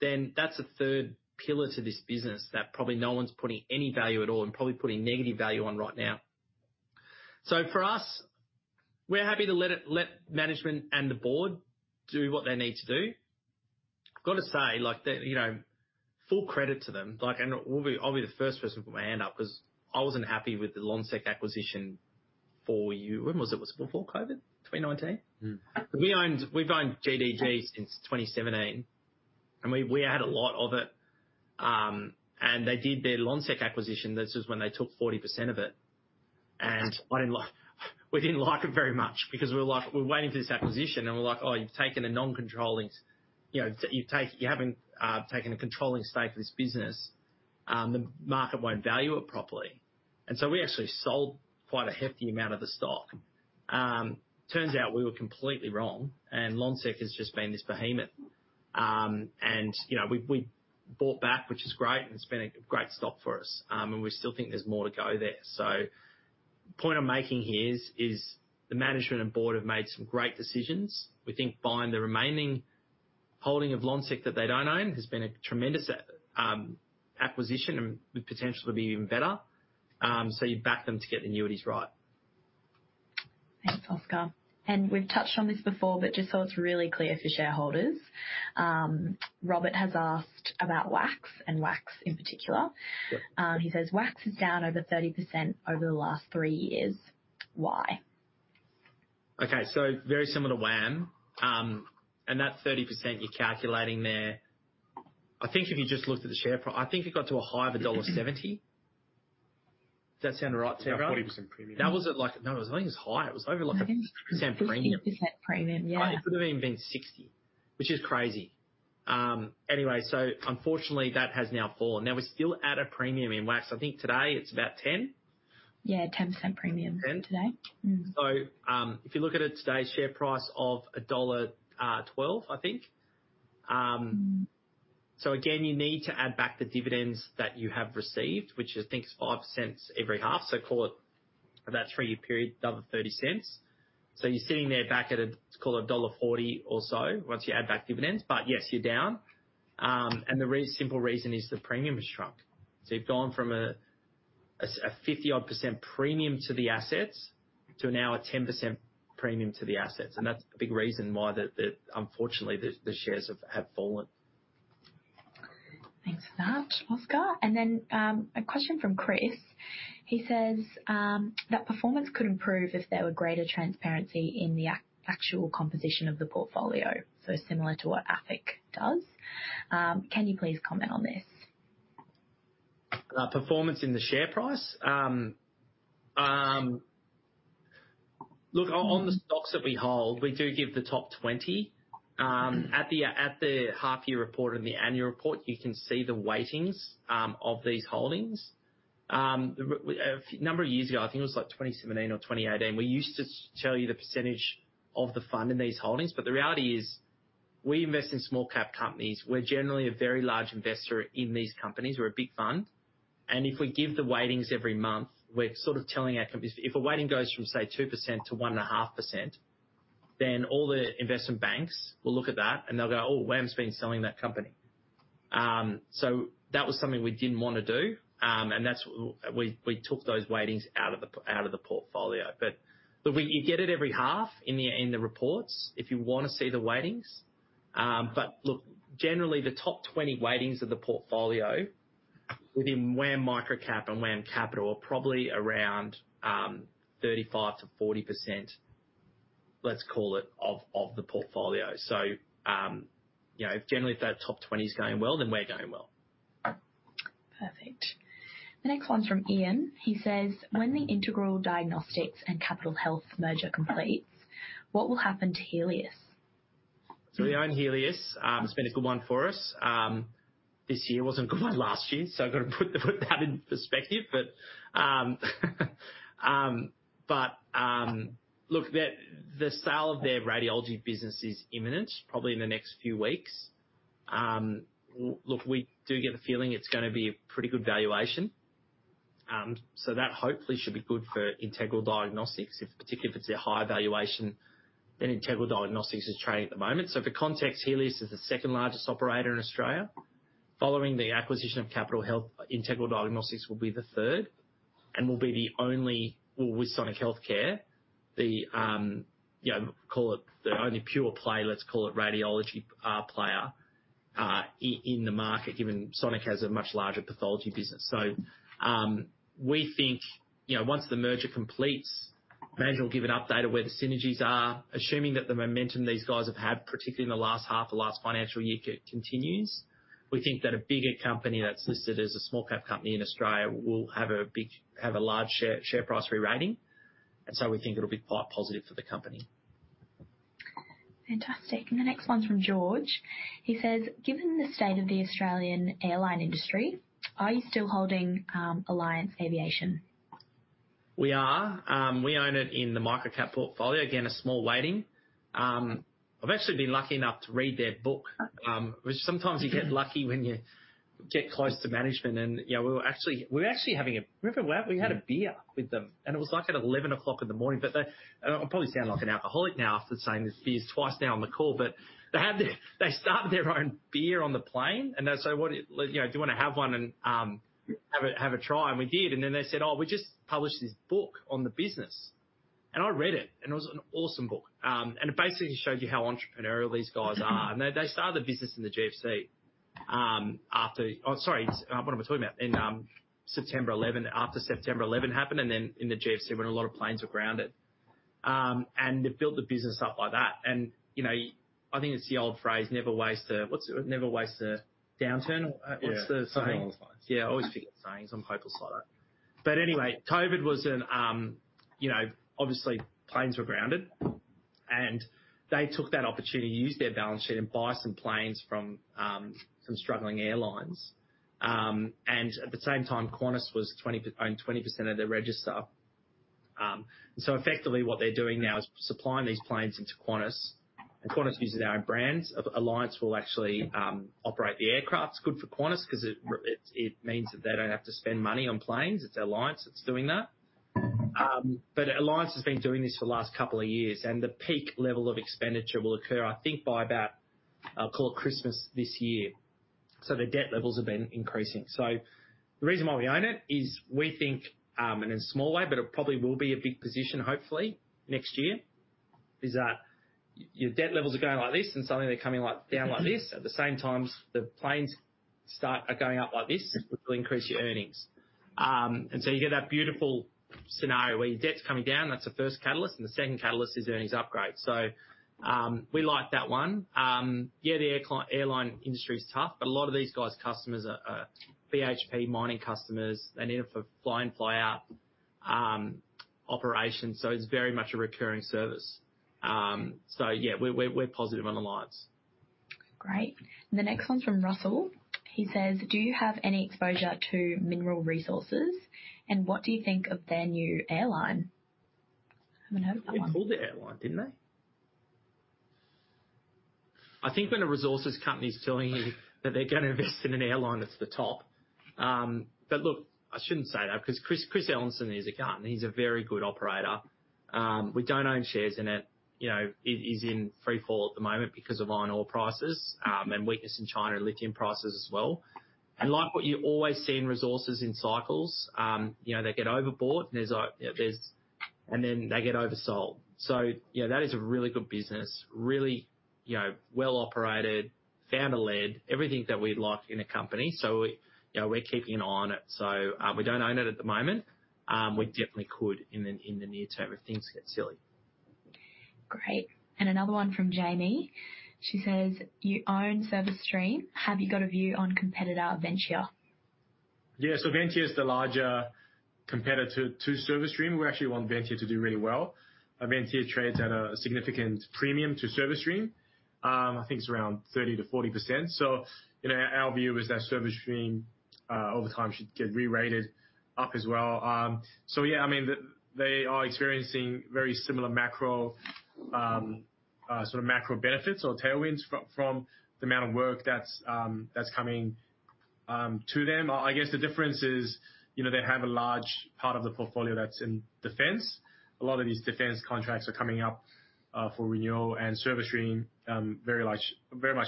then that's a third pillar to this business that probably no one's putting any value at all and probably putting negative value on right now. So for us, we're happy to let it, let management and the board do what they need to do. I've got to say, like, they, you know, full credit to them. Like, and we'll be. I'll be the first person to put my hand up, because I wasn't happy with the Lonsec acquisition for you. When was it? It was before COVID? 2019? Mm-hmm. We owned, we've owned GDG since 2017, and we had a lot of it. They did their Lonsec acquisition. This is when they took 40% of it. I didn't like it, we didn't like it very much because we were like, "We're waiting for this acquisition." We're like, "Oh, you've taken a non-controlling... You know, you haven't taken a controlling stake for this business. The market won't value it properly." So we actually sold quite a hefty amount of the stock. Turns out we were completely wrong, and Lonsec has just been this behemoth. You know, we've bought back, which is great, and it's been a great stock for us. We still think there's more to go there. So the point I'm making here is the management and board have made some great decisions. We think buying the remaining holding of Lonsec that they don't own has been a tremendous acquisition and with potential to be even better. So you back them to get the annuities right. Thanks, Oscar. We've touched on this before, but just so it's really clear for shareholders, Robert has asked about WAX, and WAX in particular. Yep. He says, "WAX is down over 30% over the last three years. Why? Okay, so very similar to WAM, and that 30% you're calculating there, I think if you just looked at the share price, I think it got to a high of $1.70. Does that sound right, Tobias? About 40% premium. That was at like... No, it was, I think it was higher. It was over like a 50% premium. 50% premium, yeah. It could have even been 60, which is crazy. Anyway, so unfortunately, that has now fallen. Now, we're still at a premium in WAM. I think today it's about 10? Yeah, 10% premium- 10.... today. So, if you look at it today's share price of dollar 1.12, I think. So again, you need to add back the dividends that you have received, which I think is 0.05 every half. So call it about three-year period, another 0.30. So you're sitting there back at a, let's call it dollar 1.40 or so once you add back dividends. But yes, you're down. And the simple reason is the premium has shrunk. So you've gone from a 50-odd percent premium to the assets to now a 10% premium to the assets. And that's a big reason why the, unfortunately, the shares have fallen. Thanks for that, Oscar. And then, a question from Chris. He says, "That performance could improve if there were greater transparency in the actual composition of the portfolio. So similar to what Afic does. Can you please comment on this? Performance in the share price? Look, on the stocks that we hold, we do give the top 20. At the half year report and the annual report, you can see the weightings of these holdings. A few, a number of years ago, I think it was like 2017 or 2018, we used to tell you the percentage of the fund in these holdings, but the reality is, we invest in small cap companies. We're generally a very large investor in these companies. We're a big fund, and if we give the weightings every month, we're sort of telling our companies... If a weighting goes from, say, 2%-1.5%, then all the investment banks will look at that and they'll go, "Oh, WAM's been selling that company." So that was something we didn't want to do. And that's we took those weightings out of the portfolio. But we you get it every half in the reports if you want to see the weightings. But look, generally the top 20 weightings of the portfolio within WAM Microcap and WAM Capital are probably around 35%-40%... let's call it of the portfolio. So you know, generally, if that top 20 is going well, then we're going well. Perfect. The next one's from Ian. He says, "When the Integral Diagnostics and Capitol Health merger completes, what will happen to Healius? So we own Healius. It's been a good one for us. This year wasn't a good one last year, so I've got to put that in perspective. But look, the sale of their radiology business is imminent, probably in the next few weeks. Look, we do get the feeling it's gonna be a pretty good valuation. So that hopefully should be good for Integral Diagnostics, if, particularly if it's a higher valuation than Integral Diagnostics is trading at the moment. So for context, Healius is the second largest operator in Australia. Following the acquisition of Capitol Health, Integral Diagnostics will be the third and will be the only... With Sonic Healthcare, you know, call it the only pure play, let's call it, radiology player in the market, given Sonic has a much larger pathology business. We think, you know, once the merger completes, management will give an update of where the synergies are. Assuming that the momentum these guys have had, particularly in the last half of the last financial year, continues, we think that a bigger company that's listed as a small cap company in Australia will have a large share price rerating, and so we think it'll be quite positive for the company. Fantastic. And the next one's from George. He says, "Given the state of the Australian airline industry, are you still holding Alliance Aviation? We are. We own it in the microcap portfolio. Again, a small weighting. I've actually been lucky enough to read their book, which sometimes you get lucky when you get close to management. And, you know, we were actually having a beer with them, remember, and it was like at 11:00 A.M. But they, I probably sound like an alcoholic now after saying there's beers twice now on the call. But they started their own beer on the plane, and they said, "What, you know, do you want to have one and have a try?" And we did. And then they said, "Oh, we just published this book on the business." And I read it, and it was an awesome book. And it basically showed you how entrepreneurial these guys are. And they started the business in the GFC, after... Oh, sorry, what am I talking about? In September eleven, after September eleven happened, and then in the GFC when a lot of planes were grounded. And they built the business up like that. And, you know, I think it's the old phrase, never waste a, what's the... Never waste a downturn? Yeah. What's the saying? Something along those lines. Yeah, I always forget the sayings. I'm hopeless like that. But anyway, COVID was an, you know, obviously planes were grounded, and they took that opportunity to use their balance sheet and buy some planes from, some struggling airlines. And at the same time, Qantas owned 20% of the register. So effectively, what they're doing now is supplying these planes into Qantas, and Qantas uses their own brands. Alliance will actually operate the aircraft. It's good for Qantas 'cause it means that they don't have to spend money on planes. It's Alliance that's doing that. But Alliance has been doing this for the last couple of years, and the peak level of expenditure will occur, I think, by about, I'll call it Christmas this year. So the debt levels have been increasing. So the reason why we own it is we think, and in a small way, but it probably will be a big position hopefully next year, is that your debt levels are going like this and suddenly they're coming, like, down like this. At the same time, the planes are going up like this, which will increase your earnings. And so you get that beautiful scenario where your debt's coming down, that's the first catalyst, and the second catalyst is earnings upgrade. So we like that one. Yeah, the airline industry is tough, but a lot of these guys' customers are BHP mining customers. They need it for fly-in, fly-out operations, so it's very much a recurring service. So yeah, we're positive on Alliance. Great. The next one's from Russell. He says, "Do you have any exposure to Mineral Resources, and what do you think of their new airline?" I haven't heard of that one. They called it airline, didn't they? I think when a resources company is telling you that they're gonna invest in an airline, that's the top. But look, I shouldn't say that because Chris, Chris Ellison is a hard man, he's a very good operator. We don't own shares in it. You know, it is in freefall at the moment because of iron ore prices, and weakness in China and lithium prices as well. And like what you always see in resources in cycles, you know, they get overbought and there's like... And then they get oversold. So, you know, that is a really good business, really, you know, well operated, founder-led, everything that we'd like in a company. So, you know, we're keeping an eye on it, so, we don't own it at the moment. We definitely could in the near term if things get silly. Great. And another one from Jamie. She says, "You own Service Stream. Have you got a view on competitor, Ventia? Yeah. So Ventia is the larger competitor to Service Stream. We actually want Ventia to do really well. Ventia trades at a significant premium to Service Stream. I think it's around 30%-40%. So, you know, our view is that Service Stream, over time, should get rerated up as well. So yeah, I mean, they are experiencing very similar macro, sort of macro benefits or tailwinds from the amount of work that's coming to them. I guess the difference is, you know, they have a large part of the portfolio that's in defense. A lot of these defense contracts are coming up for renewal, and Service Stream very much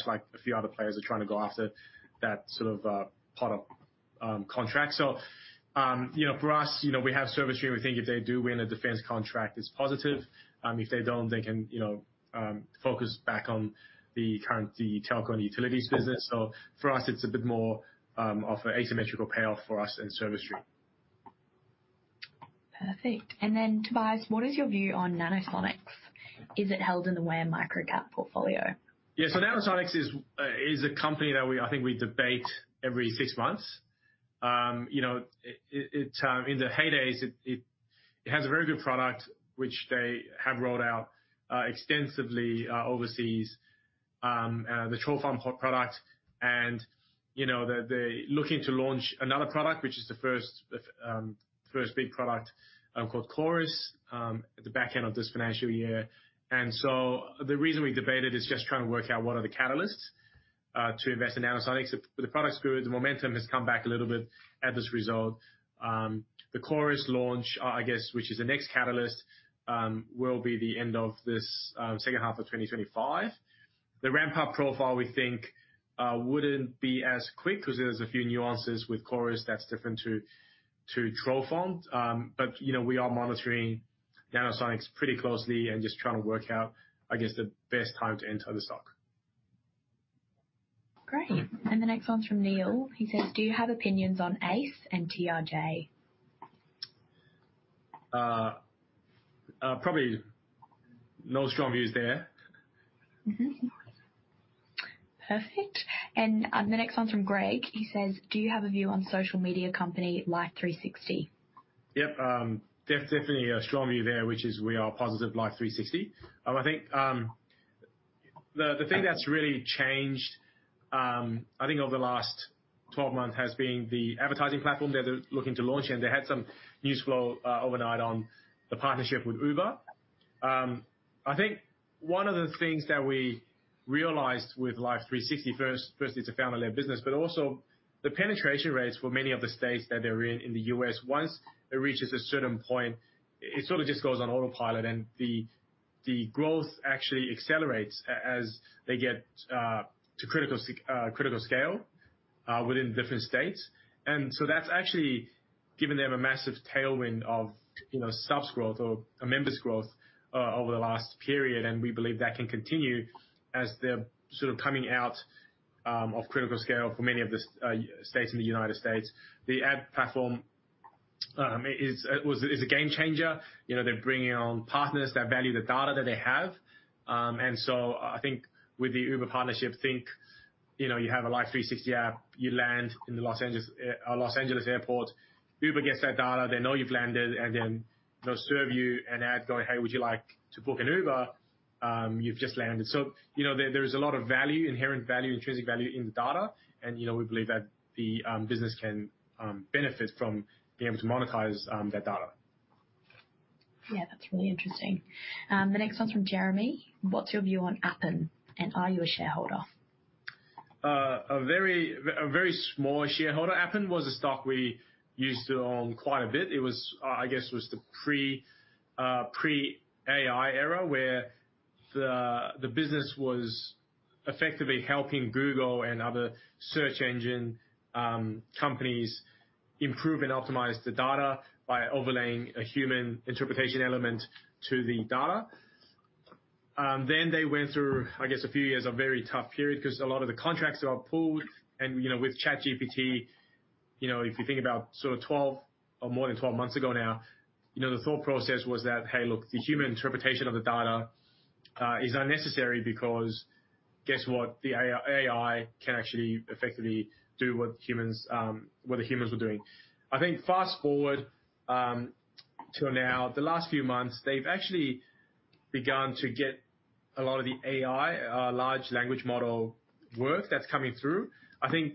like a few other players are trying to go after that sort of part of contract. So, you know, for us, you know, we have Service Stream. We think if they do win a defense contract, it's positive. If they don't, they can, you know, focus back on the current, the telco and utilities business. So for us, it's a bit more of a asymmetrical payoff for us and Service Stream. Perfect. And then, Tobias, what is your view on Nanosonics? Is it held in the WAM Microcap portfolio? Yeah, so Nanosonics is a company that we - I think we debate every six months. You know, in the heydays, it has a very good product, which they have rolled out extensively overseas, the Trofon product. And, you know, they're looking to launch another product, which is the first big product called CORIS at the back end of this financial year. And so the reason we debated is just trying to work out what are the catalysts to invest in Nanosonics. The product's good, the momentum has come back a little bit at this result. The CORIS launch, I guess, which is the next catalyst, will be the end of this second half of 2025. The ramp-up profile, we think, wouldn't be as quick because there's a few nuances with CORIS that's different to Trofon. But, you know, we are monitoring Nanosonics pretty closely and just trying to work out, I guess, the best time to enter the stock. Great. And the next one's from Neil. He says, "Do you have opinions on ACE and TRJ? Probably no strong views there. Mm-hmm. Perfect. And, the next one's from Greg. He says, "Do you have a view on social media company, Life360? Yep, definitely a strong view there, which is we are positive, Life360. I think, the thing that's really changed, I think over the last 12 months, has been the advertising platform they're looking to launch, and they had some news flow, overnight on the partnership with Uber. I think one of the things that we realized with Life360, first, firstly, it's a family-led business, but also the penetration rates for many of the states that they're in, in the U.S., once it reaches a certain point, it sort of just goes on autopilot, and the growth actually accelerates as they get, to critical scale, within different states. That's actually given them a massive tailwind of, you know, subs growth or members growth over the last period, and we believe that can continue as they're sort of coming out of critical scale for many of the states in the United States. The ad platform is a game changer. You know, they're bringing on partners that value the data that they have. And so I think with the Uber partnership, you know, you have a Life360 app, you land in the Los Angeles Airport, Uber gets that data, they know you've landed, and then they'll serve you an ad going, "Hey, would you like to book an Uber? You've just landed." So, you know, there is a lot of value, inherent value, intrinsic value in the data, and, you know, we believe that the business can benefit from being able to monetize that data. Yeah, that's really interesting. The next one's from Jeremy: "What's your view on Appen, and are you a shareholder? A very small shareholder. Appen was a stock we used to own quite a bit. It was, I guess, the pre-AI era, where the business was effectively helping Google and other search engine companies improve and optimize the data by overlaying a human interpretation element to the data. Then they went through, I guess, a few years of very tough period, 'cause a lot of the contracts got pulled. And, you know, with ChatGPT, you know, if you think about sort of 12 or more than 12 months ago now, you know, the thought process was that, hey, look, the human interpretation of the data is unnecessary because guess what? The AI can actually effectively do what the humans were doing. I think fast-forward to now, the last few months, they've actually begun to get a lot of the AI, large language model work that's coming through. I think,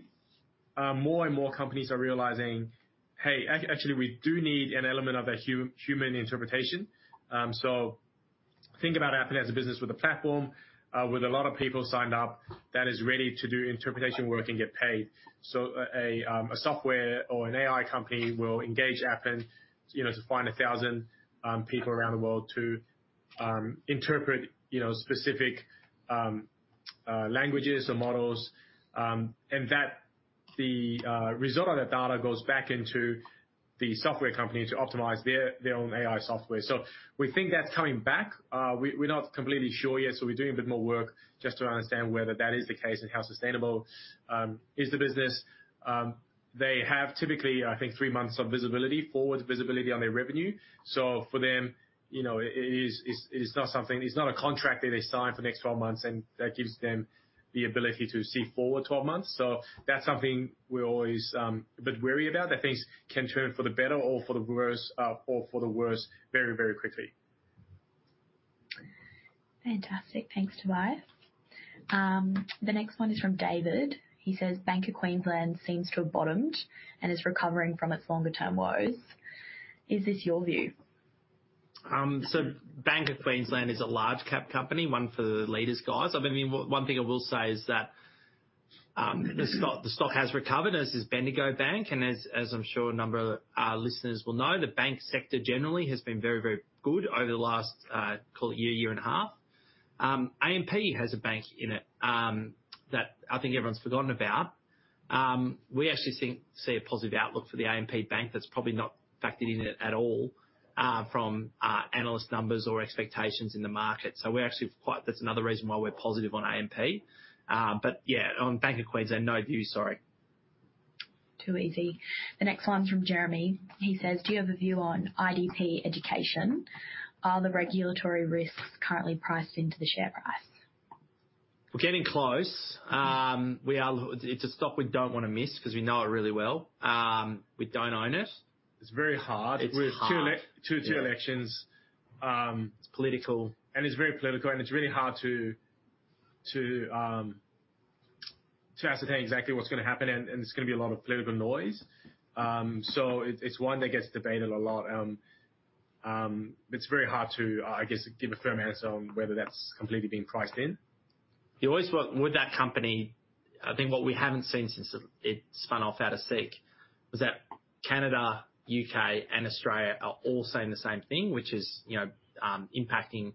more and more companies are realizing, hey, actually, we do need an element of the human interpretation. So think about Appen as a business with a platform, with a lot of people signed up that is ready to do interpretation work and get paid. So a software or an AI company will engage Appen, you know, to find a thousand people around the world to interpret, you know, specific languages or models. And that result of that data goes back into the software company to optimize their own AI software. So we think that's coming back. We're not completely sure yet, so we're doing a bit more work just to understand whether that is the case and how sustainable is the business. They have typically, I think, three months of visibility, forward visibility on their revenue. So for them, you know, it's not something. It's not a contract that they sign for the next 12 months, and that gives them the ability to see forward 12 months. So that's something we're always a bit wary about, that things can turn for the better or for the worse, or for the worse very, very quickly. Fantastic. Thanks, Tobias. The next one is from David. He says: Bank of Queensland seems to have bottomed and is recovering from its longer-term woes. Is this your view? So Bank of Queensland is a large cap company, one for the leaders, guys. I mean, one thing I will say is that the stock has recovered, as has Bendigo Bank, and as I'm sure a number of our listeners will know, the bank sector generally has been very, very good over the last, call it year and a half. AMP has a bank in it that I think everyone's forgotten about. We actually think, see a positive outlook for the AMP Bank that's probably not factored in it at all from analyst numbers or expectations in the market. So we're actually quite, that's another reason why we're positive on AMP. But yeah, on Bank of Queensland, no view. Sorry. Too easy. The next one's from Jeremy. He says, "Do you have a view on IDP Education? Are the regulatory risks currently priced into the share price? We're getting close. It's a stock we don't want to miss because we know it really well. We don't own it. It's very hard. It's hard. Two elections. It's political. And it's very political, and it's really hard to ascertain exactly what's going to happen, and it's going to be a lot of political noise. So it's one that gets debated a lot. It's very hard to, I guess, give a firm answer on whether that's completely been priced in. You always work with that company. I think what we haven't seen since it spun off out of Seek was that Canada, U.K., and Australia are all saying the same thing, which is, you know, impacting,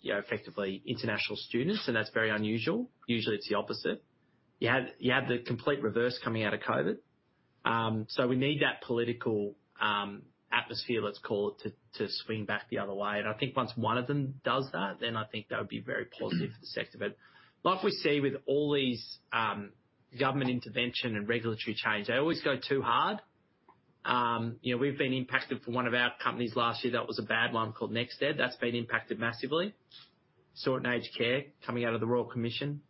you know, effectively international students, and that's very unusual. Usually, it's the opposite. You had the complete reverse coming out of COVID. So we need that political atmosphere, let's call it, to swing back the other way. And I think once one of them does that, then I think that would be very positive for the sector. But like we see with all these government intervention and regulatory change, they always go too hard. You know, we've been impacted for one of our companies last year. That was a bad one called NextEd. That's been impacted massively. So in aged care, coming out of the Royal Commission,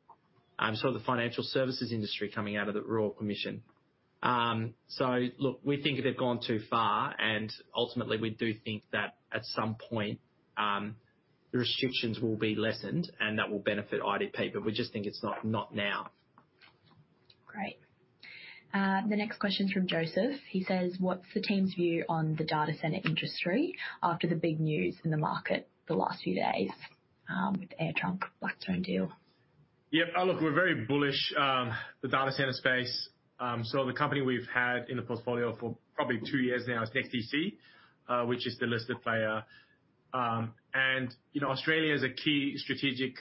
so the financial services industry coming out of the Royal Commission. So look, we think they've gone too far, and ultimately we do think that at some point, the restrictions will be lessened and that will benefit IDP, but we just think it's not, not now. Great. The next question is from Joseph. He says, "What's the team's view on the data center industry after the big news in the market the last few days, with the AirTrunk Blackstone deal? Yep. Look, we're very bullish, the data center space. So the company we've had in the portfolio for probably two years now is NEXTDC, which is the listed player. And, you know, Australia is a key strategic,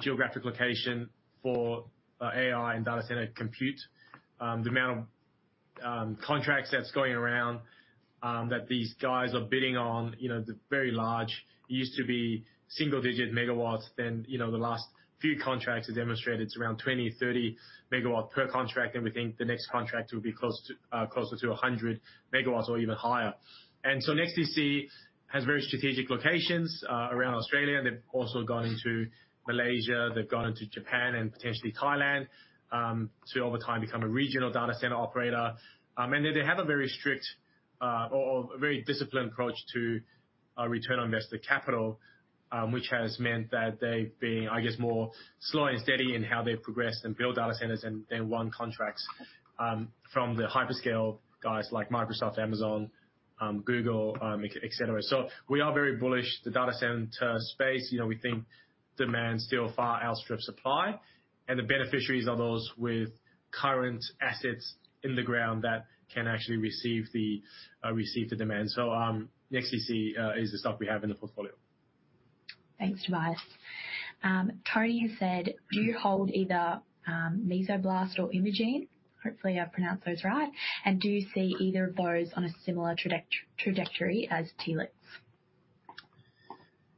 geographic location for, AI and data center compute. The amount of, contracts that's going around, that these guys are bidding on, you know, they're very large. It used to be single digit megawatts, then, you know, the last few contracts have demonstrated it's around 20, 30 megawatt per contract, and we think the next contract will be close to, closer to 100 megawatts or even higher. And so NEXTDC has very strategic locations, around Australia, and they've also gone into Malaysia, they've gone into Japan and potentially Thailand. So over time, become a regional data center operator. And they have a very strict, a very disciplined approach to return on invested capital, which has meant that they've been, I guess, more slow and steady in how they've progressed and built data centers and then won contracts from the hyperscale guys like Microsoft, Amazon, Google, et cetera. So we are very bullish. The data center space, you know, we think demand still far outstrip supply, and the beneficiaries are those with current assets in the ground that can actually receive the demand. So NEXTDC is the stock we have in the portfolio. Thanks, Tobias. Tony said, "Do you hold either Mesoblast or Imugene?" Hopefully, I've pronounced those right. "And do you see either of those on a similar trajectory as Telix?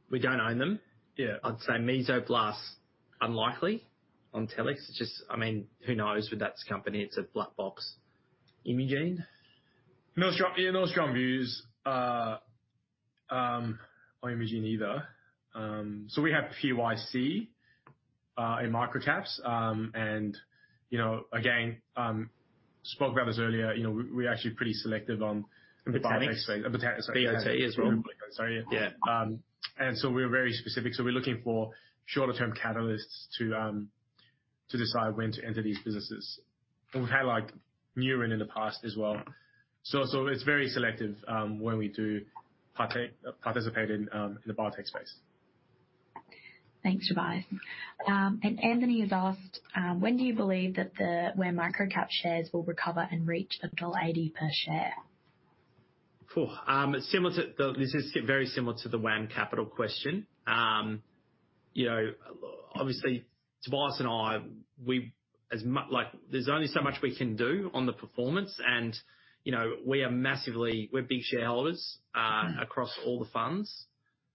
We don't own them. Yeah. I'd say Mesoblast, unlikely on Telix. It's just... I mean, who knows with that company? It's a black box. Imugene? No strong, yeah, no strong views on Imugene either. So we have PYC in microcaps. And, you know, again, spoke about this earlier, you know, we, we're actually pretty selective on- The biotech. The biotech, sorry. Yeah. And so we're very specific. So we're looking for shorter term catalysts to, to decide when to enter these businesses. And we've had, like, Neuren in the past as well. So it's very selective, when we do participate in the biotech space. Thanks, Tobias. Anthony has asked, "When do you believe that the WAM Microcap shares will recover and reach the goal AUD 80 per share? Phew! This is very similar to the WAM Capital question. You know, obviously, Tobias and I, there's only so much we can do on the performance and, you know, we are massively, we're big shareholders across all the funds.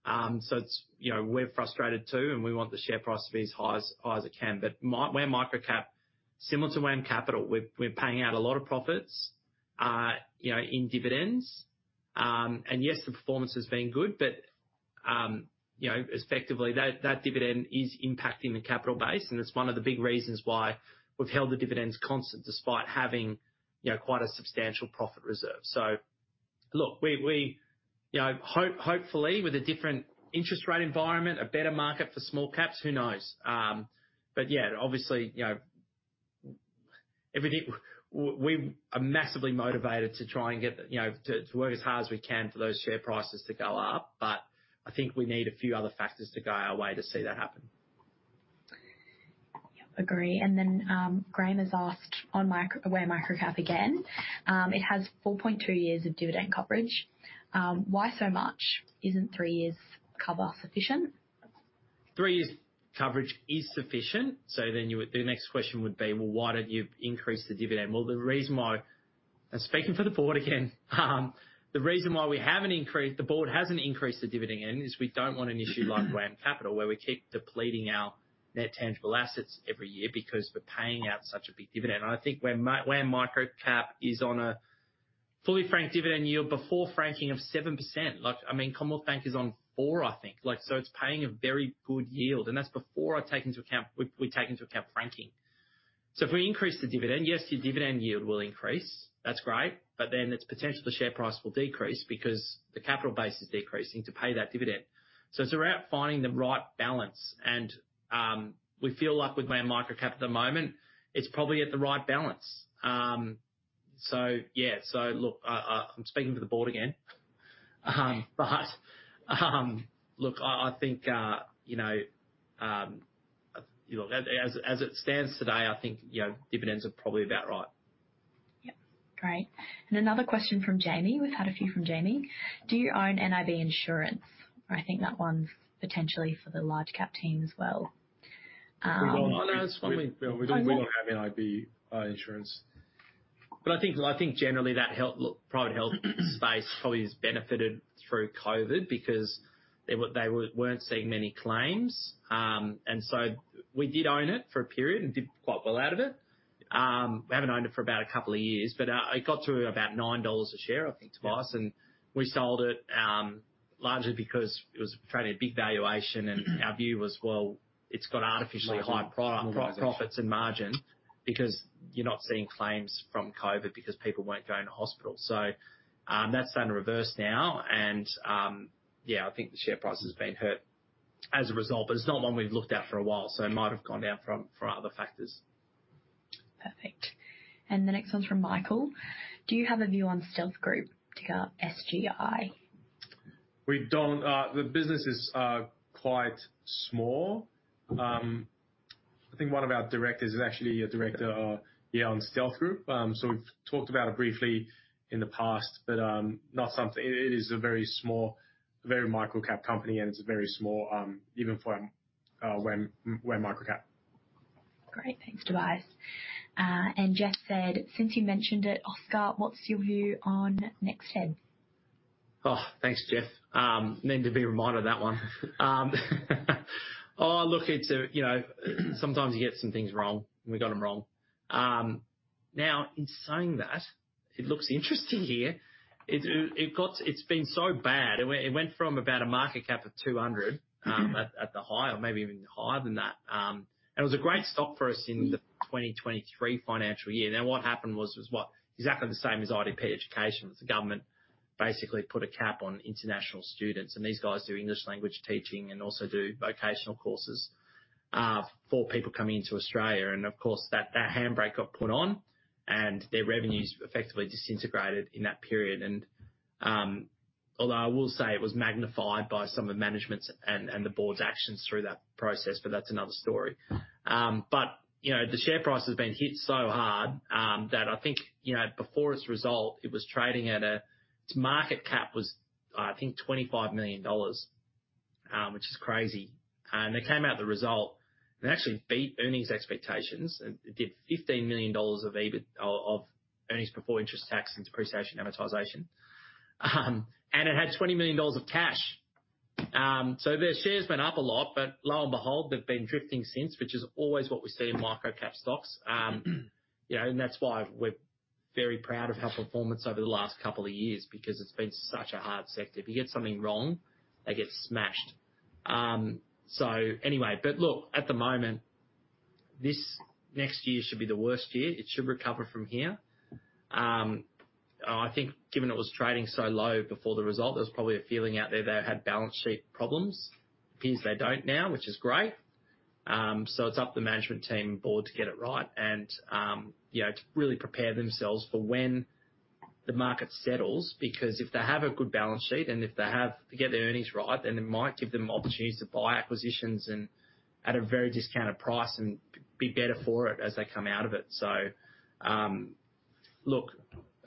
So it's, you know, we're frustrated, too, and we want the share price to be as high as it can. But WAM Microcap, similar to WAM Capital, we're paying out a lot of profits, you know, in dividends. And yes, the performance has been good, but, you know, effectively, that dividend is impacting the capital base, and it's one of the big reasons why we've held the dividends constant despite having, you know, quite a substantial profit reserve. So look, you know, hopefully, with a different interest rate environment, a better market for small caps, who knows? But yeah, obviously, you know, every day we are massively motivated to try and get, you know, to work as hard as we can for those share prices to go up. But I think we need a few other factors to go our way to see that happen. Yep, agree. And then, Graham has asked on WAM Microcap again, it has 4.2 years of dividend coverage. Why so much? Isn't three years cover sufficient? Three years coverage is sufficient. So then you would, the next question would be, well, why don't you increase the dividend? Well, the reason why, I'm speaking for the board again, the reason why we haven't increased, the board hasn't increased the dividend is we don't want an issue like WAM Capital, where we keep depleting our net tangible assets every year because we're paying out such a big dividend. And I think where micro cap is on a fully franked dividend yield before franking of 7%. Like, I mean, Commonwealth Bank is on 4%, I think. Like, so it's paying a very good yield, and that's before I take into account, we take into account franking. So if we increase the dividend, yes, your dividend yield will increase. That's great, but then its potential, the share price will decrease because the capital base is decreasing to pay that dividend, so it's about finding the right balance, and we feel like with WAM Microcap at the moment, it's probably at the right balance, so yeah, look, I'm speaking for the board again, but look, I think you know, you know, as it stands today, I think you know, dividends are probably about right. Yep, great. And another question from Jamie. We've had a few from Jamie. Do you own nib Insurance? I think that one's potentially for the large cap team as well. We don't have nib insurance. But I think generally that health, look, private health space probably has benefited through COVID because they weren't seeing many claims. And so we did own it for a period and did quite well out of it. We haven't owned it for about a couple of years, but it got to about 9 dollars a share, I think, Tobias. Yes. We sold it largely because it was fairly a big valuation, and our view was, well, it's got artificially high profits and margin because you're not seeing claims from COVID because people weren't going to hospital. That's done in reverse now. Yeah, I think the share price has been hurt as a result, but it's not one we've looked at for a while, so it might have gone down for other factors. Perfect. And the next one's from Michael: Do you have a view on Stealth Group, ticker SGI? We don't. The business is quite small. I think one of our directors is actually a director, yeah, on Stealth Group. So we've talked about it briefly in the past, but not something. It is a very small, very micro cap company, and it's a very small, even for WAM, WAM micro cap. Great. Thanks, Tobias. And Jeff said, "Since you mentioned it, Oscar, what's your view on NextGen? Oh, thanks, Jeff. Need to be reminded of that one. Oh, look, it's a, you know, sometimes you get some things wrong, and we got them wrong. Now, in saying that, it looks interesting here. It got. It's been so bad. It went from about a market cap of 200 at the high or maybe even higher than that. And it was a great stock for us in the 2023 financial year. Then what happened was what? Exactly the same as IDP Education. The government basically put a cap on international students, and these guys do English language teaching and also do vocational courses for people coming into Australia. And of course, that handbrake got put on, and their revenues effectively disintegrated in that period. Although I will say it's magnified by some of the management's and the board's actions through that process, but that's another story. But, you know, the share price has been hit so hard, that I think, you know, before its result, it was trading at. Its market cap was, I think, 25 million dollars, which is crazy. And they came out with the result. They actually beat earnings expectations, and it did 15 million dollars of EBIT of earnings before interest, taxes, depreciation, and amortization. And it had 20 million dollars of cash. So their shares went up a lot, but lo and behold, they've been drifting since, which is always what we see in micro cap stocks. You know, and that's why we're very proud of our performance over the last couple of years, because it's been such a hard sector. If you get something wrong, they get smashed, so anyway, but look, at the moment, this next year should be the worst year. It should recover from here. I think, given it was trading so low before the result, there was probably a feeling out there they had balance sheet problems. It appears they don't now, which is great, so it's up to the management team and board to get it right and, you know, to really prepare themselves for when the market settles. Because if they have a good balance sheet and if they have to get their earnings right, then it might give them opportunities to buy acquisitions and at a very discounted price and be better for it as they come out of it. So, look,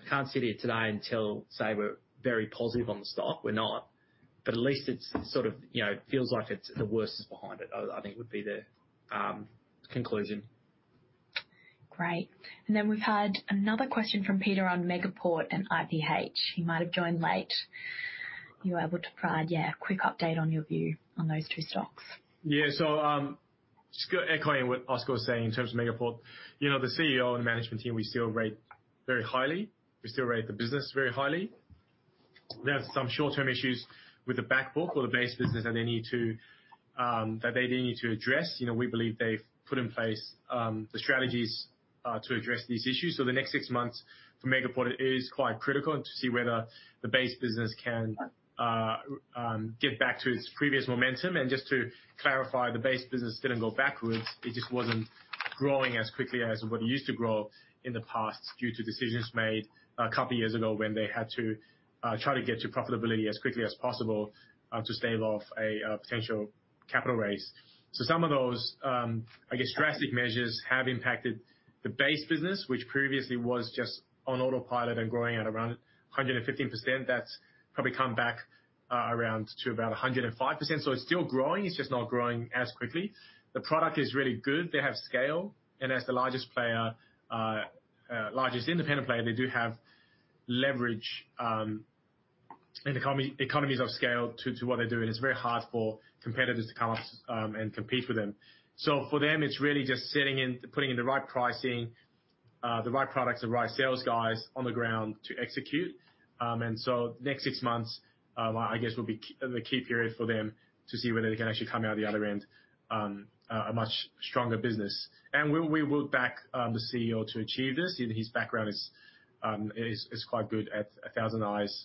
I can't sit here today and tell, say, we're very positive on the stock. We're not, but at least it's sort of, you know, feels like it's the worst is behind it. I think would be the conclusion. Great. And then we've had another question from Peter on Megaport and IPH. He might have joined late. You're able to provide, yeah, a quick update on your view on those two stocks. Yeah. So just go echoing what Oscar was saying in terms of Megaport, you know, the CEO and management team, we still rate very highly. We still rate the business very highly. They have some short-term issues with the back book or the base business that they need to address. You know, we believe they've put in place the strategies to address these issues. So the next six months for Megaport is quite critical to see whether the base business can get back to its previous momentum. And just to clarify, the base business didn't go backwards. It just wasn't growing as quickly as what it used to grow in the past, due to decisions made a couple years ago when they had to try to get to profitability as quickly as possible to stave off a potential capital raise. So some of those, I guess, drastic measures have impacted the base business, which previously was just on autopilot and growing at around 115%. That's probably come back around to about 105%. So it's still growing. It's just not growing as quickly. The product is really good. They have scale, and as the largest player, largest independent player, they do have leverage and economies of scale to what they're doing. It's very hard for competitors to come up and compete with them. So for them, it's really just sitting and putting in the right pricing, the right products, the right sales guys on the ground to execute. And so the next six months, I guess, will be the key period for them to see whether they can actually come out the other end, a much stronger business. And we will back the CEO to achieve this. His background is quite good at ThousandEyes,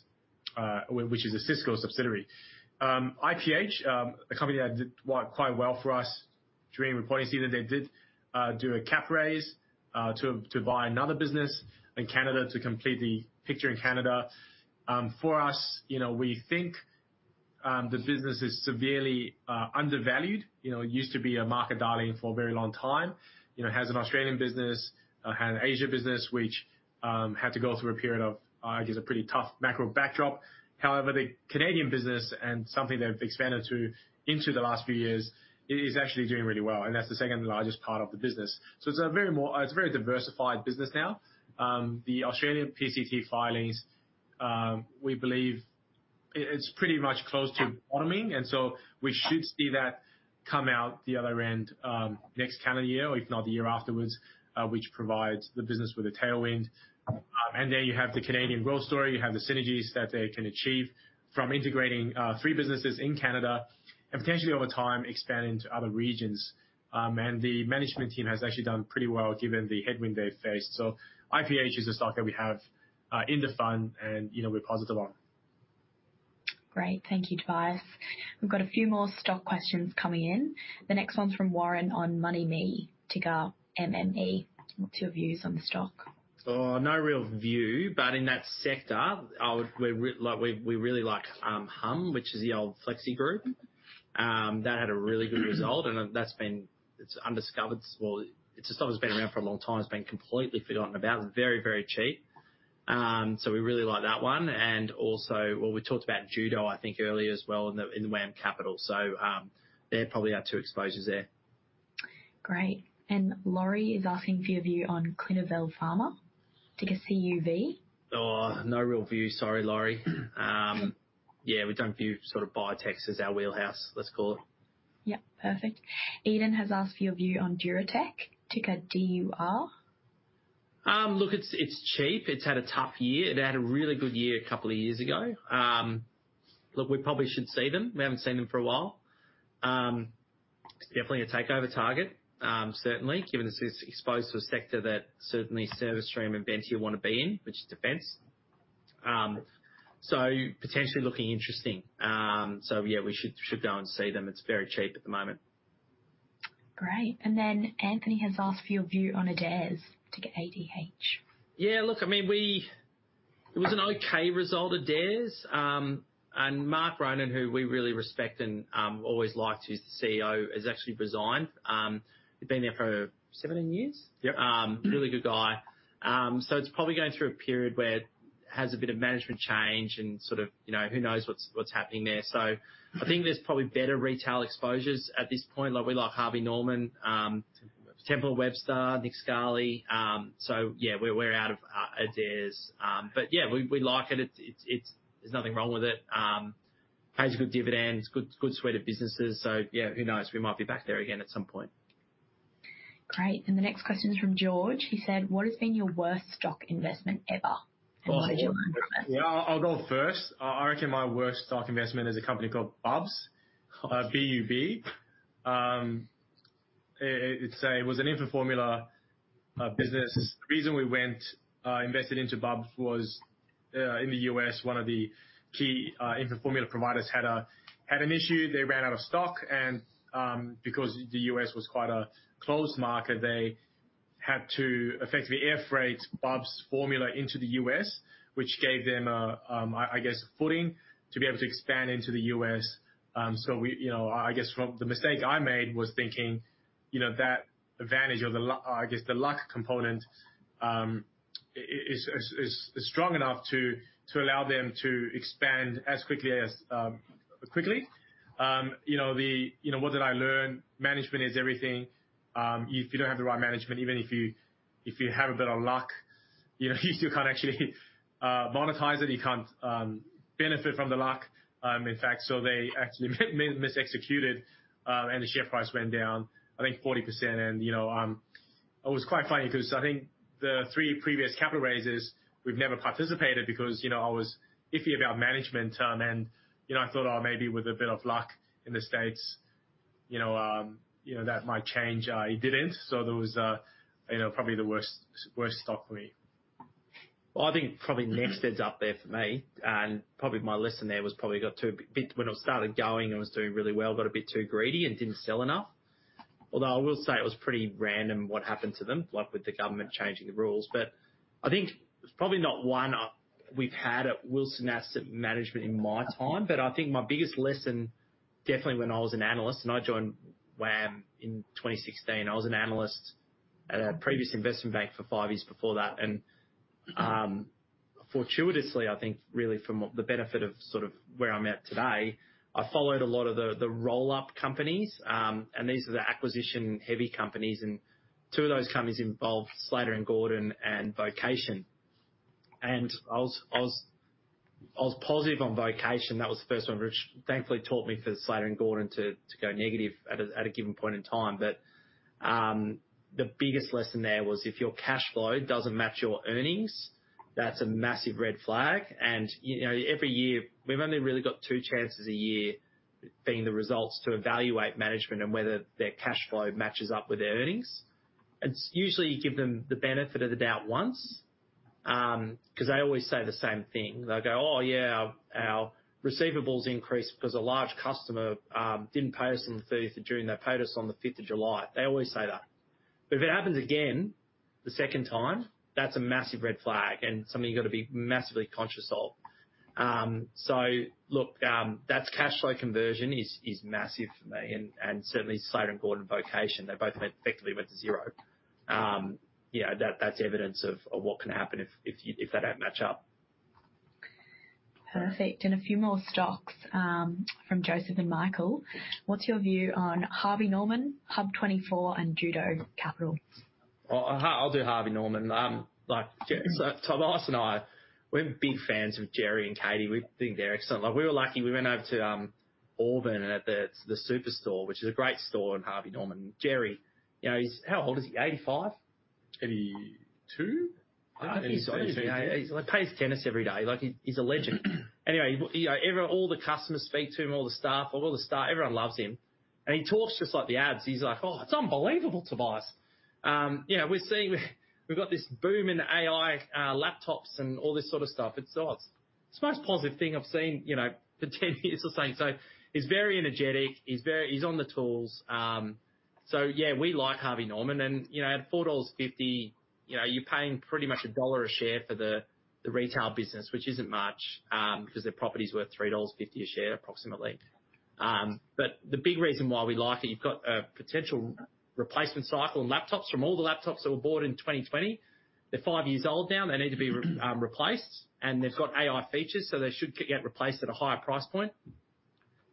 which is a Cisco subsidiary. IPH, a company that did work quite well for us during reporting season. They did do a cap raise to buy another business in Canada to complete the picture in Canada. For us, you know, we think the business is severely undervalued. You know, it used to be a market darling for a very long time. You know, has an Australian business, an Asia business, which had to go through a period of, I guess, a pretty tough macro backdrop. However, the Canadian business and something they've expanded into in the last few years is actually doing really well, and that's the second largest part of the business. So it's a very diversified business now. The Australian PCT filings, we believe it's pretty much close to bottoming, and so we should see that come out the other end, next calendar year, or if not, the year afterwards, which provides the business with a tailwind. And then you have the Canadian growth story. You have the synergies that they can achieve from integrating three businesses in Canada and potentially, over time, expanding to other regions, and the management team has actually done pretty well given the headwind they've faced, so IPH is a stock that we have in the fund and, you know, we're positive on. Great. Thank you, Tobias. We've got a few more stock questions coming in. The next one's from Warren on MoneyMe, ticker MME. What's your views on the stock? No real view, but in that sector, I would, we really like humm, which is the old FlexiGroup. That had a really good result, and that's been. It's undiscovered. It's a stock that's been around for a long time. It's been completely forgotten about. Very, very cheap. So we really like that one, and also. We talked about Judo, I think, earlier as well, in the WAM Capital. So, they're probably our two exposures there. Great, and Laurie is asking for your view on Clinuvel Pharma, ticker CUV. Oh, no real view. Sorry, Laurie. Yeah, we don't view sort of biotechs as our wheelhouse, let's call it. Yep, perfect. Eden has asked for your view on Duratec, ticker DUR. Look, it's cheap. It's had a tough year. It had a really good year a couple of years ago. Look, we probably should see them. We haven't seen them for a while. It's definitely a takeover target, certainly, given it's exposed to a sector that certainly Service Stream and Ventia want to be in, which is defense. So potentially looking interesting. So yeah, we should go and see them. It's very cheap at the moment. Great. And then Anthony has asked for your view on Adairs, ticker ADH. Yeah, look, I mean, it was an okay result, Adairs, and Mark Ronan, who we really respect and always liked, who's the CEO, has actually resigned. He'd been there for 17 years? Yep. Really good guy. So it's probably going through a period where it has a bit of management change and sort of, you know, who knows what's happening there. So I think there's probably better retail exposures at this point. Like, we like Harvey Norman, Temple & Webster, Nick Scali. So yeah, we're out of Adairs. But yeah, we like it. It's... There's nothing wrong with it. Pays a good dividend. It's good suite of businesses. So yeah, who knows? We might be back there again at some point. Great. And the next question is from George. He said, "What has been your worst stock investment ever?" And so did you want to go first? Yeah, I'll go first. I reckon my worst stock investment is a company called Bubs, BUB. It's a, it was an infant formula business. The reason we went invested into Bubs was, in the U.S., one of the key infant formula providers had an issue. They ran out of stock, and, because the U.S. was quite a closed market, they had to effectively air freight Bubs formula into the U.S., which gave them a, I guess, footing to be able to expand into the U.S. So we, you know, I guess from... The mistake I made was thinking, you know, that advantage or the lu- I guess, the luck component, is strong enough to allow them to expand as quickly as quickly. You know, the... You know, what did I learn? Management is everything. If you don't have the right management, even if you have a bit of luck, you know, you still can't actually monetize it. You can't benefit from the luck, in fact, so they actually misexecuted, and the share price went down, I think, 40%, and you know, it was quite funny because I think the three previous capital raises, we've never participated because, you know, I was iffy about management, and you know, I thought, "Oh, maybe with a bit of luck in the States, you know, that might change." It didn't, so that was, you know, probably the worst stock for me. I think probably NextEd's up there for me, and probably my lesson there was probably got a bit too greedy and didn't sell enough. Although I will say it was pretty random what happened to them, like with the government changing the rules. But I think it's probably not one we've had at Wilson Asset Management in my time. But I think my biggest lesson, definitely when I was an analyst and I joined WAM in 2017, I was an analyst at a previous investment bank for five years before that. And, fortuitously, I think really from what, the benefit of sort of where I'm at today, I followed a lot of the roll-up companies, and these are the acquisition-heavy companies, and two of those companies involved Slater and Gordon and Vocation. I was positive on Vocation. That was the first one, which thankfully taught me for Slater & Gordon to go negative at a given point in time. The biggest lesson there was if your cash flow doesn't match your earnings, that's a massive red flag. You know, every year, we've only really got two chances a year, being the results to evaluate management and whether their cash flow matches up with their earnings. It's usually you give them the benefit of the doubt once, because they always say the same thing. They'll go, "Oh, yeah, our receivables increased because a large customer didn't pay us on the 13th of June. They paid us on the 5th of July." They always say that. But if it happens again, the second time, that's a massive red flag and something you've got to be massively conscious of. So look, that's cash flow conversion is massive for me, and certainly Slater & Gordon, Vocation, they both effectively went to zero. That's evidence of what can happen if they don't match up. Perfect. And a few more stocks, from Joseph and Michael. What's your view on Harvey Norman, HUB24, and Judo Bank? I'll do Harvey Norman. Like, Tobias and I, we're big fans of Gerry and Katie. We think they're excellent. Like, we were lucky, we went over to Auburn and at the superstore, which is a great store in Harvey Norman. Gerry, you know, he's... How old is he? 85? 82? He plays tennis every day, like he's a legend. Anyway, you know, all the customers speak to him, all the staff, everyone loves him, and he talks just like the ads. He's like, "Oh, it's unbelievable, Tobias. You know, we're seeing we've got this boom in AI, laptops and all this sort of stuff. It's, it's the most positive thing I've seen, you know, for ten years or something." So he's very energetic, he's on the tools. So yeah, we like Harvey Norman and, you know, at 4.50 dollars, you know, you're paying pretty much AUD 1 a share for the retail business, which isn't much, because their property is worth 3.50 dollars a share, approximately. But the big reason why we like it, you've got a potential replacement cycle on laptops from all the laptops that were bought in 2020. They're five years old now. They need to be replaced, and they've got AI features, so they should get replaced at a higher price point.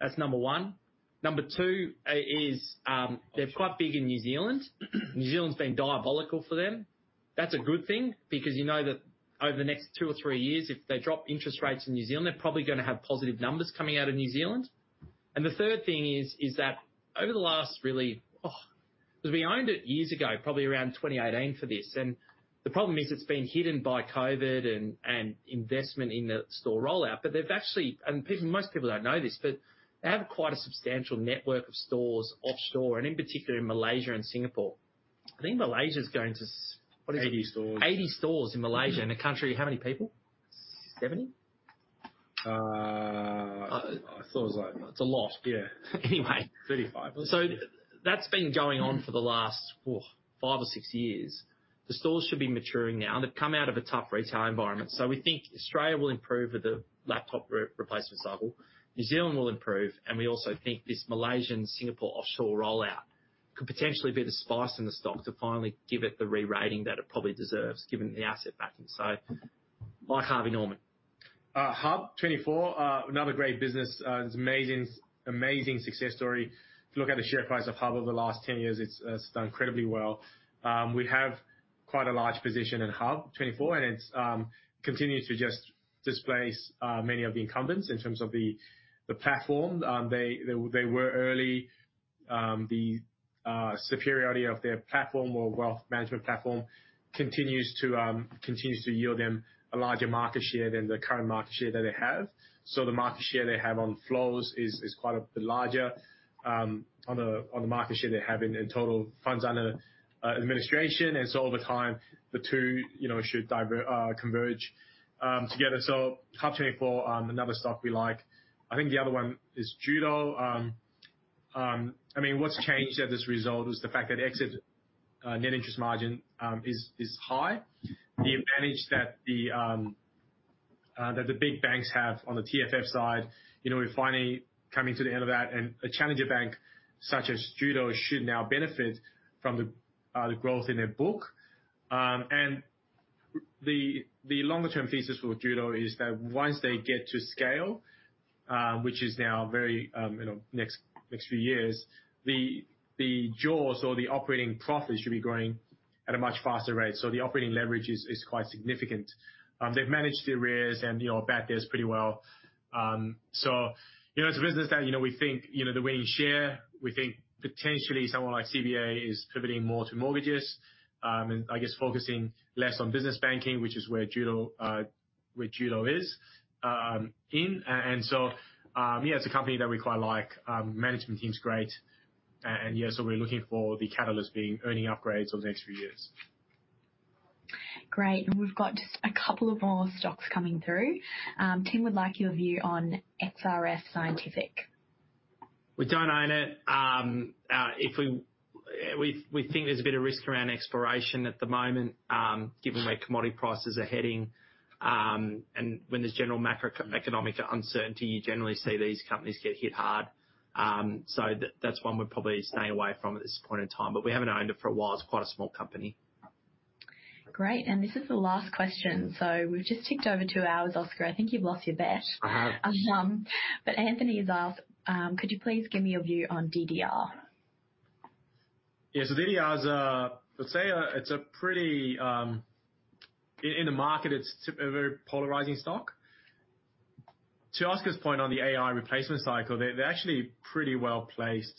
That's number one. Number two is, they're quite big in New Zealand. New Zealand's been diabolical for them. That's a good thing because you know that over the next two or three years, if they drop interest rates in New Zealand, they're probably going to have positive numbers coming out of New Zealand. And the third thing is that over the last, because we owned it years ago, probably around 2018 for this, and the problem is it's been hidden by COVID and investment in the store rollout. But they've actually, and people, most people don't know this, but they have quite a substantial network of stores offshore and in particular in Malaysia and Singapore. I think Malaysia's going to... What is it? 80 stores. 80 stores in Malaysia, in a country of how many people? 70? I thought it was like- It's a lot. Yeah. Anyway. 35. So that's been going on for the last, oh, five or six years. The stores should be maturing now. They've come out of a tough retail environment. So we think Australia will improve with the laptop re-replacement cycle, New Zealand will improve, and we also think this Malaysian Singapore offshore rollout could potentially be the spice in the stock to finally give it the re-rating that it probably deserves, given the asset backing. So like Harvey Norman. HUB24, another great business. It's amazing, amazing success story. If you look at the share price of HUB over the last 10 years, it's done incredibly well. We have quite a large position in HUB24, and it continues to just displace many of the incumbents in terms of the platform. They were early. The superiority of their platform or wealth management platform continues to yield them a larger market share than the current market share that they have. So the market share they have on flows is quite a bit larger on the market share they have in total funds under administration. And so over time, the two, you know, should converge together. So HUB24, another stock we like. I think the other one is Judo. I mean, what's changed at this result is the fact that exit net interest margin is high. The advantage that the big banks have on the TFF side, you know, we're finally coming to the end of that, and a challenger bank such as Judo should now benefit from the growth in their book. And the longer-term thesis for Judo is that once they get to scale, which is now very, you know, next few years, the jaws or the operating profits should be growing at a much faster rate. So the operating leverage is quite significant. They've managed their arrears and, you know, bad debts pretty well. So, you know, it's a business that, you know, we think, you know, they're winning share. We think potentially someone like CBA is pivoting more to mortgages, and I guess focusing less on business banking, which is where Judo, where Judo is, in. And so, yeah, it's a company that we quite like. Management team's great, and yeah, so we're looking for the catalyst being earnings upgrades over the next few years. Great! And we've got just a couple of more stocks coming through. Tim would like your view on XRF Scientific. We don't own it. If we think there's a bit of risk around exploration at the moment, given where commodity prices are heading, and when there's general macroeconomic uncertainty, you generally see these companies get hit hard, so that's one we're probably staying away from at this point in time, but we haven't owned it for a while. It's quite a small company. Great. And this is the last question, so we've just ticked over two hours, Oscar. I think you've lost your bet. I have. But Anthony has asked, "Could you please give me your view on DDR? Yeah. So DDR is, let's say, a pretty polarizing stock in the market. To Oscar's point on the AI replacement cycle, they're actually pretty well placed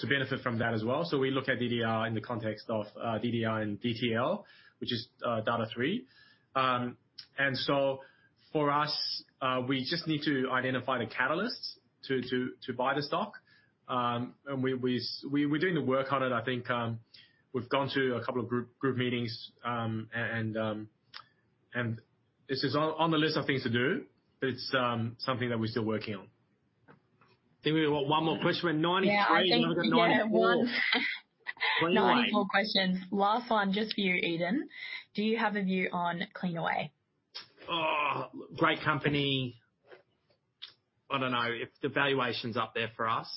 to benefit from that as well. So we look at DDR in the context of DDR and DTL, which is Data#3. And so for us, we just need to identify the catalysts to buy the stock. And we're doing the work on it. I think we've gone to a couple of group meetings. And this is on the list of things to do, but it's something that we're still working on. Think we've got one more question. We're at 93- Yeah, I think we hit one. 94, 99. More questions. Last one, just for you, Eden. "Do you have a view on Cleanaway? Oh, great company. I don't know if the valuation's up there for us.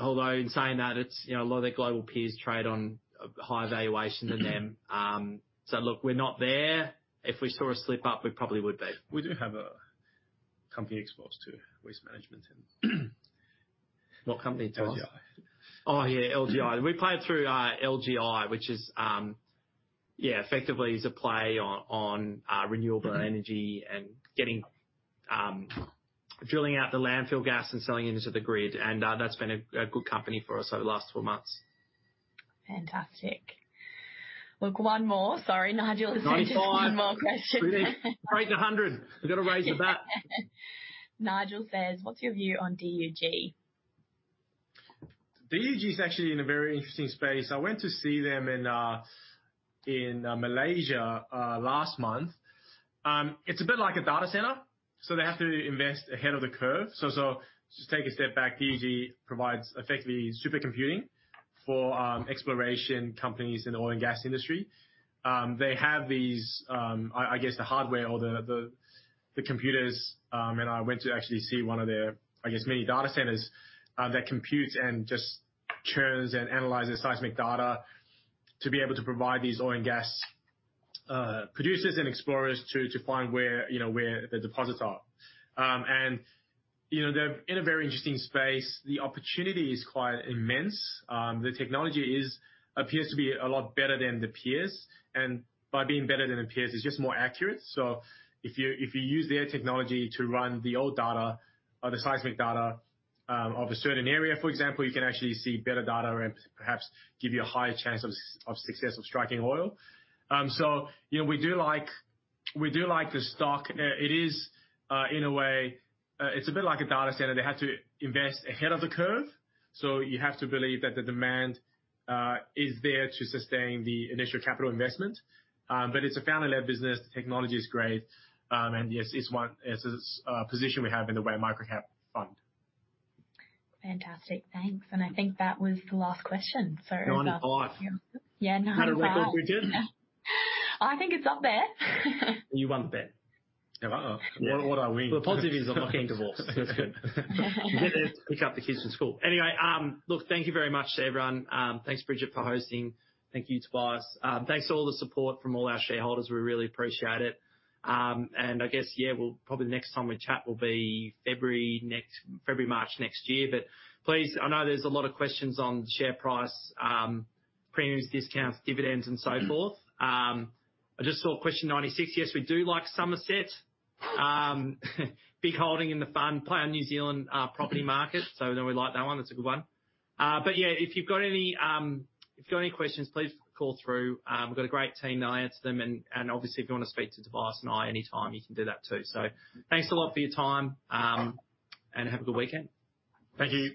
Although in saying that, it's, you know, a lot of their global peers trade on a higher valuation than them. So look, we're not there. If we saw a slip-up, we probably would be. We do have a company exposed to waste management and What company, Tobias? LGI. Oh, yeah, LGI. We play it through LGI, which is yeah, effectively a play on renewable energy and getting drilling out the landfill gas and selling it into the grid. And that's been a good company for us over the last four months. Fantastic. Look, one more. Sorry, Nigel- 95. One more question. We need to break 100. We've got to raise the bar. Nigel says, "What's your view on DUG? DUG is actually in a very interesting space. I went to see them in Malaysia last month. It's a bit like a data center, so they have to invest ahead of the curve. Just take a step back, DUG provides effectively supercomputing for exploration companies in the oil and gas industry. They have these, I guess, the hardware or the computers. And I went to actually see one of their, I guess, mini data centers that computes and just churns and analyzes seismic data to be able to provide these oil and gas producers and explorers to find where, you know, where the deposits are. And, you know, they're in a very interesting space. The opportunity is quite immense. The technology appears to be a lot better than the peers, and by being better than the peers, it's just more accurate. So if you, if you use their technology to run the old data or the seismic data, of a certain area, for example, you can actually see better data and perhaps give you a higher chance of success of striking oil. So, you know, we do like, we do like the stock. It is, in a way, it's a bit like a data center. They have to invest ahead of the curve, so you have to believe that the demand, is there to sustain the initial capital investment. But it's a founder-led business. The technology is great. And yes, it's one... It's a, position we have in the WAM Microcap Fund. Fantastic. Thanks. And I think that was the last question, so- 95. Yeah, 95. Is that a record, Bridget? I think it's up there. You won the bet. Yeah, well, what, what do I win? The positive is I'm not getting divorced. That's good. You get to pick up the kids from school. Anyway, look, thank you very much to everyone. Thanks, Bridget, for hosting. Thank you, Tobias. Thanks to all the support from all our shareholders. We really appreciate it. And I guess, yeah, we'll probably the next time we chat will be February next, February, March next year. But please, I know there's a lot of questions on share price, premiums, discounts, dividends, and so forth. I just saw question 96. Yes, we do like Summerset. Big holding in the fund, play on New Zealand property market, so then we like that one. That's a good one. But yeah, if you've got any, if you've got any questions, please call through. We've got a great team, they'll answer them, and obviously, if you want to speak to Tobias and I anytime, you can do that, too. So thanks a lot for your time, and have a good weekend. Thank you.